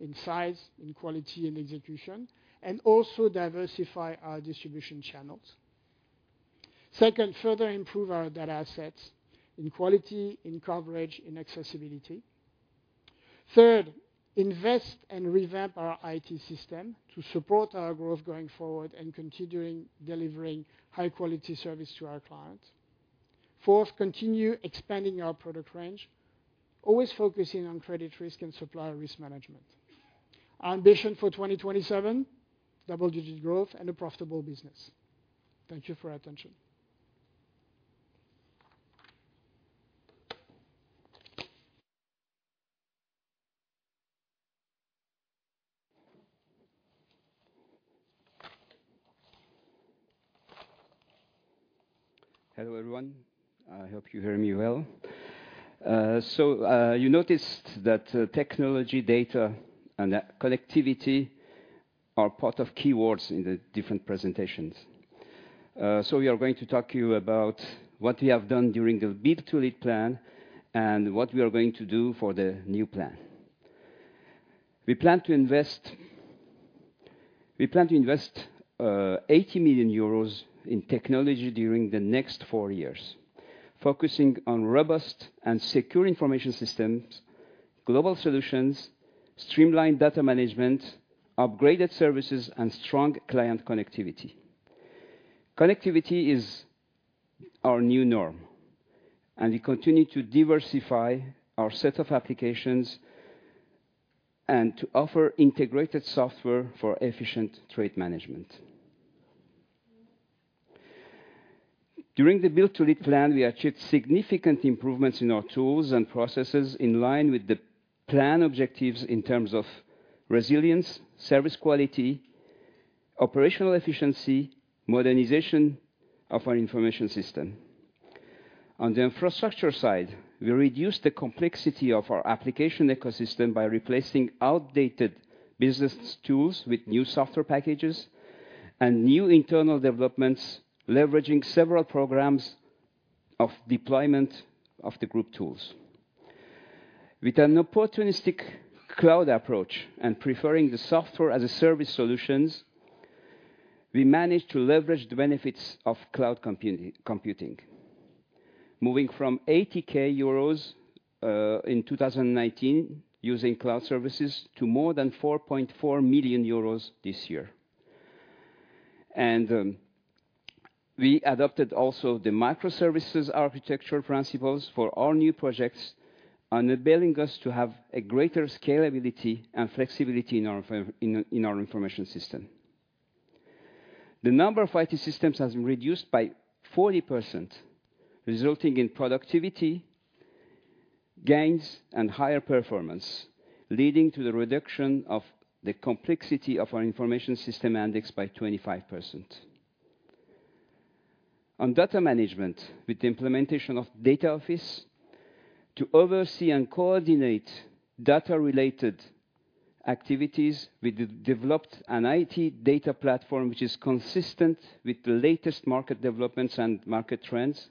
S5: in size, in quality, and execution, and also diversify our distribution channels. Second, further improve our data assets in quality, in coverage, in accessibility. Third, invest and revamp our IT system to support our growth going forward and continuing delivering high-quality service to our clients. Fourth, continue expanding our product range, always focusing on credit risk and supplier risk management. Our ambition for 2027: double-digit growth and a profitable business. Thank you for your attention.
S2: Hello everyone. I hope you hear me well. So you noticed that technology, data, and connectivity are part of keywords in the different presentations. So we are going to talk to you about what we have done during the Build to Lead plan and what we are going to do for the new plan. We plan to invest 80 million euros in technology during the next four years, focusing on robust and secure information systems, global solutions, streamlined data management, upgraded services, and strong client connectivity. Connectivity is our new norm, and we continue to diversify our set of applications and to offer integrated software for efficient trade management. During the Build to Lead plan, we achieved significant improvements in our tools and processes in line with the plan objectives in terms of resilience, service quality, operational efficiency, modernization of our information system. On the infrastructure side, we reduced the complexity of our application ecosystem by replacing outdated business tools with new software packages and new internal developments, leveraging several programs of deployment of the group tools. With an opportunistic cloud approach and preferring the software as a service solutions, we managed to leverage the benefits of cloud computing, moving from 80,000 euros in 2019 using cloud services to more than 4.4 million euros this year. We adopted also the microservices architecture principles for our new projects, enabling us to have a greater scalability and flexibility in our information system. The number of IT systems has been reduced by 40%, resulting in productivity gains and higher performance, leading to the reduction of the complexity of our information system index by 25%. On data management, with the implementation of Data Office to oversee and coordinate data-related activities, we developed an IT data platform which is consistent with the latest market developments and market trends,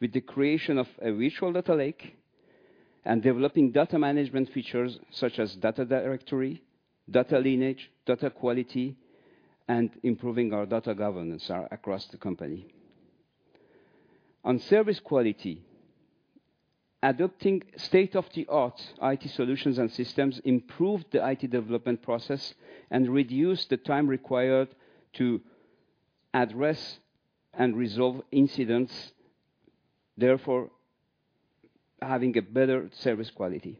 S2: with the creation of a virtual data lake and developing data management features such as data directory, data lineage, data quality, and improving our data governance across the company. On service quality, adopting state-of-the-art IT solutions and systems improved the IT development process and reduced the time required to address and resolve incidents, therefore having a better service quality.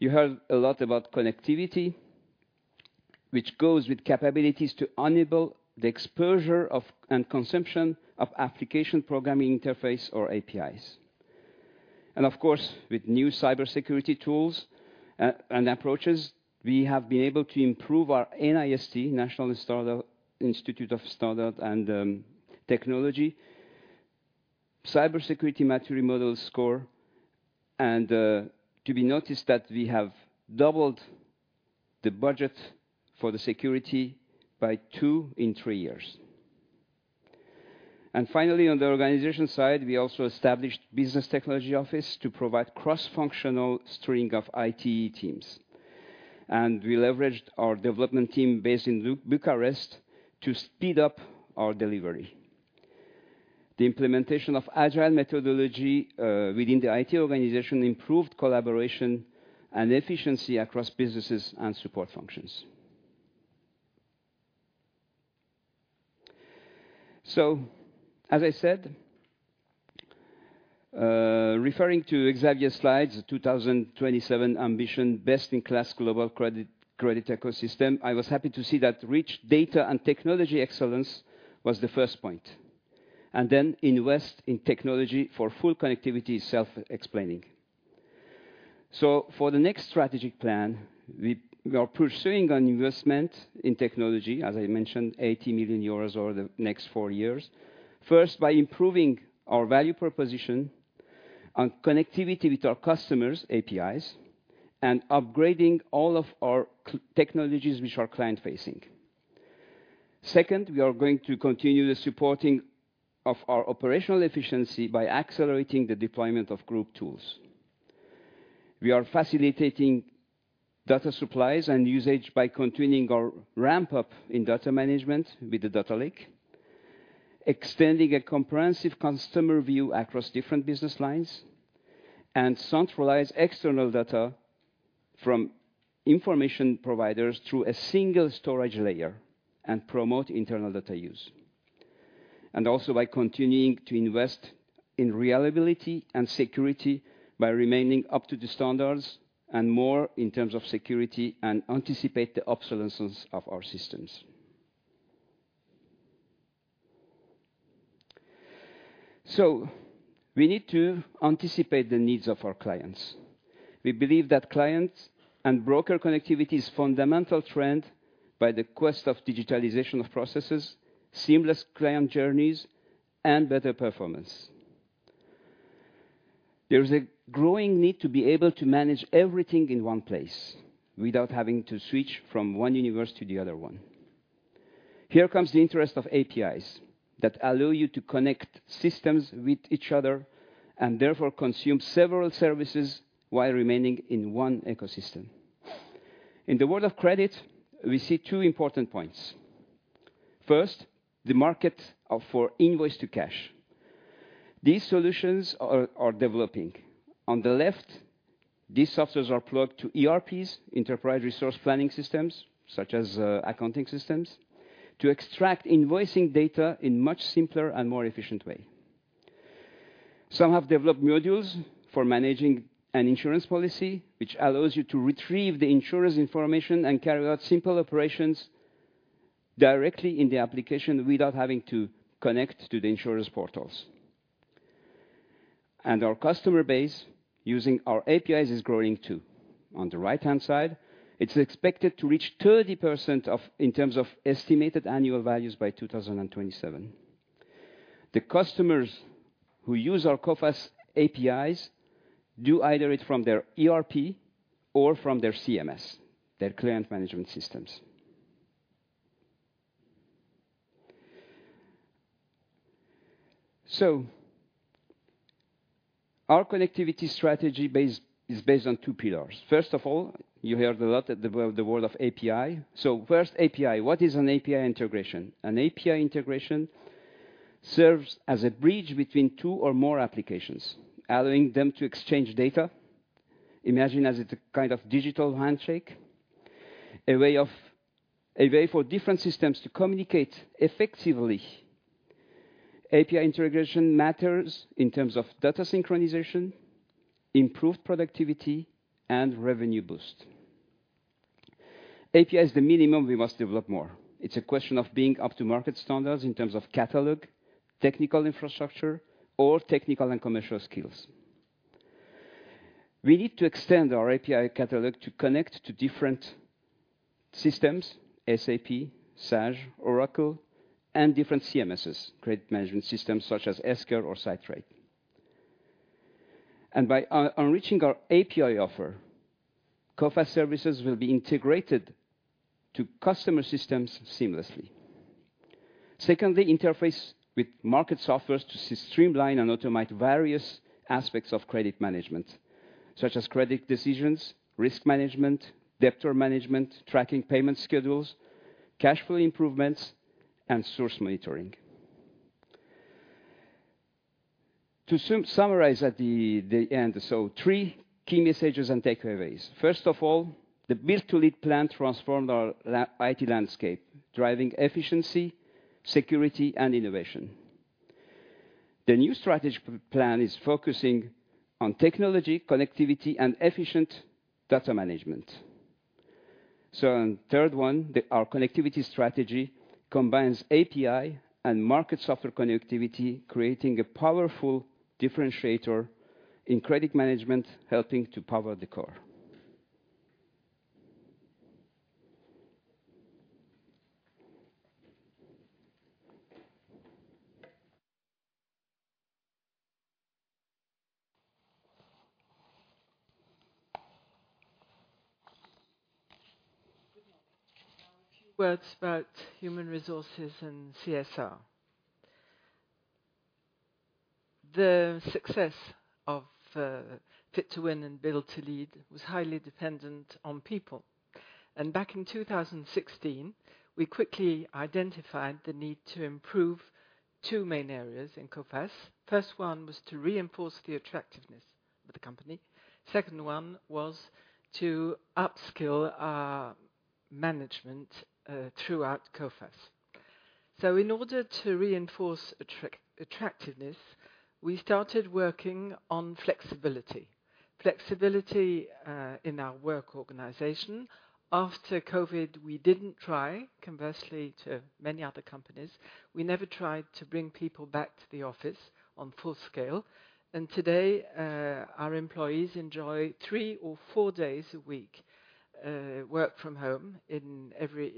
S2: You heard a lot about connectivity, which goes with capabilities to enable the exposure and consumption of Application Programming Interface or APIs. Of course, with new cybersecurity tools and approaches, we have been able to improve our NIST, National Institute of Standards and Technology, cybersecurity maturity model score, and to be noticed that we have doubled the budget for the security by two in three years. Finally, on the organization side, we also established Business Technology Office to provide cross-functional string of IT teams. We leveraged our development team based in Bucharest to speed up our delivery. The implementation of agile methodology within the IT organization improved collaboration and efficiency across businesses and support functions. So as I said, referring to Xavier's slides, the 2027 ambition, best-in-class global credit ecosystem, I was happy to see that rich data and technology excellence was the first point. Then invest in technology for full connectivity is self-explaining. So for the next strategic plan, we are pursuing an investment in technology, as I mentioned, 80 million euros over the next four years. First, by improving our value proposition on connectivity with our customers' APIs and upgrading all of our technologies, which are client-facing. Second, we are going to continue the supporting of our operational efficiency by accelerating the deployment of group tools. We are facilitating data supplies and usage by continuing our ramp-up in data management with the data lake, extending a comprehensive customer view across different business lines, and centralize external data from information providers through a single storage layer and promote internal data use. And also by continuing to invest in reliability and security by remaining up to the standards and more in terms of security and anticipate the obsolescence of our systems. So we need to anticipate the needs of our clients. We believe that client and broker connectivity is a fundamental trend by the quest of digitalization of processes, seamless client journeys, and better performance. There is a growing need to be able to manage everything in one place without having to switch from one universe to the other one. Here comes the interest of APIs that allow you to connect systems with each other and therefore consume several services while remaining in one ecosystem. In the world of credit, we see two important points. First, the market for invoice-to-cash. These solutions are developing. On the left, these softwares are plugged to ERPs, Enterprise Resource Planning Systems, such as accounting systems, to extract invoicing data in a much simpler and more efficient way. Some have developed modules for managing an insurance policy, which allows you to retrieve the insurance information and carry out simple operations directly in the application without having to connect to the insurance portals. Our customer base using our APIs is growing too. On the right-hand side, it's expected to reach 30% in terms of estimated annual values by 2027. The customers who use our Coface APIs do either it from their ERP or from their CMS, their client management systems. Our connectivity strategy is based on two pillars. First of all, you heard a lot about the world of API. First, API. What is an API integration? An API integration serves as a bridge between two or more applications, allowing them to exchange data. Imagine as it's a kind of digital handshake, a way for different systems to communicate effectively. API integration matters in terms of data synchronization, improved productivity, and revenue boost. API is the minimum. We must develop more. It's a question of being up to market standards in terms of catalog, technical infrastructure, or technical and commercial skills. We need to extend our API catalog to connect to different systems, SAP, Sage, Oracle, and different CMSs, credit management systems such as Esker or Sidetrade. By enriching our API offer, Coface services will be integrated to customer systems seamlessly. Secondly, interface with market softwares to streamline and automate various aspects of credit management, such as credit decisions, risk management, debtor management, tracking payment schedules, cash flow improvements, and source monitoring. To summarize at the end, so three key messages and takeaways. First of all, the Build to Lead plan transformed our IT landscape, driving efficiency, security, and innovation. The new strategy plan is focusing on technology, connectivity, and efficient data management. So the third one, our connectivity strategy combines API and market software connectivity, creating a powerful differentiator in credit management, helping to power the core.
S6: Good morning. Now, a few words about human resources and CSR. The success of Fit to Win and Build to Lead was highly dependent on people. Back in 2016, we quickly identified the need to improve two main areas in Coface. First one was to reinforce the attractiveness of the company. Second one was to upskill management throughout Coface. In order to reinforce attractiveness, we started working on flexibility. Flexibility in our work organization. After COVID, we didn't try, conversely to many other companies. We never tried to bring people back to the office on full scale. Today, our employees enjoy three or four days a week work from home in every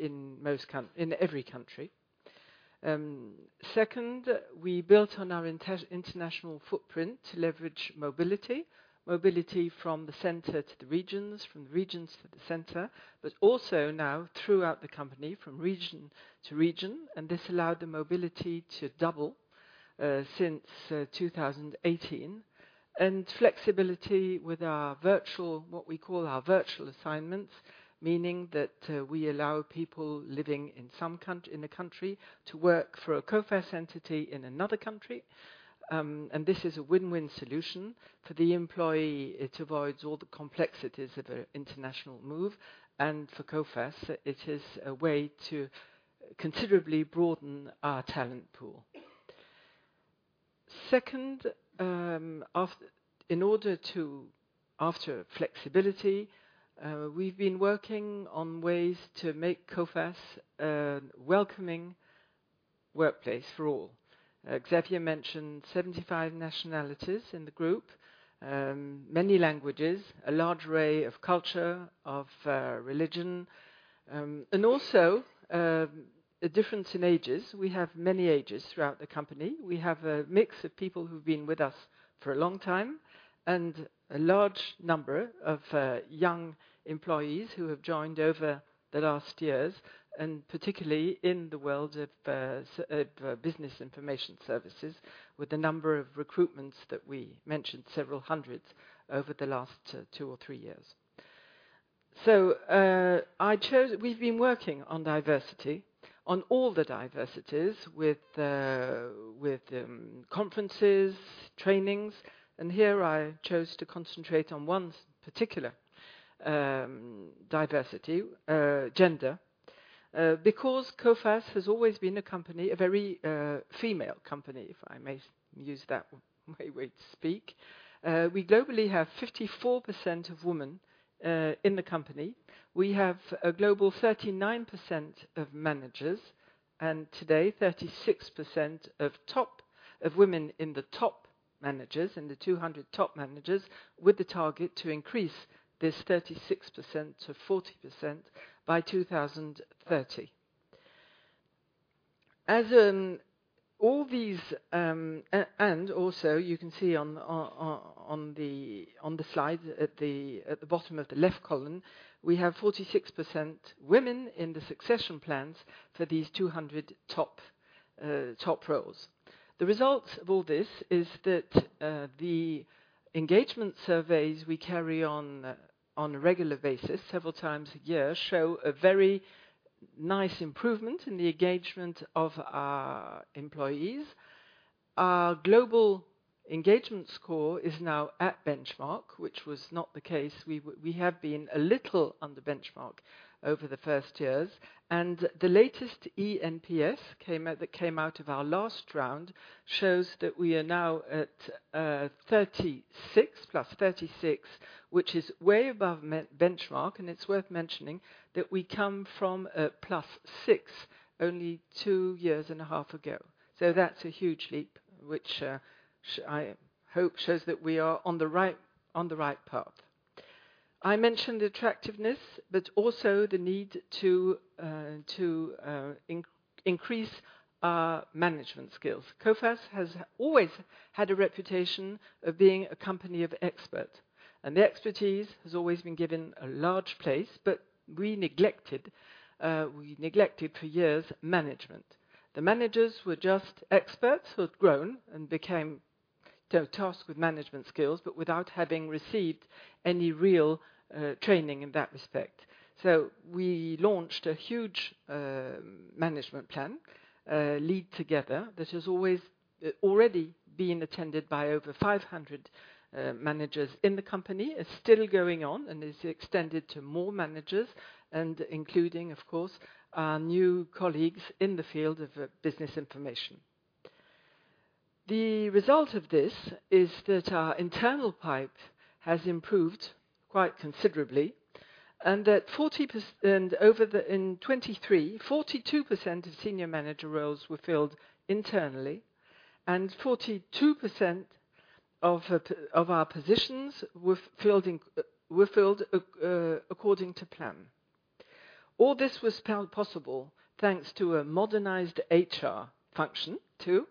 S6: country. Second, we built on our international footprint to leverage mobility, mobility from the center to the regions, from the regions to the center, but also now throughout the company, from region to region. This allowed the mobility to double since 2018. Flexibility with what we call our virtual assignments, meaning that we allow people living in a country to work for a Coface entity in another country. This is a win-win solution. For the employee, it avoids all the complexities of an international move. For Coface, it is a way to considerably broaden our talent pool. Second, in order to, after flexibility, we've been working on ways to make Coface a welcoming workplace for all. Xavier mentioned 75 nationalities in the group, many languages, a large array of culture, of religion. Also, a difference in ages. We have many ages throughout the company. We have a mix of people who've been with us for a long time and a large number of young employees who have joined over the last years, and particularly in the world of business information services, with the number of recruitments that we mentioned, several hundreds over the last two or three years. So we've been working on diversity, on all the diversities with conferences, trainings. And here, I chose to concentrate on one particular diversity, gender, because Coface has always been a company, a very female company, if I may use that way we speak. We globally have 54% of women in the company. We have a global 39% of managers, and today, 36% of women in the top managers, in the 200 top managers, with the target to increase this 36% to 40% by 2030. Also, you can see on the slide at the bottom of the left column, we have 46% women in the succession plans for these 200 top roles. The results of all this is that the engagement surveys we carry on on a regular basis, several times a year, show a very nice improvement in the engagement of our employees. Our global engagement score is now at benchmark, which was not the case. We have been a little under benchmark over the first years. The latest ENPS that came out of our last round shows that we are now at +36, which is way above benchmark. It's worth mentioning that we come from a +6 only two and a half years ago. That's a huge leap, which I hope shows that we are on the right path. I mentioned attractiveness, but also the need to increase our management skills. Coface has always had a reputation of being a company of experts. The expertise has always been given a large place, but we neglected for years management. The managers were just experts who had grown and became tasked with management skills, but without having received any real training in that respect. We launched a huge management plan, Lead Together, that has already been attended by over 500 managers in the company, is still going on, and is extended to more managers, and including, of course, our new colleagues in the field of business information. The result of this is that our internal pipeline has improved quite considerably, and that in 2023, 42% of senior manager roles were filled internally, and 42% of our positions were filled according to plan. All this was possible thanks to a modernized HR function, too.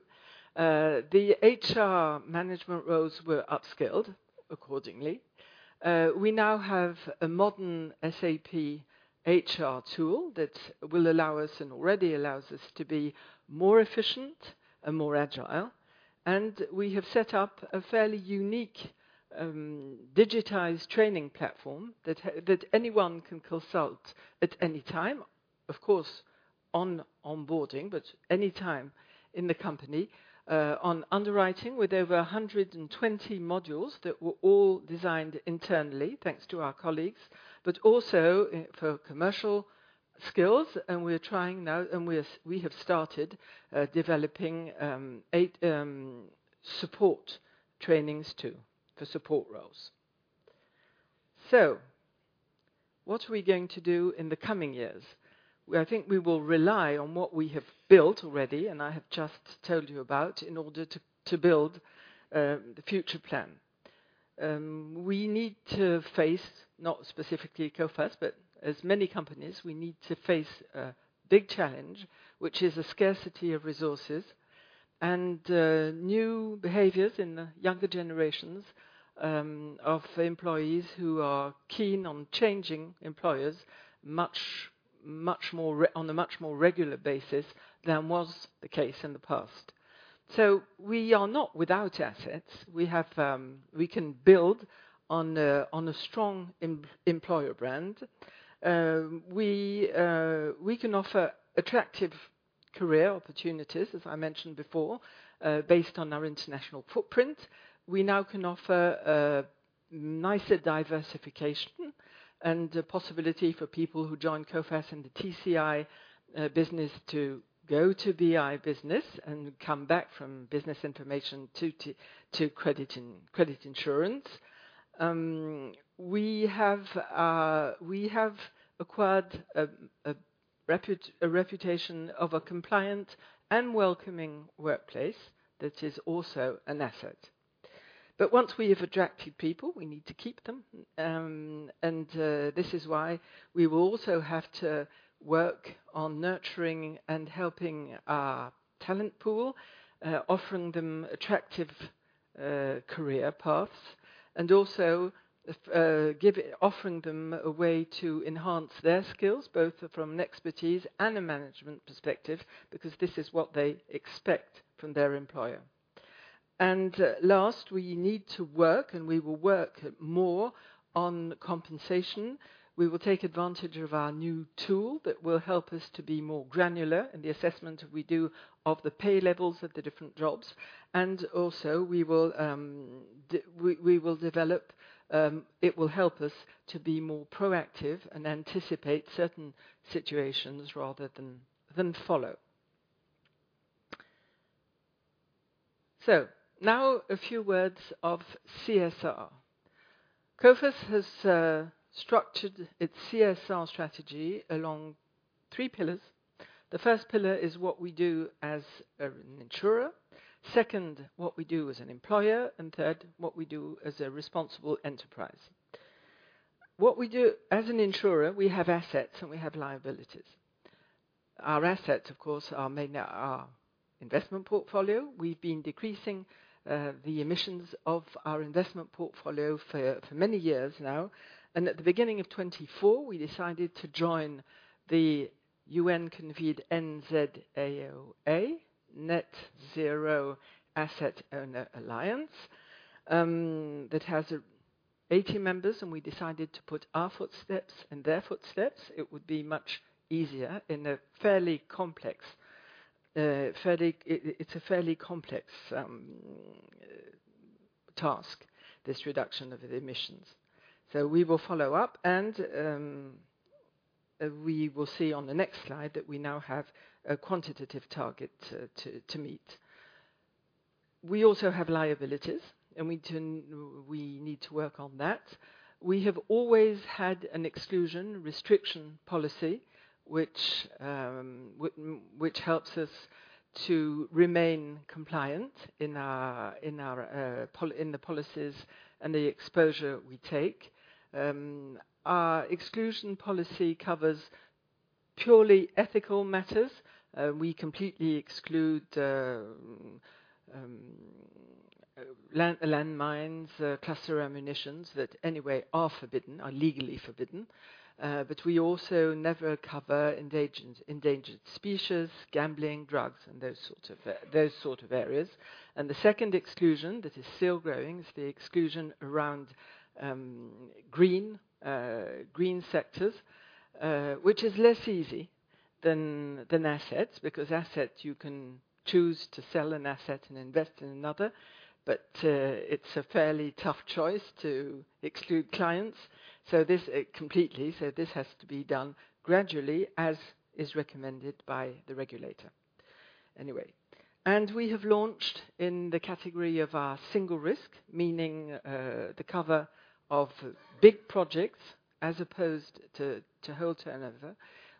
S6: The HR management roles were upskilled accordingly. We now have a modern SAP HR tool that will allow us and already allows us to be more efficient and more agile. And we have set up a fairly unique digitized training platform that anyone can consult at any time, of course, on onboarding, but anytime in the company, on underwriting with over 120 modules that were all designed internally, thanks to our colleagues, but also for commercial skills. And we're trying now, and we have started developing support trainings, too, for support roles. So what are we going to do in the coming years? I think we will rely on what we have built already, and I have just told you about, in order to build the future plan. We need to face, not specifically Coface, but as many companies, we need to face a big challenge, which is a scarcity of resources and new behaviors in the younger generations of employees who are keen on changing employers on a much more regular basis than was the case in the past. So we are not without assets. We can build on a strong employer brand. We can offer attractive career opportunities, as I mentioned before, based on our international footprint. We now can offer nicer diversification and a possibility for people who join Coface in the TCI business to go to BI business and come back from business information to credit insurance. We have acquired a reputation of a compliant and welcoming workplace that is also an asset. But once we have attracted people, we need to keep them. This is why we will also have to work on nurturing and helping our talent pool, offering them attractive career paths, and also offering them a way to enhance their skills, both from an expertise and a management perspective, because this is what they expect from their employer. Last, we need to work, and we will work more on compensation. We will take advantage of our new tool that will help us to be more granular in the assessment we do of the pay levels of the different jobs. And also, we will develop it. It will help us to be more proactive and anticipate certain situations rather than follow. Now a few words of CSR. Coface has structured its CSR strategy along three pillars. The first pillar is what we do as an insurer. Second, what we do as an employer. And third, what we do as a responsible enterprise. What we do as an insurer, we have assets and we have liabilities. Our assets, of course, are our investment portfolio. We've been decreasing the emissions of our investment portfolio for many years now. And at the beginning of 2024, we decided to join the UN-convened NZAOA, Net Zero Asset Owner Alliance, that has 80 members. And we decided to put our footsteps and their footsteps. It would be much easier; it's a fairly complex task, this reduction of the emissions. So we will follow up. And we will see on the next slide that we now have a quantitative target to meet. We also have liabilities, and we need to work on that. We have always had an exclusion restriction policy, which helps us to remain compliant in the policies and the exposure we take. Our exclusion policy covers purely ethical matters. We completely exclude landmines, cluster ammunitions that anyway are forbidden, are legally forbidden. But we also never cover endangered species, gambling, drugs, and those sorts of areas. The second exclusion that is still growing is the exclusion around green sectors, which is less easy than assets, because assets, you can choose to sell an asset and invest in another, but it's a fairly tough choice to exclude clients. So this completely has to be done gradually, as is recommended by the regulator. Anyway. We have launched in the category of our single risk, meaning the cover of big projects as opposed to whole turnover.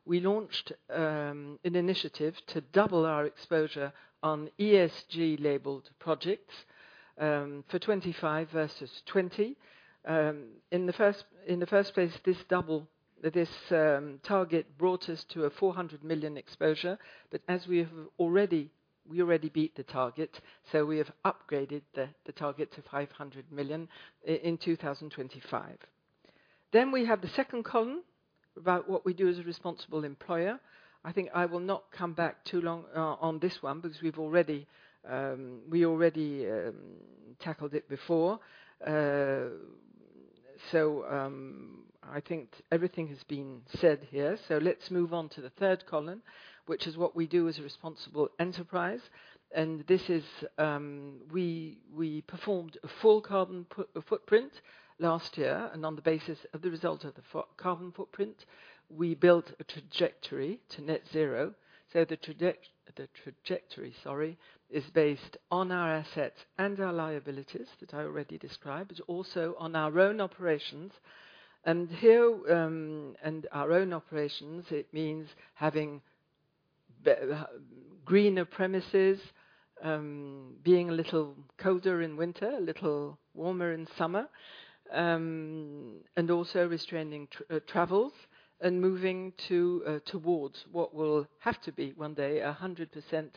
S6: We launched an initiative to double our exposure on ESG-labeled projects for 2025 versus 2020. In the first place, this double target brought us to a 400 million exposure. As we have already beat the target, so we have upgraded the target to 500 million in 2025. We have the second column about what we do as a responsible employer. I think I will not come back too long on this one, because we already tackled it before. I think everything has been said here. Let's move on to the third column, which is what we do as a responsible enterprise. This is we performed a full carbon footprint last year, and on the basis of the result of the carbon footprint, we built a trajectory to net zero. The trajectory, sorry, is based on our assets and our liabilities that I already described, but also on our own operations. And here in our own operations, it means having greener premises, being a little colder in winter, a little warmer in summer, and also restraining travels and moving towards what will have to be one day a 100%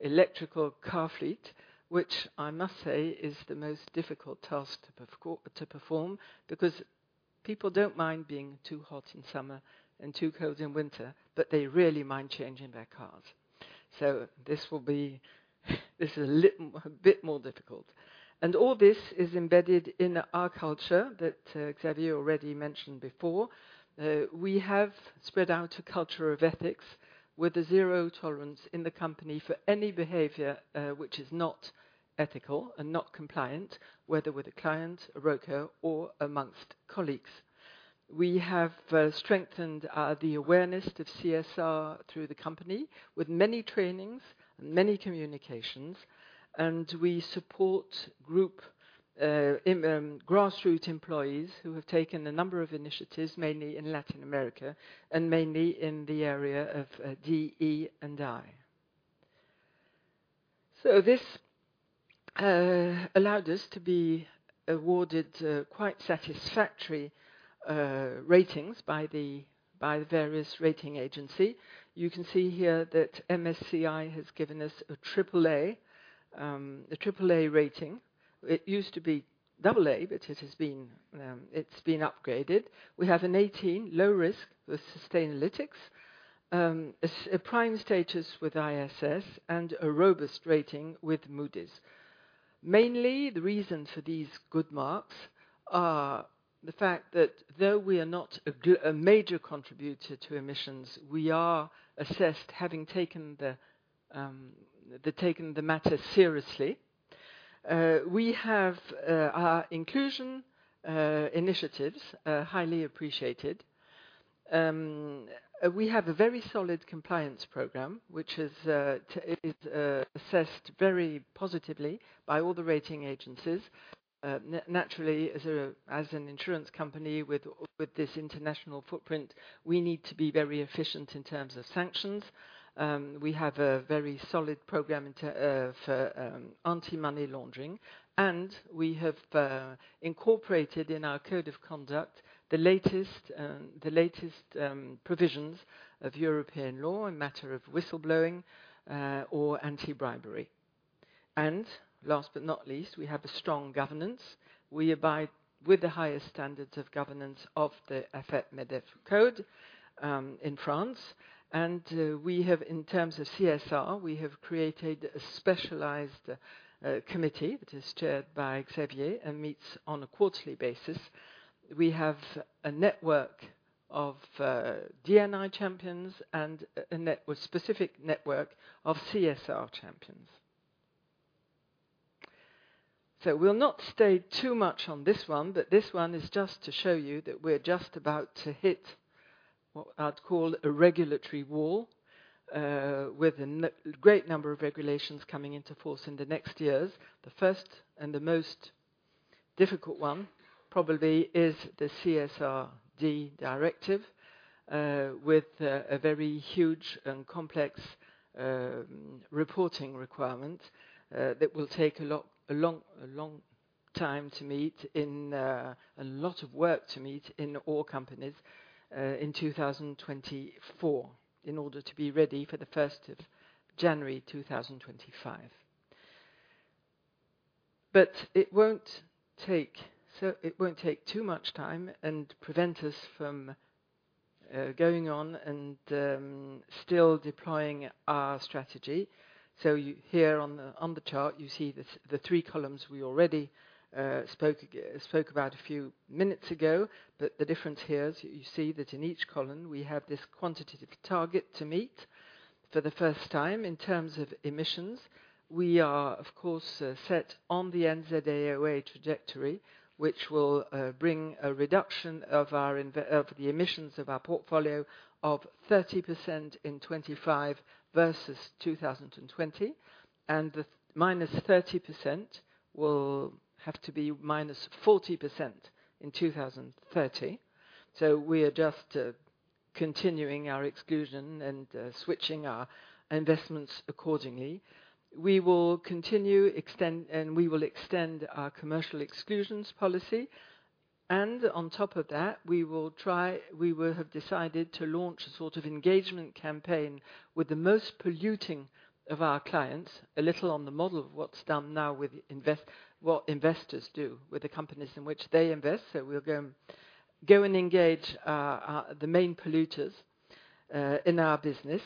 S6: electrical car fleet, which I must say is the most difficult task to perform, because people don't mind being too hot in summer and too cold in winter, but they really mind changing their cars. So this will be, this is, a bit more difficult. All this is embedded in our culture that Xavier already mentioned before. We have spread out a culture of ethics with a zero tolerance in the company for any behavior which is not ethical and not compliant, whether with a client, a broker, or among colleagues. We have strengthened the awareness of CSR through the company with many trainings and many communications. We support group grassroots employees who have taken a number of initiatives, mainly in Latin America and mainly in the area of DE&I. So this allowed us to be awarded quite satisfactory ratings by the various rating agencies. You can see here that MSCI has given us a AAA, a AAA rating. It used to be AA, but it has been upgraded. We have an 18, low risk with Sustainalytics, a prime status with ISS, and a robust rating with Moody's. Mainly, the reason for these good marks are the fact that though we are not a major contributor to emissions, we are assessed having taken the matter seriously. We have our inclusion initiatives highly appreciated. We have a very solid compliance program, which is assessed very positively by all the rating agencies. Naturally, as an insurance company with this international footprint, we need to be very efficient in terms of sanctions. We have a very solid program for anti-money laundering. We have incorporated in our code of conduct the latest provisions of European law in matter of whistleblowing or anti-bribery. Last but not least, we have a strong governance. We abide with the highest standards of governance of the AFEP-MEDEF code in France. We have, in terms of CSR, we have created a specialized committee that is chaired by Xavier and meets on a quarterly basis. We have a network of D&I champions and a specific network of CSR champions. So we'll not stay too much on this one, but this one is just to show you that we're just about to hit what I'd call a regulatory wall, with a great number of regulations coming into force in the next years. The first and the most difficult one probably is the CSRD directive, with a very huge and complex reporting requirement that will take a long time to meet in a lot of work to meet in all companies in 2024, in order to be ready for the 1st of January 2025. But it won't take too much time and prevent us from going on and still deploying our strategy. So here on the chart, you see the three columns we already spoke about a few minutes ago. But the difference here is you see that in each column, we have this quantitative target to meet for the first time in terms of emissions. We are, of course, set on the NZAOA trajectory, which will bring a reduction of the emissions of our portfolio of 30% in 2025 versus 2020. And the -30% will have to be -40% in 2030. So we are just continuing our exclusion and switching our investments accordingly. We will continue and we will extend our commercial exclusions policy. And on top of that, we will try we have decided to launch a sort of engagement campaign with the most polluting of our clients, a little on the model of what's done now with what investors do with the companies in which they invest. So we'll go and engage the main polluters in our business.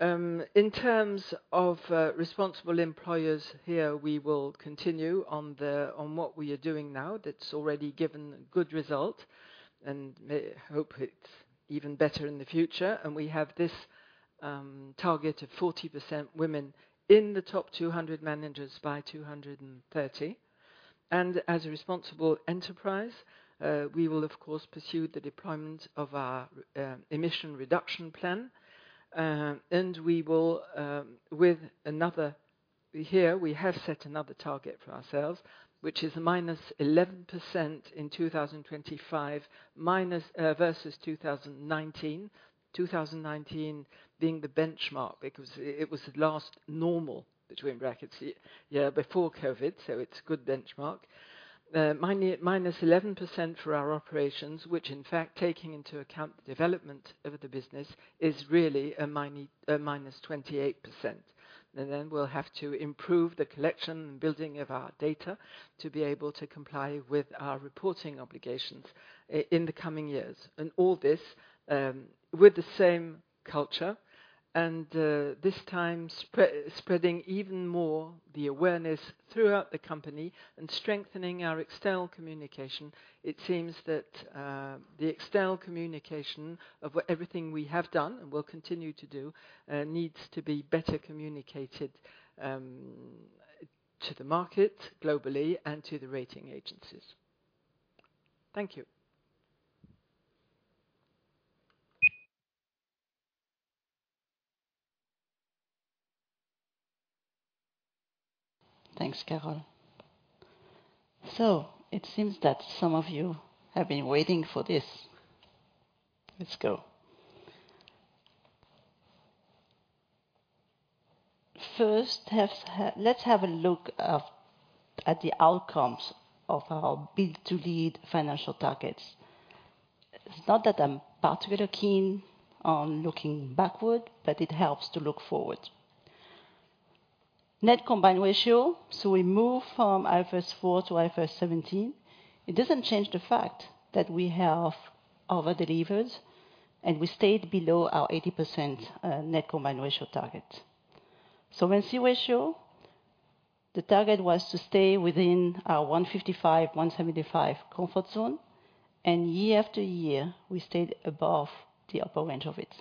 S6: In terms of responsible employers here, we will continue on what we are doing now that's already given good results and hope it's even better in the future. We have this target of 40% women in the top 200 managers by 2030. As a responsible enterprise, we will, of course, pursue the deployment of our emission reduction plan. We will with another here, we have set another target for ourselves, which is -11% in 2025 versus 2019, 2019 being the benchmark, because it was the last normal in brackets year before COVID, so it's a good benchmark. -11% for our operations, which, in fact, taking into account the development of the business, is really a -28%. Then we'll have to improve the collection and building of our data to be able to comply with our reporting obligations in the coming years. All this with the same culture, and this time spreading even more the awareness throughout the company and strengthening our external communication. It seems that the external communication of everything we have done and will continue to do needs to be better communicated to the market globally and to the rating agencies. Thank you.
S7: Thanks, Carole. So it seems that some of you have been waiting for this. Let's go. First, let's have a look at the outcomes of our Build to Lead financial targets. It's not that I'm particularly keen on looking backward, but it helps to look forward. Net combined ratio, so we move from IFRS 4 to IFRS 17. It doesn't change the fact that we have over-delivered and we stayed below our 80% net combined ratio target. So, Solvency ratio, the target was to stay within our 155%-175% comfort zone. Year after year, we stayed above the upper range of it.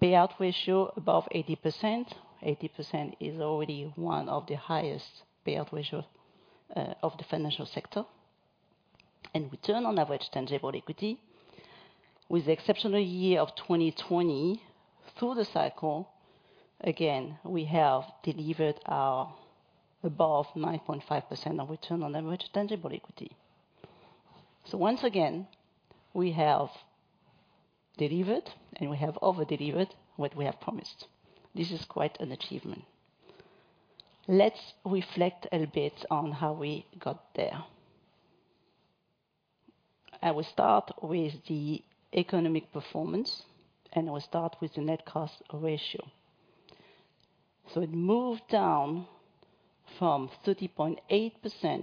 S7: Payout ratio above 80%, 80% is already one of the highest payout ratios of the financial sector. And return on average tangible equity, with the exceptional year of 2020 through the cycle, again, we have delivered our above 9.5% of return on average tangible equity. Once again, we have delivered and we have over-delivered what we have promised. This is quite an achievement. Let's reflect a bit on how we got there. I will start with the economic performance, and I will start with the net cost ratio. It moved down from 30.8%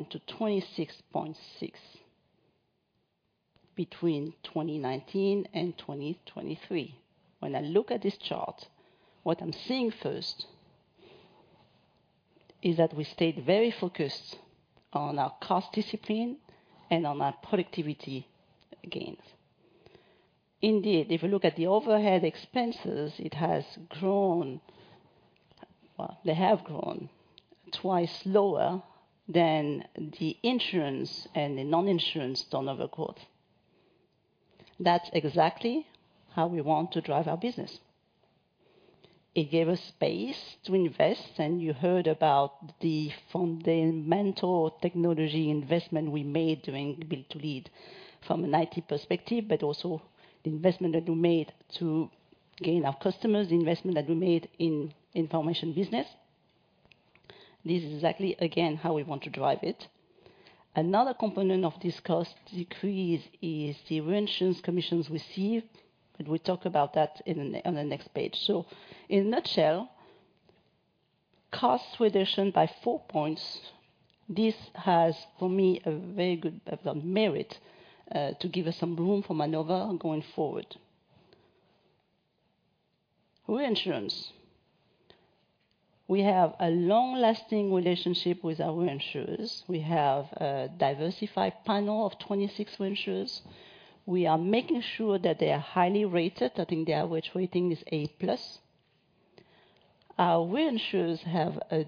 S7: to 26.6% between 2019 and 2023. When I look at this chart, what I'm seeing first is that we stayed very focused on our cost discipline and on our productivity gains. Indeed, if you look at the overhead expenses, it has grown well, they have grown twice lower than the insurance and the non-insurance turnover growth. That's exactly how we want to drive our business. It gave us space to invest, and you heard about the fundamental technology investment we made during Build to Lead from an IT perspective, but also the investment that we made to gain our customers, the investment that we made in information business. This is exactly, again, how we want to drive it. Another component of this cost decrease is the reinsurance commissions we receive, but we'll talk about that on the next page. So in a nutshell, cost reduction by four points, this has, for me, a very good merit to give us some room for maneuver going forward. Reinsurance. We have a long-lasting relationship with our reinsurers. We have a diversified panel of 26 reinsurers. We are making sure that they are highly rated. I think their average rating is A-plus. Our reinsurers have a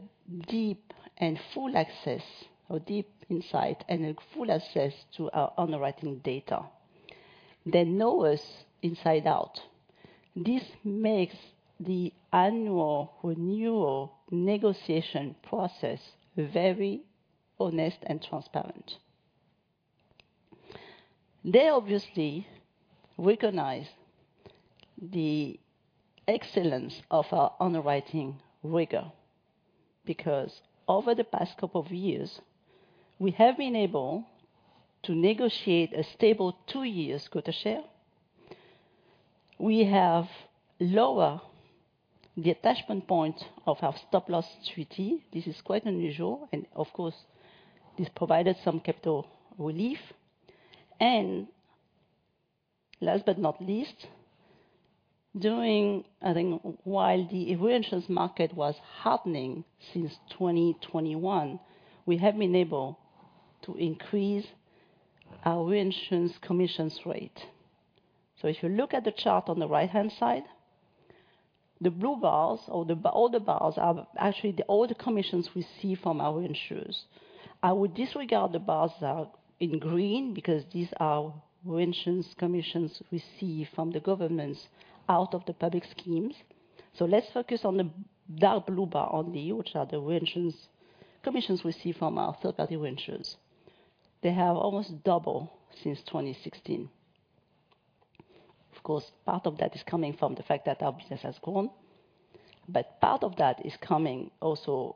S7: deep and full access, or deep insight, and a full access to our underwriting data. They know us inside out. This makes the annual renewal negotiation process very honest and transparent. They obviously recognize the excellence of our underwriting rigor, because over the past couple of years, we have been able to negotiate a stable two-year quota share. We have lowered the attachment point of our stop-loss treaty. This is quite unusual, and of course, this provided some capital relief. And last but not least, during I think while the reinsurance market was hardening since 2021, we have been able to increase our reinsurance commissions rate. So if you look at the chart on the right-hand side, the blue bars, or all the bars, are actually all the commissions we see from our reinsurers. I would disregard the bars that are in green because these are reinsurance commissions we see from the governments out of the public schemes. So let's focus on the dark blue bar only, which are the reinsurance commissions we see from our third-party reinsurers. They have almost doubled since 2016. Of course, part of that is coming from the fact that our business has grown, but part of that is coming also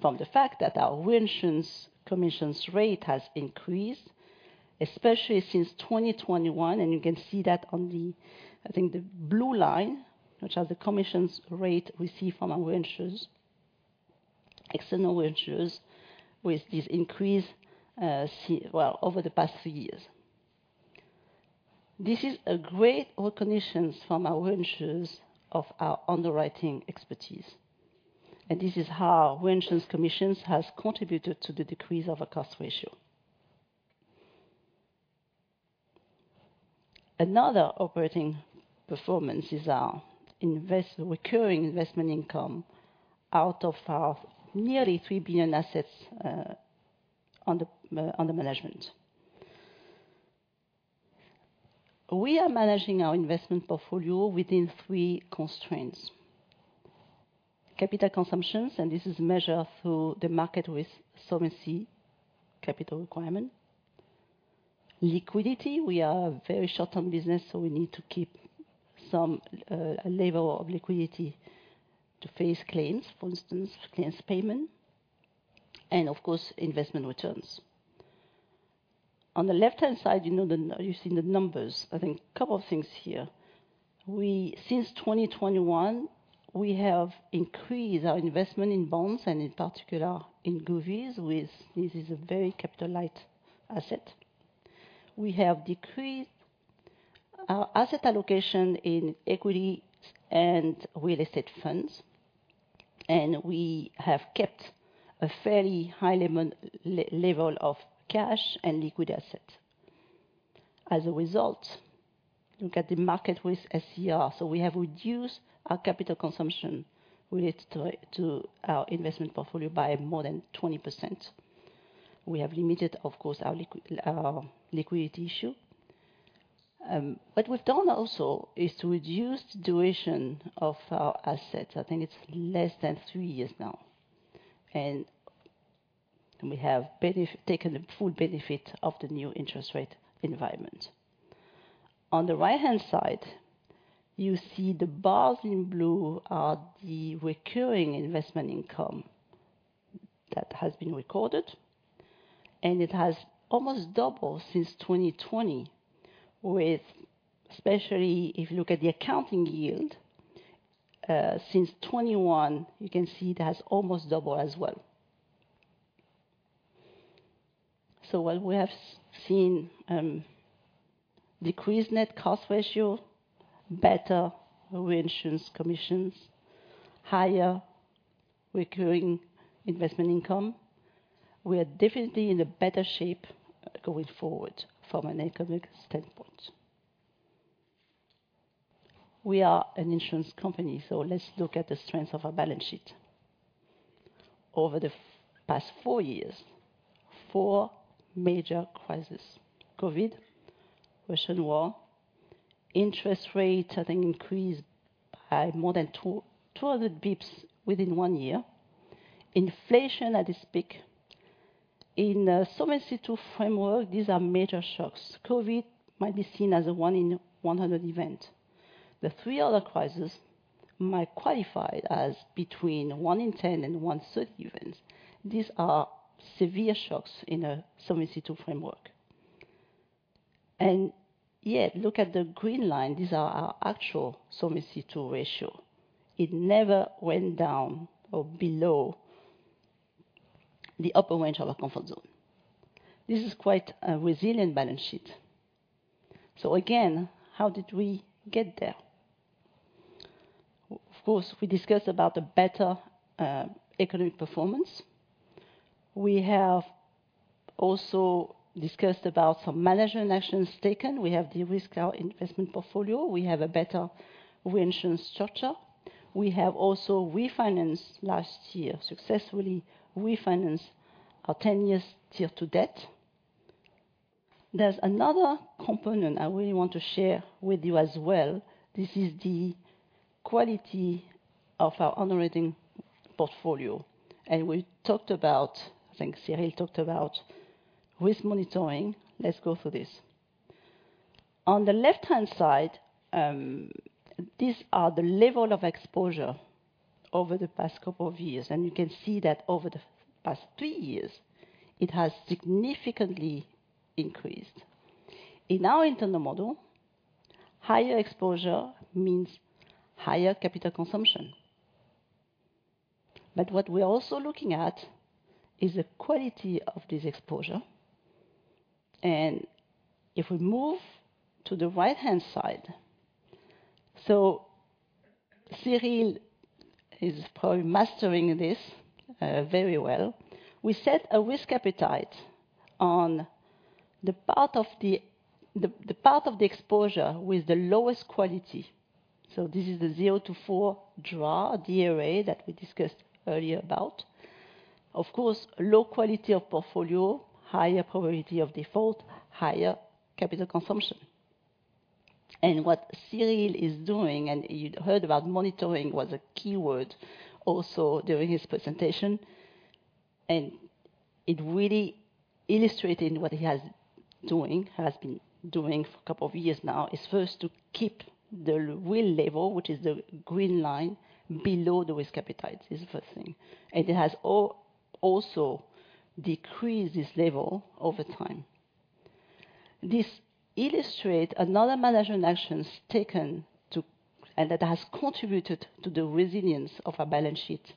S7: from the fact that our reinsurance commissions rate has increased, especially since 2021. And you can see that on the I think the blue line, which are the commissions rate we see from our reinsurers, external reinsurers, with this increase over the past three years. This is a great recognition from our reinsurers of our underwriting expertise. This is how reinsurance commissions have contributed to the decrease of our cost ratio. Another operating performance is our recurring investment income out of our nearly 3 billion assets under management. We are managing our investment portfolio within three constraints: capital consumptions, and this is measured through the market resiliency capital requirement. Liquidity, we are a very short-term business, so we need to keep some level of liquidity to face claims, for instance, claims payment. And of course, investment returns. On the left-hand side, you've seen the numbers. I think a couple of things here. Since 2021, we have increased our investment in bonds and in particular in govs, which is a very capital-light asset. We have decreased our asset allocation in equity and real estate funds, and we have kept a fairly high level of cash and liquid assets. As a result, look at the market risk SCR. So we have reduced our capital consumption related to our investment portfolio by more than 20%. We have limited, of course, our liquidity issue. What we've done also is to reduce the duration of our assets. I think it's less than three years now. And we have taken full benefit of the new interest rate environment. On the right-hand side, you see the bars in blue are the recurring investment income that has been recorded, and it has almost doubled since 2020, especially if you look at the accounting yield. Since 2021, you can see it has almost doubled as well. So while we have seen decreased net cost ratio, better reinsurance commissions, higher recurring investment income, we are definitely in a better shape going forward from an economic standpoint. We are an insurance company, so let's look at the strengths of our balance sheet. Over the past four years, four major crises: COVID, Russian war, interest rates that increased by more than 200 basis points within one year, inflation at its peak. In the solvency framework, these are major shocks. COVID might be seen as a 1-in-100 event. The three other crises might qualify as between 1-in-10 and 1-in-30 events. These are severe shocks in a solvency framework. And yet, look at the green line. These are our actual solvency ratio. It never went down or below the upper range of our comfort zone. This is quite a resilient balance sheet. So again, how did we get there? Of course, we discussed about the better economic performance. We have also discussed about some management actions taken. We have de-risked our investment portfolio. We have a better reinsurance structure. We have also refinanced last year, successfully refinanced our 10-year Tier 2 debt. There's another component I really want to share with you as well. This is the quality of our underwriting portfolio. And we talked about I think Cyrille talked about risk monitoring. Let's go through this. On the left-hand side, these are the levels of exposure over the past couple of years. And you can see that over the past three years, it has significantly increased. In our internal model, higher exposure means higher capital consumption. But what we're also looking at is the quality of this exposure. And if we move to the right-hand side so Cyrille is probably mastering this very well. We set a risk appetite on the part of the exposure with the lowest quality. So this is the 0-4 DRA that we discussed earlier about. Of course, low quality of portfolio, higher probability of default, higher capital consumption. And what Cyrille is doing and you heard about monitoring was a keyword also during his presentation. And it really illustrated what he has been doing for a couple of years now. It's first to keep the real level, which is the green line, below the risk appetite. This is the first thing. And it has also decreased this level over time. This illustrates another management action taken and that has contributed to the resilience of our balance sheet.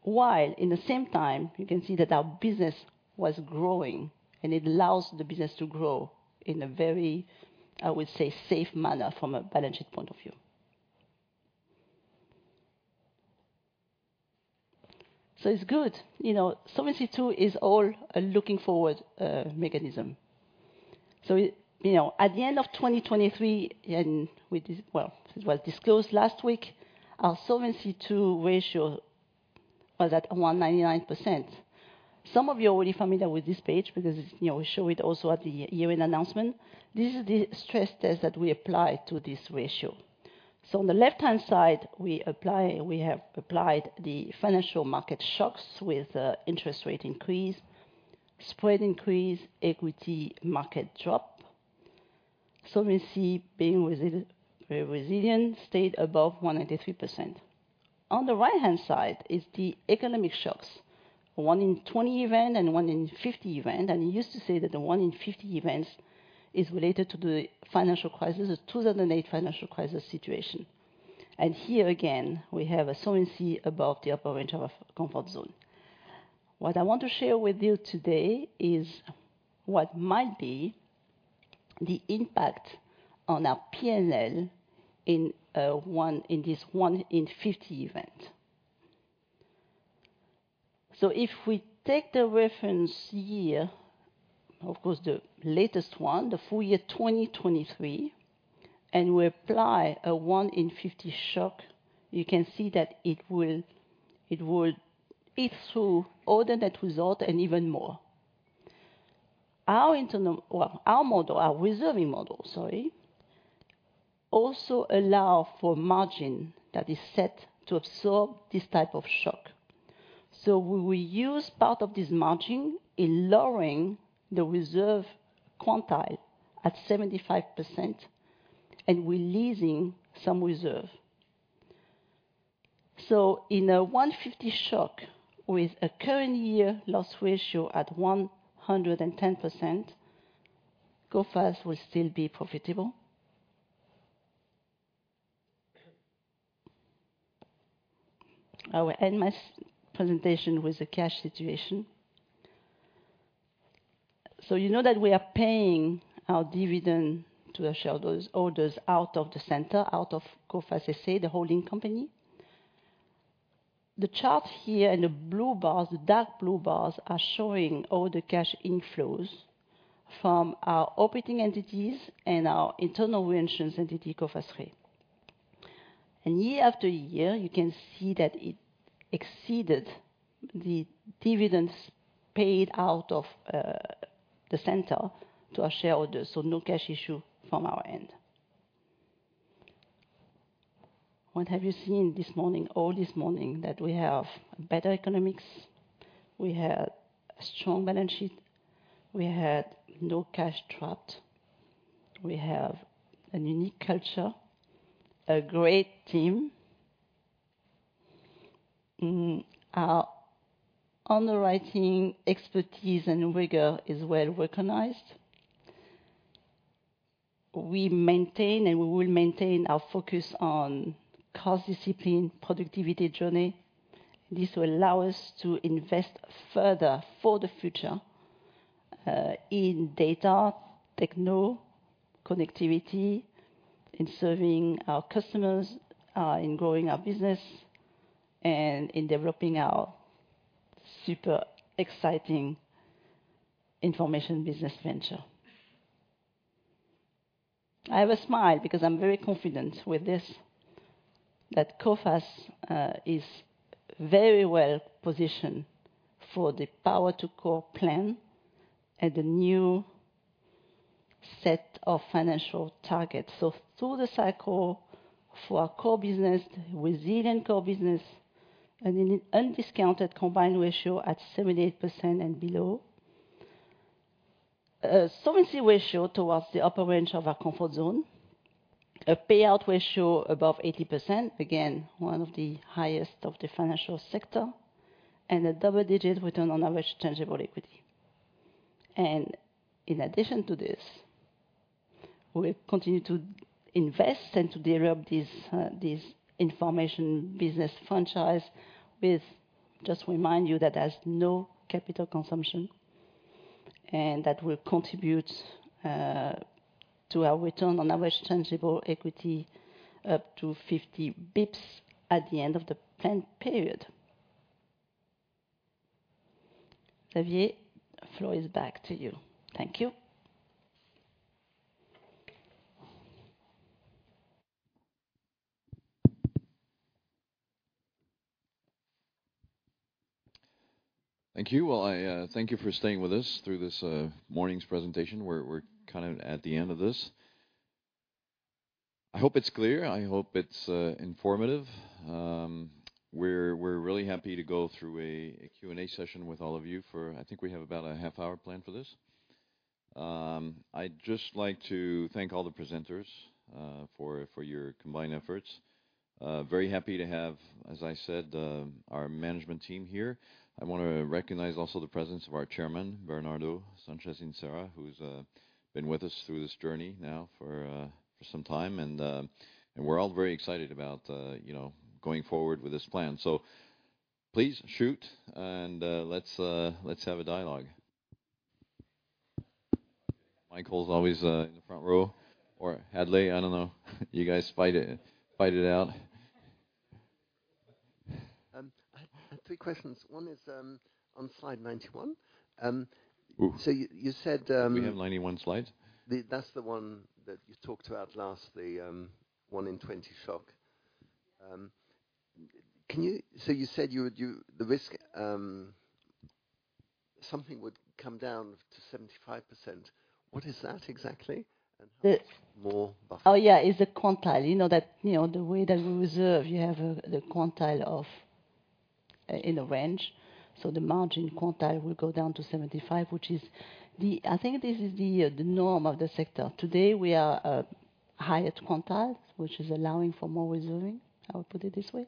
S7: While in the same time, you can see that our business was growing, and it allows the business to grow in a very, I would say, safe manner from a balance sheet point of view. So it's good. Solvency II is a looking-forward mechanism. So at the end of 2023, and well, it was disclosed last week, our Solvency II ratio was at 199%. Some of you are already familiar with this page because we show it also at the year-end announcement. This is the stress test that we apply to this ratio. So on the left-hand side, we have applied the financial market shocks with interest rate increase, spread increase, equity market drop. Solvency II being very resilient stayed above 193%. On the right-hand side is the economic shocks, 1-in-20 event and 1-in-50 event. He used to say that the 1-in-50 events is related to the financial crisis, the 2008 financial crisis situation. Here again, we have a severity above the upper range of our comfort zone. What I want to share with you today is what might be the impact on our P&L in this 1-in-50 event. So if we take the reference year, of course, the latest one, the full year 2023, and we apply a 1-in-50 shock, you can see that it will eat through all the net results and even more. Our model, our reserving model, sorry, also allows for margin that is set to absorb this type of shock. So we will use part of this margin in lowering the reserve quantile at 75% and releasing some reserve. So in a 1-in-50 shock with a current year loss ratio at 110%, Coface will still be profitable. I will end my presentation with the cash situation. So you know that we are paying our dividend to our shareholders out of the center, out of Coface SA, the holding company. The chart here and the blue bars, the dark blue bars, are showing all the cash inflows from our operating entities and our internal reinsurance entity, Coface Re. And year after year, you can see that it exceeded the dividends paid out of the center to our shareholders, so no cash issue from our end. What have you seen this morning, all this morning, that we have better economics, we had a strong balance sheet, we had no cash trapped, we have a unique culture, a great team, our underwriting expertise and rigor is well recognized, we maintain and we will maintain our focus on cost discipline, productivity journey. This will allow us to invest further for the future in data, techno, connectivity, in serving our customers, in growing our business, and in developing our super exciting information business venture. I have a smile because I'm very confident with this, that Coface is very well positioned for the Power the Core plan and the new set of financial targets. So through the cycle for our core business, resilient core business, an undiscounted Combined Ratio at 78% and below, a solvency ratio towards the upper range of our comfort zone, a payout ratio above 80%, again, one of the highest of the financial sector, and a double-digit return on average tangible equity. And in addition to this, we'll continue to invest and to develop this information business franchise, just to remind you that there's no capital consumption and that will contribute to our return on average tangible equity up to 50 bps at the end of the planned period. Xavier, the floor is back to you. Thank you.
S2: Thank you. Well, I thank you for staying with us through this morning's presentation. We're kind of at the end of this. I hope it's clear. I hope it's informative. We're really happy to go through a Q&A session with all of you for I think we have about a half-hour planned for this. I'd just like to thank all the presenters for your combined efforts. Very happy to have, as I said, our management team here. I want to recognize also the presence of our chairman, Bernardo Sánchez Incera, who's been with us through this journey now for some time. We're all very excited about going forward with this plan. Please shoot, and let's have a dialogue. Michael's always in the front row. Or Hadley, I don't know. You guys fight it out.
S8: Three questions. One is on slide 91. So you said.
S2: Do we have 91 slides?
S8: That's the one that you talked about last, the 1-in-20 shock. So you said the risk something would come down to 75%. What is that exactly? And how much more buffer?
S7: Oh, yeah. It's the quantile. You know that the way that we reserve, you have the quantile in a range. So the margin quantile will go down to 75, which is the, I think, this is the norm of the sector. Today, we are high at quantile, which is allowing for more reserving. I would put it this way.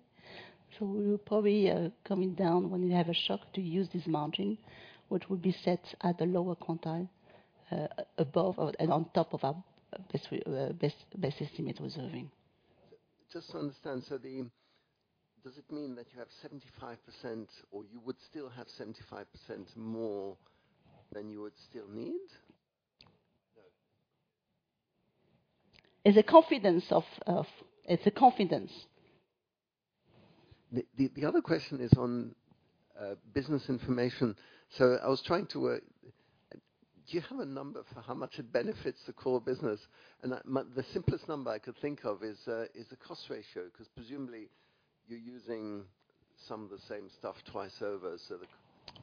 S7: So we're probably coming down when you have a shock to use this margin, which will be set at a lower quantile above and on top of our best estimate reserving.
S8: Just to understand, so does it mean that you have 75% or you would still have 75% more than you would still need?
S7: It's a confidence.
S8: The other question is on business information. So I was trying to, do you have a number for how much it benefits the core business? And the simplest number I could think of is the cost ratio because presumably, you're using some of the same stuff twice over. So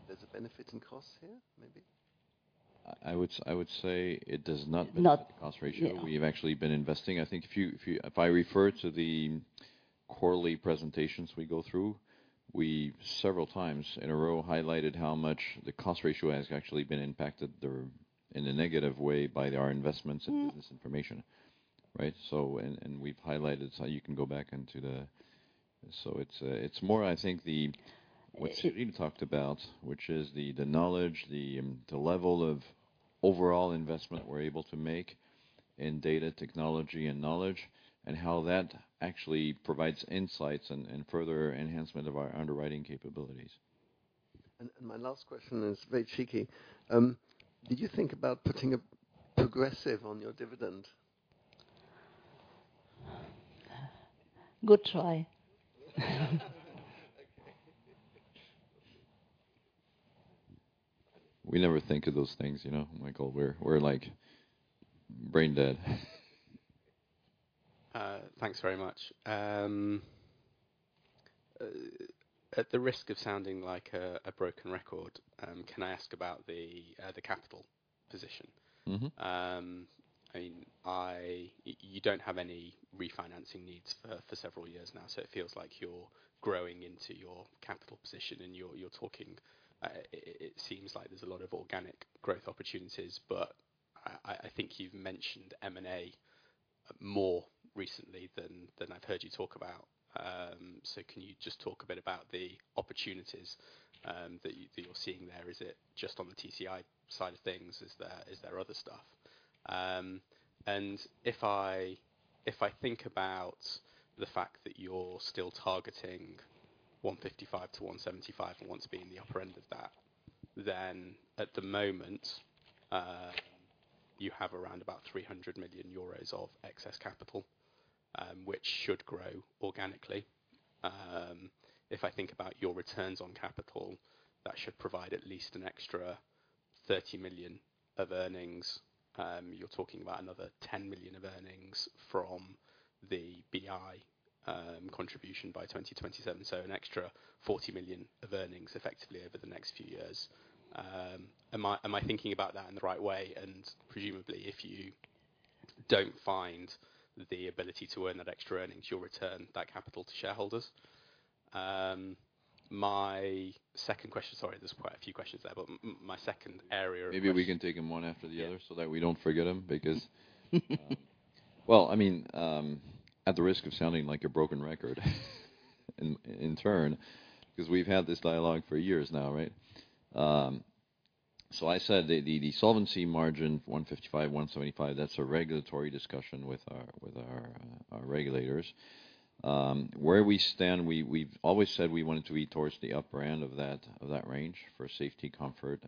S8: there's a benefit in cost here, maybe?
S2: I would say it does not benefit the cost ratio. We've actually been investing. I think if I refer to the quarterly presentations we go through, we've several times in a row highlighted how much the cost ratio has actually been impacted in a negative way by our investments in business information, right? And we've highlighted so you can go back into, so it's more, I think, what Cyrille talked about, which is the knowledge, the level of overall investment we're able to make in data, technology, and knowledge, and how that actually provides insights and further enhancement of our underwriting capabilities.
S8: My last question is very cheeky. Did you think about putting a progressive on your dividend?
S7: Good try.
S2: We never think of those things, Michael. We're brain dead.
S9: Thanks very much. At the risk of sounding like a broken record, can I ask about the capital position?
S2: Mm-hmm.
S9: I mean, you don't have any refinancing needs for several years now, so it feels like you're growing into your capital position. And it seems like there's a lot of organic growth opportunities, but I think you've mentioned M&A more recently than I've heard you talk about. So can you just talk a bit about the opportunities that you're seeing there? Is it just on the TCI side of things? Is there other stuff? And if I think about the fact that you're still targeting 155-175 and want to be in the upper end of that, then at the moment, you have around 300 million euros of excess capital, which should grow organically. If I think about your returns on capital, that should provide at least an extra 30 million of earnings. You're talking about another 10 million of earnings from the BI contribution by 2027, so an extra 40 million of earnings effectively over the next few years. Am I thinking about that in the right way? Presumably, if you don't find the ability to earn that extra earnings, you'll return that capital to shareholders. My second question sorry, there's quite a few questions there, but my second area of.
S2: Maybe we can take them one after the other so that we don't forget them because well, I mean, at the risk of sounding like a broken record in turn because we've had this dialogue for years now, right? So I said the solvency margin, 155-175, that's a regulatory discussion with our regulators. Where we stand, we've always said we wanted to aim towards the upper end of that range for safety, comfort.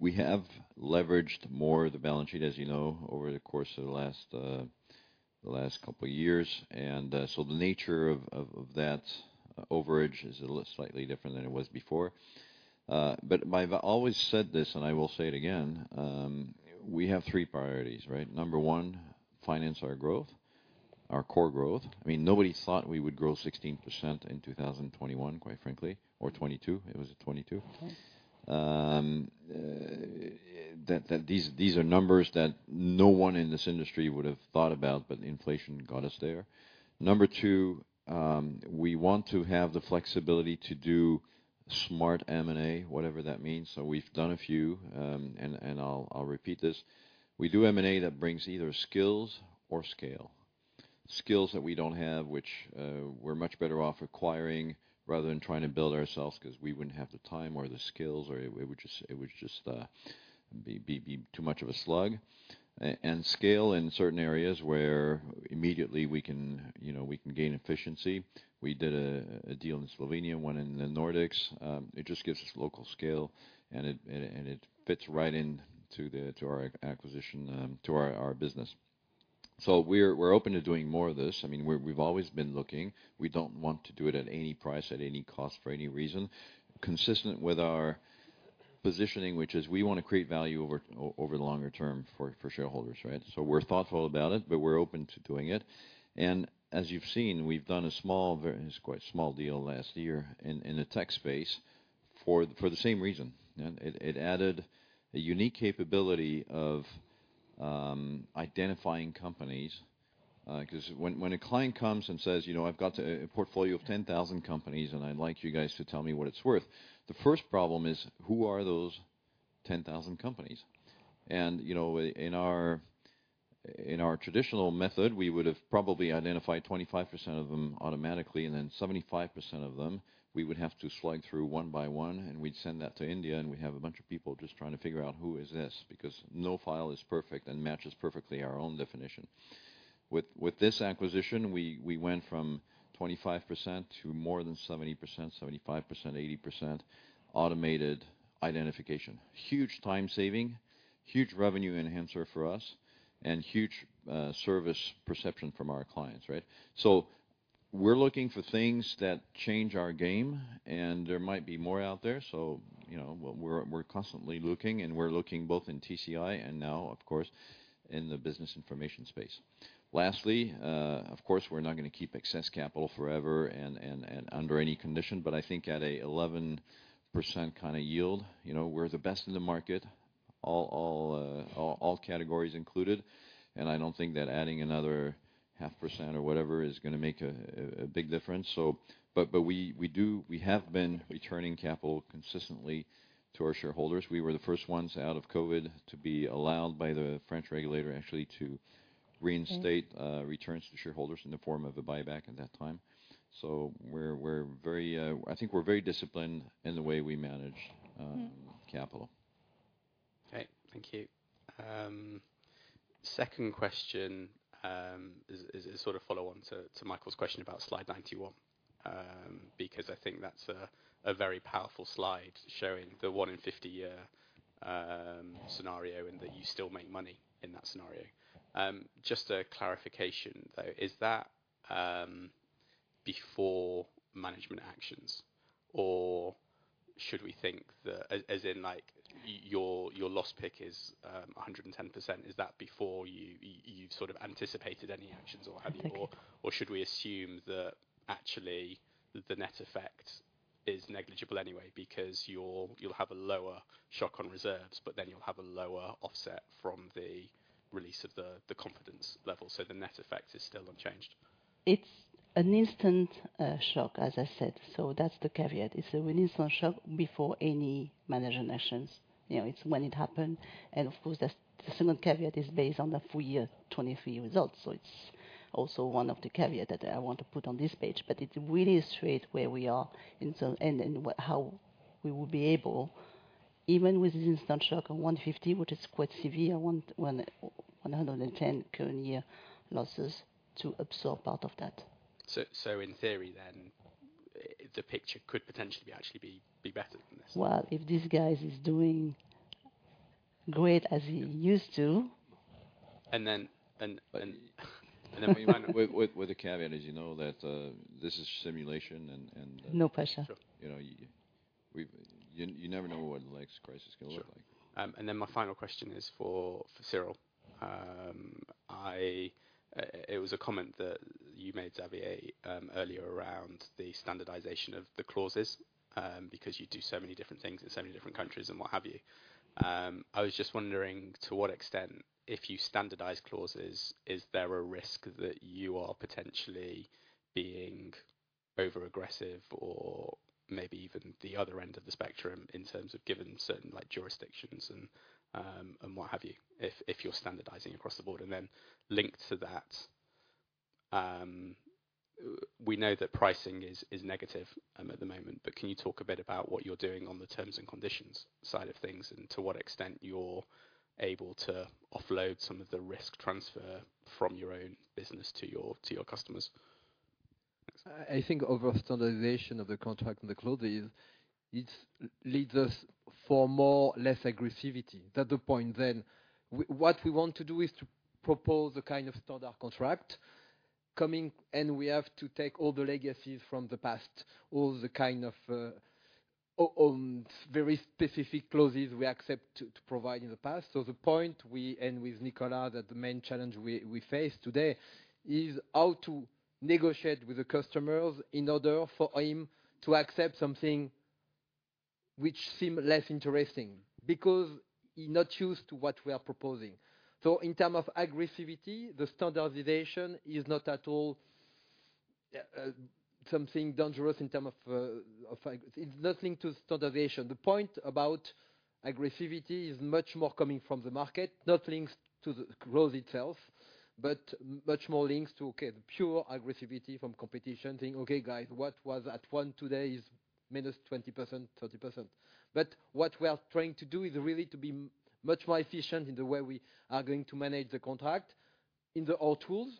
S2: We have leveraged more the balance sheet, as you know, over the course of the last couple of years. And so the nature of that overage is a little slightly different than it was before. But I've always said this, and I will say it again. We have three priorities, right? Number one, finance our growth, our core growth. I mean, nobody thought we would grow 16% in 2021, quite frankly, or 2022. It was a 2022. These are numbers that no one in this industry would have thought about, but inflation got us there. Number two, we want to have the flexibility to do smart M&A, whatever that means. So we've done a few, and I'll repeat this. We do M&A that brings either skills or scale, skills that we don't have, which we're much better off acquiring rather than trying to build ourselves because we wouldn't have the time or the skills, or it would just be too much of a slug. And scale in certain areas where immediately, we can gain efficiency. We did a deal in Slovenia, one in the Nordics. It just gives us local scale, and it fits right into our acquisition, to our business. So we're open to doing more of this. I mean, we've always been looking. We don't want to do it at any price, at any cost, for any reason, consistent with our positioning, which is we want to create value over the longer term for shareholders, right? So we're thoughtful about it, but we're open to doing it. And as you've seen, we've done a small, it's quite a small deal last year in the tech space for the same reason. It added a unique capability of identifying companies because when a client comes and says, "I've got a portfolio of 10,000 companies, and I'd like you guys to tell me what it's worth," the first problem is, who are those 10,000 companies? In our traditional method, we would have probably identified 25% of them automatically, and then 75% of them, we would have to slug through one by one, and we'd send that to India, and we'd have a bunch of people just trying to figure out, who is this? Because no file is perfect and matches perfectly our own definition. With this acquisition, we went from 25% to more than 70%, 75%, 80% automated identification, huge time saving, huge revenue enhancer for us, and huge service perception from our clients, right? So we're looking for things that change our game, and there might be more out there. So we're constantly looking, and we're looking both in TCI and now, of course, in the business information space. Lastly, of course, we're not going to keep excess capital forever and under any condition, but I think at an 11% kind of yield, we're the best in the market, all categories included. I don't think that adding another 0.5% or whatever is going to make a big difference. We have been returning capital consistently to our shareholders. We were the first ones out of COVID to be allowed by the French regulator actually to reinstate returns to shareholders in the form of a buyback at that time. I think we're very disciplined in the way we manage capital.
S9: Great. Thank you. Second question is sort of a follow-on to Michael's question about slide 91 because I think that's a very powerful slide showing the 1-in-50-year scenario and that you still make money in that scenario. Just a clarification, though, is that before management actions, or should we think that as in your loss pick is 110%, is that before you've sort of anticipated any actions, or should we assume that actually, the net effect is negligible anyway because you'll have a lower shock on reserves, but then you'll have a lower offset from the release of the confidence level? So the net effect is still unchanged?
S7: It's an instant shock, as I said. So that's the caveat. It's an instant shock before any management actions. It's when it happened. And of course, the second caveat is based on the full-year 2023 results. So it's also one of the caveats that I want to put on this page. But it really illustrates where we are and how we will be able, even with this instant shock on 150, which is quite severe, 110 current year losses, to absorb part of that.
S9: In theory, then, the picture could potentially actually be better than this?
S7: Well, if this guy is doing great as he used to.
S9: And then we run.
S2: With a caveat, as you know, that this is simulation and.
S7: No pressure.
S2: You never know what a legacy crisis can look like.
S9: Sure. Then my final question is for Cyrille. It was a comment that you made, Xavier, earlier around the standardization of the clauses because you do so many different things in so many different countries and what have you. I was just wondering, to what extent, if you standardize clauses, is there a risk that you are potentially being overaggressive or maybe even the other end of the spectrum in terms of given certain jurisdictions and what have you if you're standardizing across the board? And then linked to that, we know that pricing is negative at the moment, but can you talk a bit about what you're doing on the terms and conditions side of things and to what extent you're able to offload some of the risk transfer from your own business to your customers?
S3: I think over-standardization of the contract and the clauses leads us for more or less aggressiveness. That's the point, then. What we want to do is to propose a kind of standard contract, and we have to take all the legacies from the past, all the kind of very specific clauses we accept to provide in the past. So the point we end with, Nicolas, that the main challenge we face today is how to negotiate with the customers in order for him to accept something which seems less interesting because he's not used to what we are proposing. So in terms of aggressiveness, the standardization is not at all something dangerous in terms of it's nothing to standardization. The point about aggressivity is much more coming from the market, not linked to the clause itself, but much more linked to, okay, the pure aggressivity from competition, saying, "Okay, guys, what was at 1 today is minus 20%, 30%." But what we are trying to do is really to be much more efficient in the way we are going to manage the contract in the old tools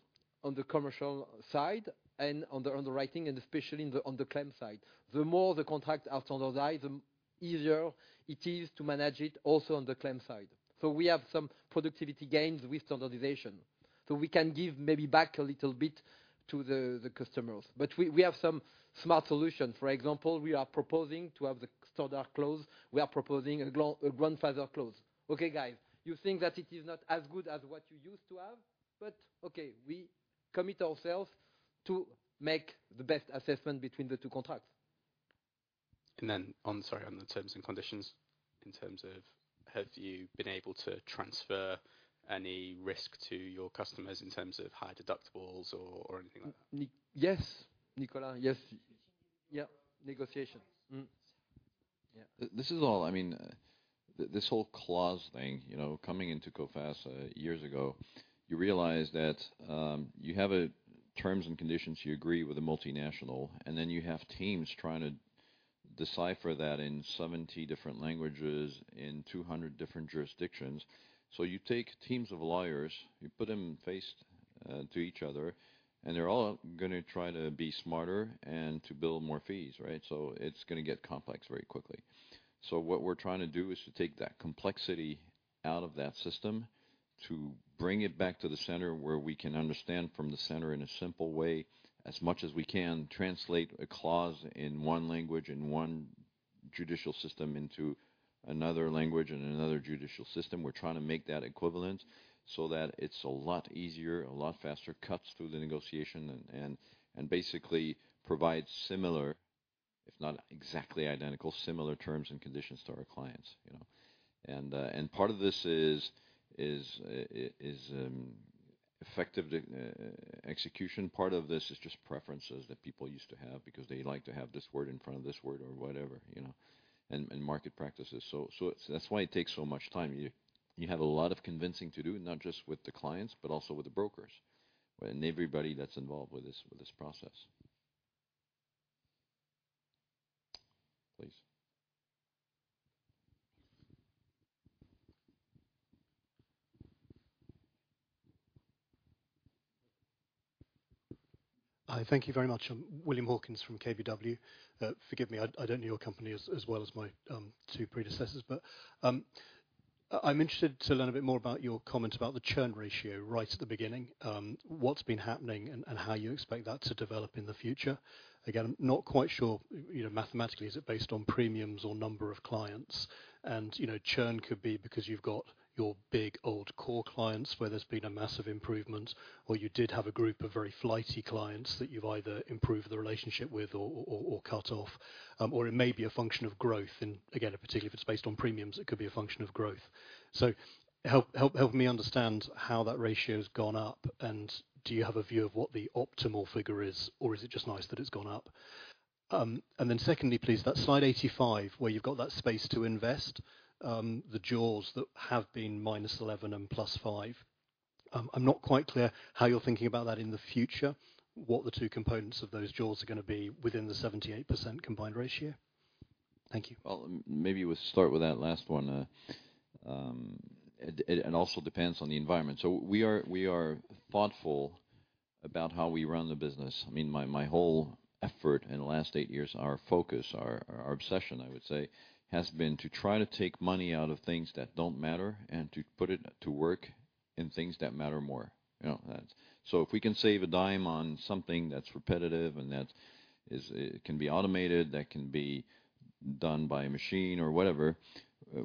S3: on the commercial side and on the underwriting, and especially on the claim side. The more the contract is standardized, the easier it is to manage it also on the claim side. So we have some productivity gains with standardization. So we can give maybe back a little bit to the customers. But we have some smart solutions. For example, we are proposing to have the standard clause. We are proposing a grandfather clause. Okay, guys, you think that it is not as good as what you used to have, but okay, we commit ourselves to make the best assessment between the two contracts.
S9: And then I'm sorry, on the terms and conditions, in terms of have you been able to transfer any risk to your customers in terms of high deductibles or anything like that?
S3: Yes, Nicolas. Yes. Yeah. Negotiations.
S2: This is all I mean, this whole clause thing, coming into Coface years ago, you realize that you have terms and conditions you agree with a multinational, and then you have teams trying to decipher that in 70 different languages in 200 different jurisdictions. So you take teams of lawyers, you put them face to each other, and they're all going to try to be smarter and to bill more fees, right? So it's going to get complex very quickly. So what we're trying to do is to take that complexity out of that system to bring it back to the center where we can understand from the center in a simple way as much as we can translate a clause in one language in one judicial system into another language in another judicial system. We're trying to make that equivalent so that it's a lot easier, a lot faster, cuts through the negotiation, and basically provides similar, if not exactly identical, similar terms and conditions to our clients. Part of this is effective execution. Part of this is just preferences that people used to have because they like to have this word in front of this word or whatever and market practices. So that's why it takes so much time. You have a lot of convincing to do, not just with the clients, but also with the brokers and everybody that's involved with this process. Please.
S10: Thank you very much. I'm William Hawkins from KBW. Forgive me. I don't know your company as well as my two predecessors, but I'm interested to learn a bit more about your comment about the churn ratio right at the beginning, what's been happening, and how you expect that to develop in the future. Again, I'm not quite sure mathematically, is it based on premiums or number of clients? And churn could be because you've got your big old core clients where there's been a massive improvement, or you did have a group of very flighty clients that you've either improved the relationship with or cut off, or it may be a function of growth. And again, particularly if it's based on premiums, it could be a function of growth. So help me understand how that ratio has gone up, and do you have a view of what the optimal figure is, or is it just nice that it's gone up? Then secondly, please, that slide 85 where you've got that space to invest, the jaws that have been -11 and +5. I'm not quite clear how you're thinking about that in the future, what the two components of those jaws are going to be within the 78% combined ratio. Thank you.
S2: Well, maybe we'll start with that last one. It also depends on the environment. We are thoughtful about how we run the business. I mean, my whole effort in the last eight years, our focus, our obsession, I would say, has been to try to take money out of things that don't matter and to put it to work in things that matter more. If we can save a dime on something that's repetitive and that can be automated, that can be done by a machine or whatever,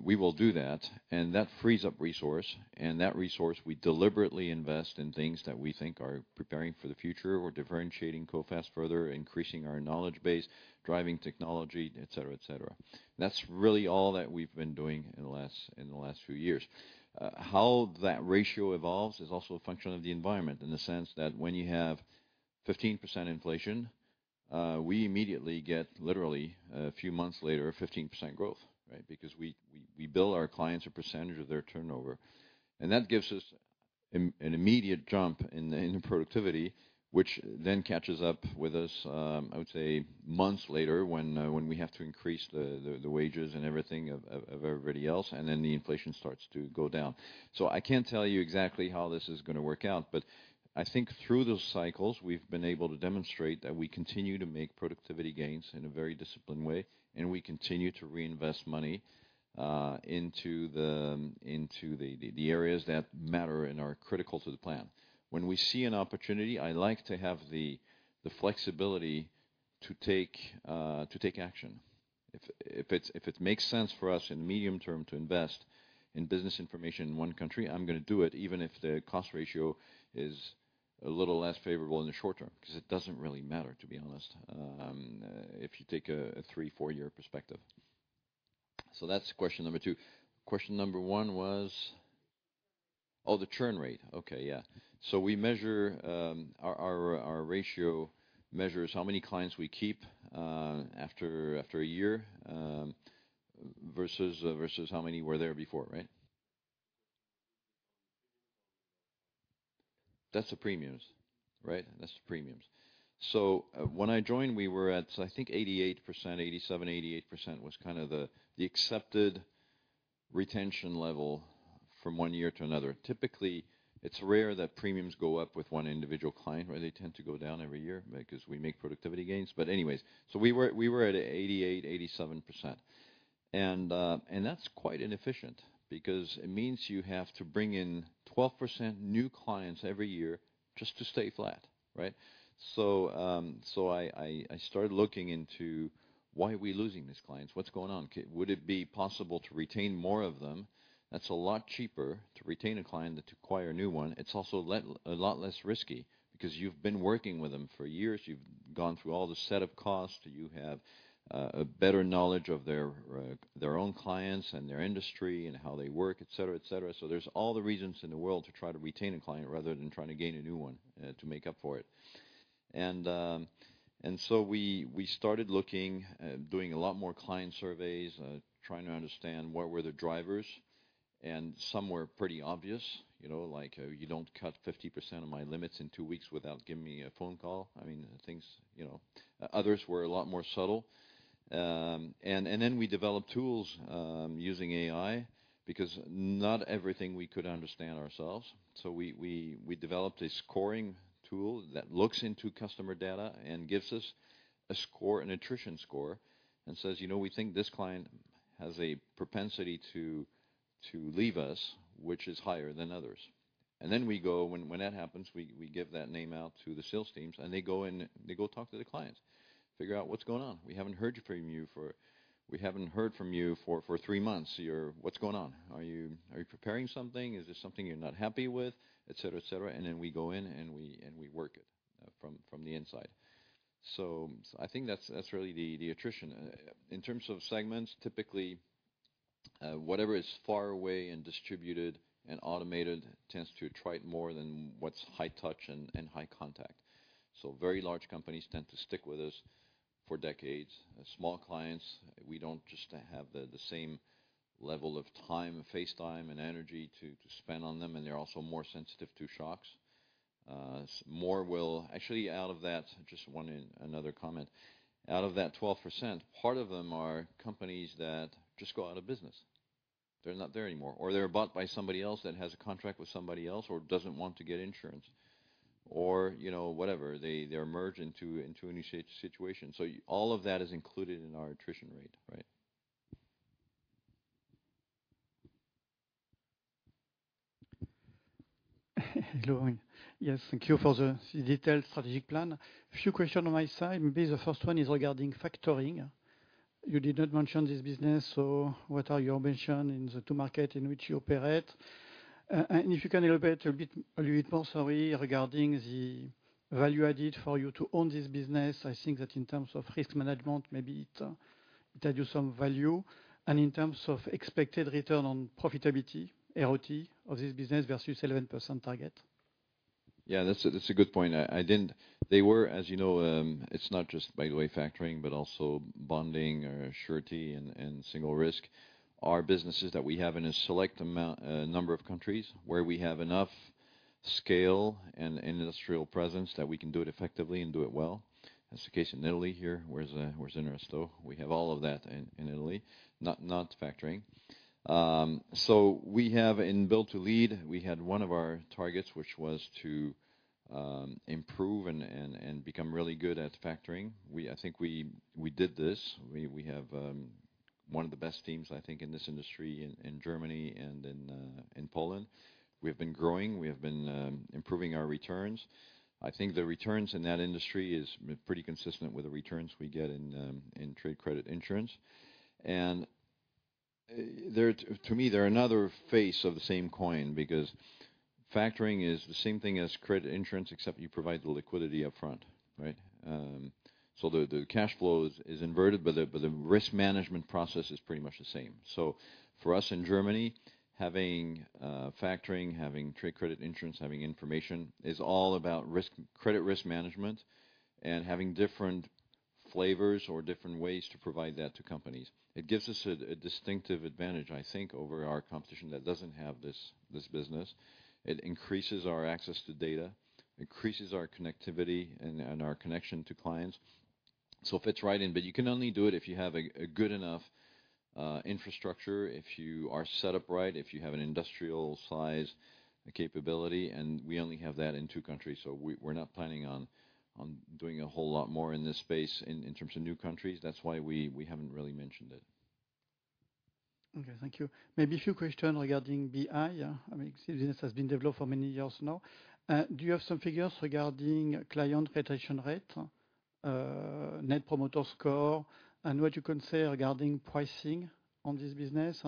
S2: we will do that. That frees up resource, and that resource, we deliberately invest in things that we think are preparing for the future or differentiating Coface further, increasing our knowledge base, driving technology, etc., etc. That's really all that we've been doing in the last few years. How that ratio evolves is also a function of the environment in the sense that when you have 15% inflation, we immediately get, literally a few months later, 15% growth, right? Because we bill our clients a percentage of their turnover. And that gives us an immediate jump in productivity, which then catches up with us, I would say, months later when we have to increase the wages and everything of everybody else, and then the inflation starts to go down. So I can't tell you exactly how this is going to work out, but I think through those cycles, we've been able to demonstrate that we continue to make productivity gains in a very disciplined way, and we continue to reinvest money into the areas that matter and are critical to the plan. When we see an opportunity, I like to have the flexibility to take action. If it makes sense for us in the medium term to invest in business information in one country, I'm going to do it even if the cost ratio is a little less favorable in the short term because it doesn't really matter, to be honest, if you take a three- or four-year perspective. So that's question number two. Question number one was, oh, the churn rate. Okay. Yeah. So we measure our ratio measures how many clients we keep after a year versus how many were there before, right? That's the premiums, right? That's the premiums. So when I joined, we were at, I think, 88%, 87%, 88% was kind of the accepted retention level from one year to another. Typically, it's rare that premiums go up with one individual client, right? They tend to go down every year because we make productivity gains. Anyways, we were at 88%, 87%. And that's quite inefficient because it means you have to bring in 12% new clients every year just to stay flat, right? So I started looking into, why are we losing these clients? What's going on? Would it be possible to retain more of them? That's a lot cheaper to retain a client than to acquire a new one. It's also a lot less risky because you've been working with them for years. You've gone through all the set of costs. You have a better knowledge of their own clients and their industry and how they work, etc., etc. So there's all the reasons in the world to try to retain a client rather than trying to gain a new one to make up for it. And so we started looking, doing a lot more client surveys, trying to understand what were the drivers. And some were pretty obvious, like you don't cut 50% of my limits in two weeks without giving me a phone call. I mean, others were a lot more subtle. And then we developed tools using AI because not everything we could understand ourselves. So we developed a scoring tool that looks into customer data and gives us a score, an attrition score, and says, "We think this client has a propensity to leave us, which is higher than others." And then we go when that happens, we give that name out to the sales teams, and they go in, they go talk to the clients, figure out what's going on. "We haven't heard from you for three months. What's going on? Are you preparing something? Is there something you're not happy with?" Etc., etc. Then we go in and we work it from the inside. So I think that's really the attrition. In terms of segments, typically, whatever is far away and distributed and automated tends to thrive more than what's high touch and high contact. So very large companies tend to stick with us for decades. Small clients, we don't just have the same level of time, face time, and energy to spend on them, and they're also more sensitive to shocks. Actually, out of that, just wanted another comment. Out of that 12%, part of them are companies that just go out of business. They're not there anymore, or they're bought by somebody else that has a contract with somebody else or doesn't want to get insurance or whatever. They're merged into a new situation. All of that is included in our attrition rate, right?
S11: Hello, Amine. Yes, thank you for the detailed strategic plan. A few questions on my side. Maybe the first one is regarding factoring. You did not mention this business, so what are your ambitions in the two markets in which you operate? And if you can elaborate a little bit more, sorry, regarding the value added for you to own this business, I think that in terms of risk management, maybe it adds you some value. And in terms of expected return on profitability, ROT, of this business versus 11% target.
S2: Yeah, that's a good point. They were, as you know, it's not just, by the way, factoring, but also bonding or surety and single risk. Our businesses that we have in a select number of countries where we have enough scale and industrial presence that we can do it effectively and do it well. That's the case in Italy here where we are still. We have all of that in Italy, not factoring. So we have in Build to Lead, we had one of our targets, which was to improve and become really good at factoring. I think we did this. We have one of the best teams, I think, in this industry in Germany and in Poland. We have been growing. We have been improving our returns. I think the returns in that industry are pretty consistent with the returns we get in trade credit insurance. To me, they're another face of the same coin because factoring is the same thing as credit insurance, except you provide the liquidity upfront, right? The cash flow is inverted, but the risk management process is pretty much the same. For us in Germany, having factoring, having trade credit insurance, having information is all about credit risk management and having different flavors or different ways to provide that to companies. It gives us a distinctive advantage, I think, over our competition that doesn't have this business. It increases our access to data, increases our connectivity and our connection to clients. It fits right in. But you can only do it if you have a good enough infrastructure, if you are set up right, if you have an industrial-sized capability. We only have that in two countries, so we're not planning on doing a whole lot more in this space in terms of new countries. That's why we haven't really mentioned it.
S11: Okay. Thank you. Maybe a few questions regarding BI. I mean, this has been developed for many years now. Do you have some figures regarding client retention rate, net promoter score, and what you consider regarding pricing on this business?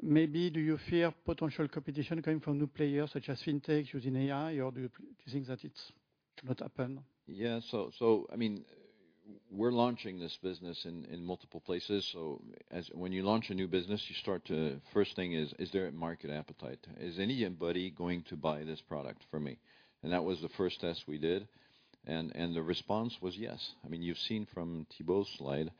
S11: Maybe do you fear potential competition coming from new players such as fintechs using AI, or do you think that it should not happen?
S2: Yeah. So I mean, we're launching this business in multiple places. So when you launch a new business, you start to first thing is, is there a market appetite? Is anybody going to buy this product from me? And that was the first test we did. And the response was yes. I mean, you've seen from Thibault's slide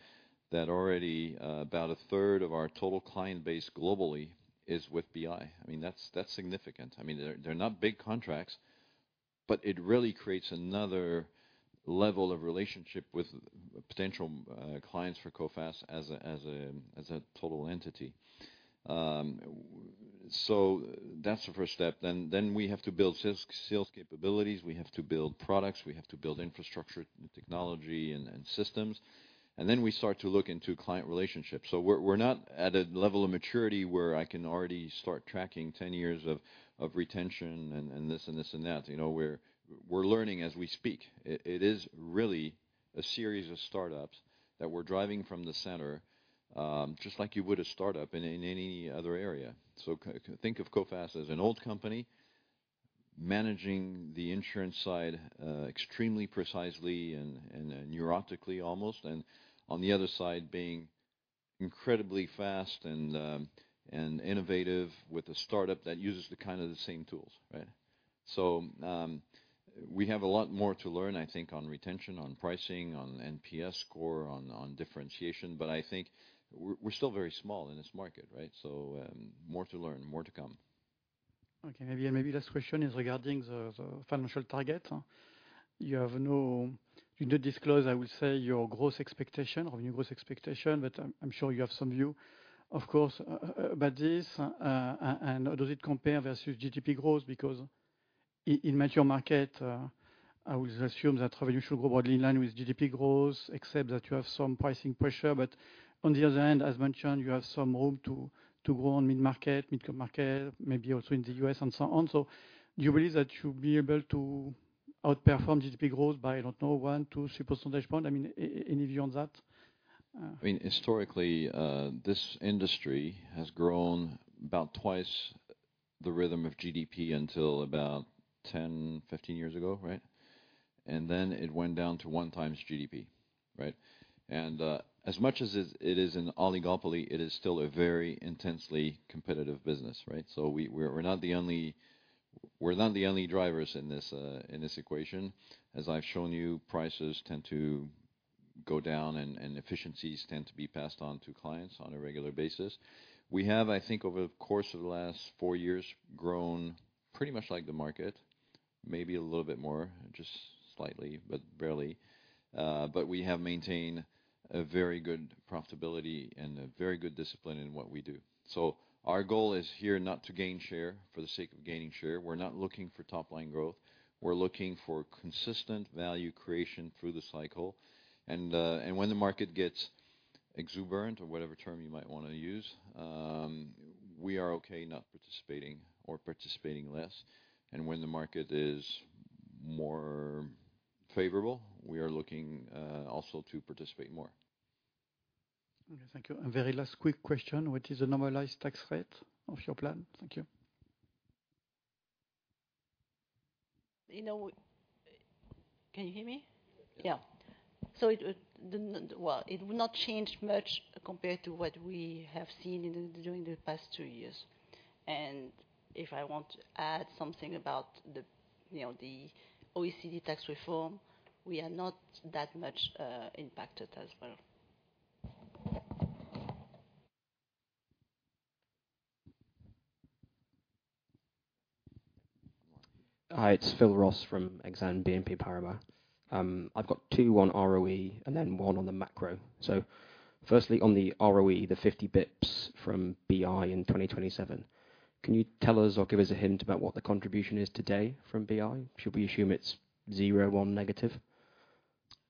S2: that already about a third of our total client base globally is with BI. I mean, that's significant. I mean, they're not big contracts, but it really creates another level of relationship with potential clients for Coface as a total entity. So that's the first step. Then we have to build sales capabilities. We have to build products. We have to build infrastructure, technology, and systems. And then we start to look into client relationships. So we're not at a level of maturity where I can already start tracking ten years of retention and this and this and that. We're learning as we speak. It is really a series of startups that we're driving from the center just like you would a startup in any other area. So think of Coface as an old company managing the insurance side extremely precisely and neurotically almost, and on the other side, being incredibly fast and innovative with a startup that uses kind of the same tools, right? So we have a lot more to learn, I think, on retention, on pricing, on NPS score, on differentiation. But I think we're still very small in this market, right? So more to learn, more to come.
S11: Okay. And maybe last question is regarding the financial target. You did not disclose, I will say, your gross expectation, revenue gross expectation, but I'm sure you have some view, of course, about this. And does it compare versus GDP growth? Because in mature markets, I will assume that revenue should grow broadly in line with GDP growth, except that you have some pricing pressure. But on the other hand, as mentioned, you have some room to grow on mid-market, mid-cap market, maybe also in the U.S., and so on. So do you believe that you'll be able to outperform GDP growth by, I don't know, 1, 2, 3 percentage points? I mean, any view on that?
S2: I mean, historically, this industry has grown about twice the rhythm of GDP until about 10-15 years ago, right? Then it went down to 1x GDP, right? And as much as it is an oligopoly, it is still a very intensely competitive business, right? So we're not the only drivers in this equation. As I've shown you, prices tend to go down, and efficiencies tend to be passed on to clients on a regular basis. We have, I think, over the course of the last four years, grown pretty much like the market, maybe a little bit more, just slightly but barely. But we have maintained a very good profitability and a very good discipline in what we do. So our goal is here not to gain share for the sake of gaining share. We're not looking for top-line growth. We're looking for consistent value creation through the cycle. When the market gets exuberant or whatever term you might want to use, we are okay not participating or participating less. When the market is more favorable, we are looking also to participate more.
S11: Okay. Thank you. And very last quick question, which is the normalized tax rate of your plan? Thank you.
S7: Can you hear me?
S12: Yes.
S7: Yeah. So well, it will not change much compared to what we have seen during the past two years. And if I want to add something about the OECD tax reform, we are not that much impacted as well.
S13: Hi. It's Phil Ross from Exane BNP Paribas. I've got two on ROE and then one on the macro. So firstly, on the ROE, the 50 bps from BI in 2027, can you tell us or give us a hint about what the contribution is today from BI? Should we assume it's zero, one negative?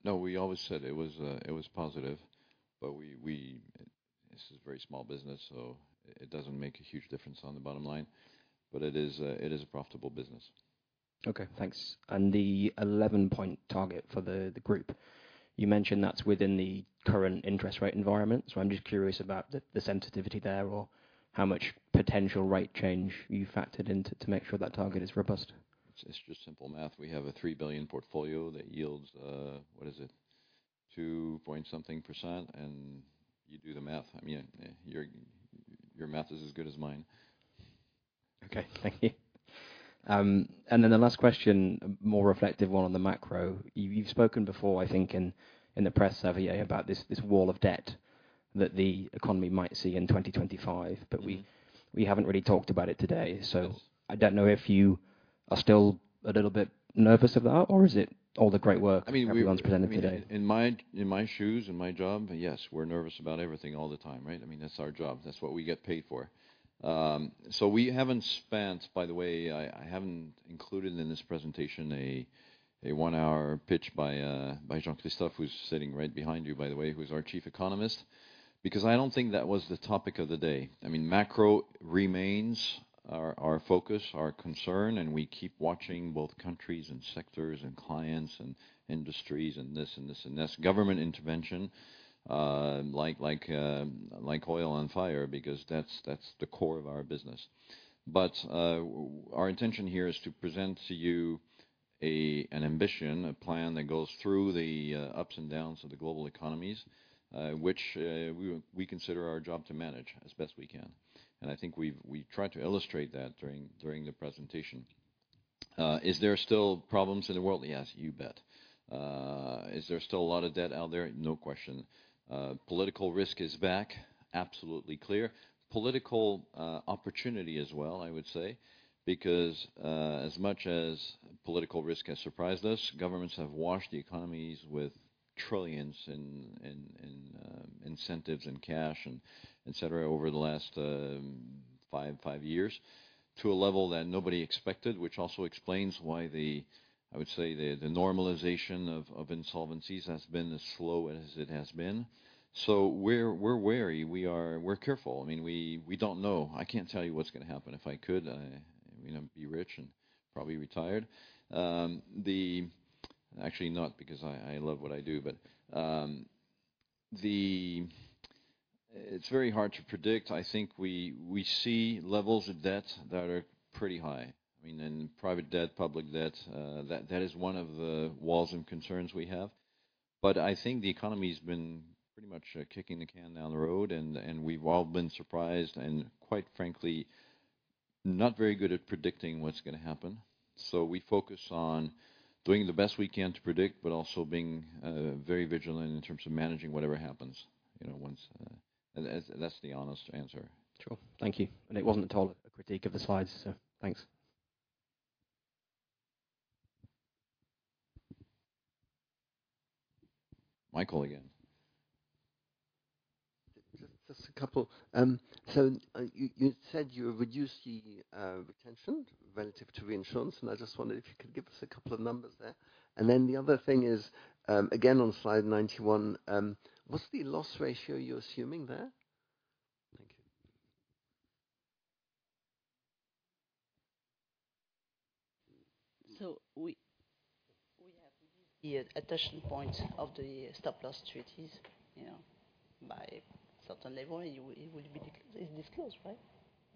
S2: No, we always said it was positive. But this is a very small business, so it doesn't make a huge difference on the bottom line. But it is a profitable business.
S13: Okay. Thanks. The 11-point target for the group, you mentioned that's within the current interest rate environment. I'm just curious about the sensitivity there or how much potential rate change you factored into to make sure that target is robust.
S2: It's just simple math. We have a 3 billion portfolio that yields what is it? two.something%. You do the math. I mean, your math is as good as mine.
S13: Okay. Thank you. Then the last question, a more reflective one on the macro. You've spoken before, I think, in the press earlier about this wall of debt that the economy might see in 2025, but we haven't really talked about it today. I don't know if you are still a little bit nervous of that, or is it all the great work everyone's presenting today?
S2: I mean, in my shoes, in my job, yes, we're nervous about everything all the time, right? I mean, that's our job. That's what we get paid for. So we haven't spent, by the way, I haven't included in this presentation a 1-hour pitch by Jean-Christophe, who's sitting right behind you, by the way, who's our Chief Economist, because I don't think that was the topic of the day. I mean, macro remains our focus, our concern, and we keep watching both countries and sectors and clients and industries and this and this and this, government intervention like oil on fire because that's the core of our business. But our intention here is to present to you an ambition, a plan that goes through the ups and downs of the global economies, which we consider our job to manage as best we can. I think we tried to illustrate that during the presentation. Is there still problems in the world? Yes, you bet. Is there still a lot of debt out there? No question. Political risk is back, absolutely clear. Political opportunity as well, I would say, because as much as political risk has surprised us, governments have washed the economies with trillions in incentives and cash, etc., over the last five, five years to a level that nobody expected, which also explains why the, I would say, the normalization of insolvencies has been as slow as it has been. So we're wary. We're careful. I mean, we don't know. I can't tell you what's going to happen if I could be rich and probably retired. Actually, not because I love what I do, but it's very hard to predict. I think we see levels of debt that are pretty high. I mean, in private debt, public debt, that is one of the walls and concerns we have. But I think the economy's been pretty much kicking the can down the road, and we've all been surprised and, quite frankly, not very good at predicting what's going to happen. So we focus on doing the best we can to predict but also being very vigilant in terms of managing whatever happens once. That's the honest answer.
S13: True. Thank you. And it wasn't at all a critique of the slides, so thanks.
S2: Michael again.
S8: Just a couple. So you said you reduced the retention relative to reinsurance, and I just wondered if you could give us a couple of numbers there. And then the other thing is, again, on slide 91, what's the loss ratio you're assuming there? Thank you.
S7: We have reduced the retention point of the stop-loss treaties by a certain level. It's disclosed, right?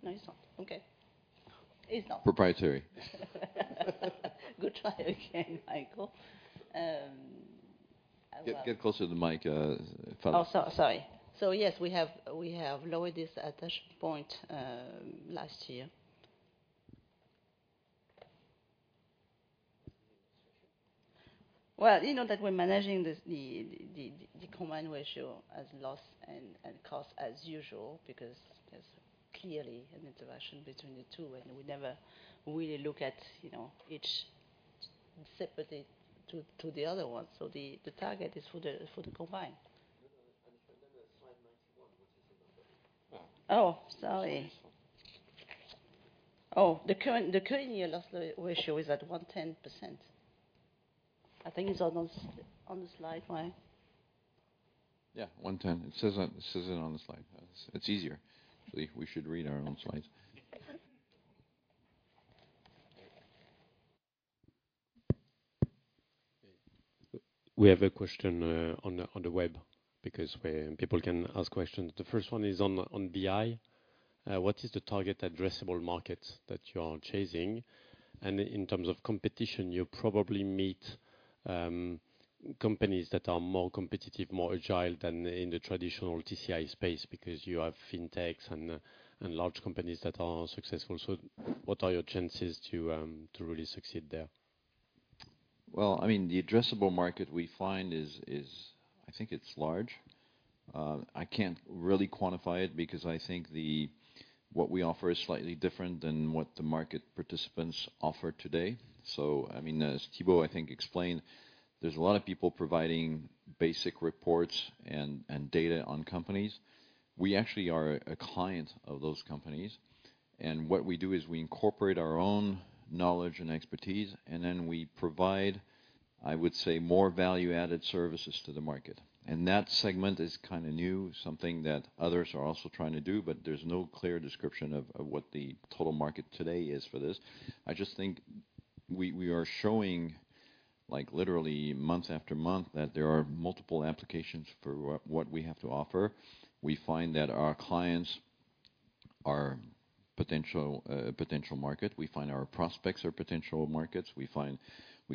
S7: No, it's not. Okay. It's not.
S2: Proprietary.
S7: Good try again, Michael.
S2: Get closer to the mic, if at all.
S7: Oh, sorry. So yes, we have lowered this attachment point last year. Well, you know that we're managing the combined ratio as loss and cost as usual because there's clearly an interaction between the two, and we never really look at each separately to the other one. So the target is for the combined.
S8: If I look at slide 91, what is the number?
S7: Oh, sorry. Oh, the current year loss ratio is at 110%. I think it's on the slide, right?
S2: Yeah, 110. It says it on the slide. It's easier. Actually, we should read our own slides.
S14: We have a question on the web because people can ask questions. The first one is on BI. What is the target addressable market that you are chasing? And in terms of competition, you probably meet companies that are more competitive, more agile than in the traditional TCI space because you have fintechs and large companies that are successful. So what are your chances to really succeed there?
S2: Well, I mean, the addressable market we find is I think it's large. I can't really quantify it because I think what we offer is slightly different than what the market participants offer today. So I mean, as Thibault, I think, explained, there's a lot of people providing basic reports and data on companies. We actually are a client of those companies. And what we do is we incorporate our own knowledge and expertise, and then we provide, I would say, more value-added services to the market. And that segment is kind of new, something that others are also trying to do, but there's no clear description of what the total market today is for this. I just think we are showing, literally, month after month, that there are multiple applications for what we have to offer. We find that our clients are potential market. We find our prospects are potential markets. We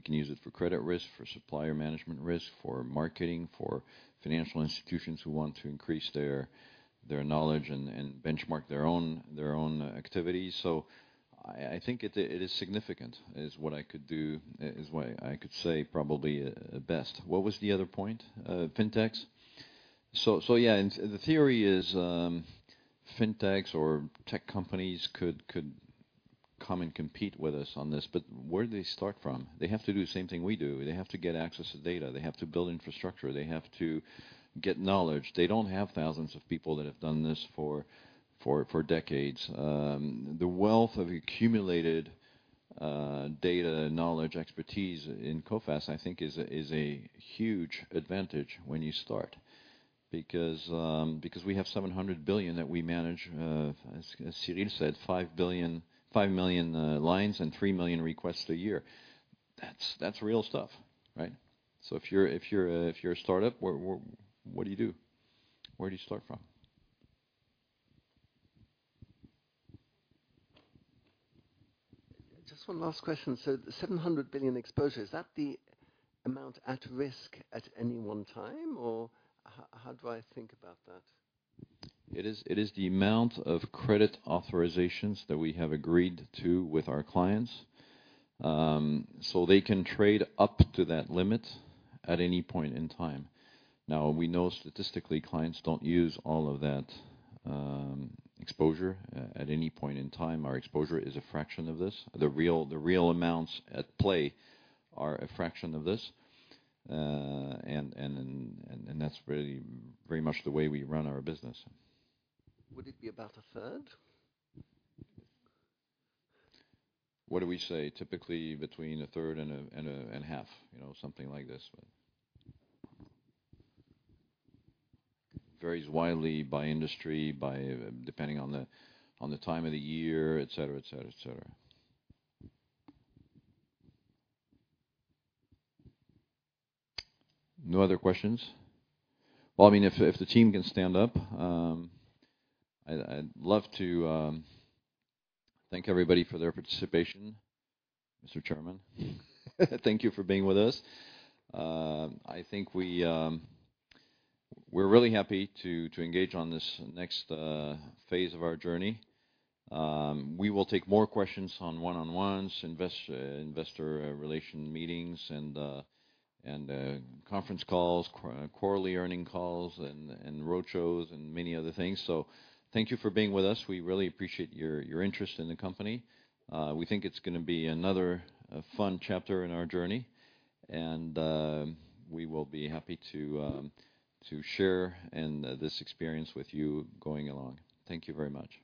S2: can use it for credit risk, for supplier management risk, for marketing, for financial institutions who want to increase their knowledge and benchmark their own activities. So I think it is significant is what I could do is what I could say probably best. What was the other point? Fintechs. So yeah, the theory is fintechs or tech companies could come and compete with us on this, but where do they start from? They have to do the same thing we do. They have to get access to data. They have to build infrastructure. They have to get knowledge. They don't have thousands of people that have done this for decades. The wealth of accumulated data, knowledge, expertise in Coface, I think, is a huge advantage when you start because we have 700 billion that we manage. As Cyrille said, five million lines and three million requests a year. That's real stuff, right? So if you're a startup, what do you do? Where do you start from?
S8: Just one last question. The 700 billion exposure, is that the amount at risk at any one time, or how do I think about that?
S2: It is the amount of credit authorizations that we have agreed to with our clients so they can trade up to that limit at any point in time. Now, we know statistically, clients don't use all of that exposure at any point in time. Our exposure is a fraction of this. The real amounts at play are a fraction of this. That's very much the way we run our business.
S8: Would it be about a third?
S2: What do we say? Typically, between a third and a half, something like this. Varies widely by industry, depending on the time of the year, etc., etc., etc. No other questions? Well, I mean, if the team can stand up, I'd love to thank everybody for their participation, Mr. Chairman. Thank you for being with us. I think we're really happy to engage on this next phase of our journey. We will take more questions on one-on-ones, investor relations meetings, and conference calls, quarterly earnings calls, and roadshows, and many other things. So thank you for being with us. We really appreciate your interest in the company. We think it's going to be another fun chapter in our journey, and we will be happy to share this experience with you going along. Thank you very much.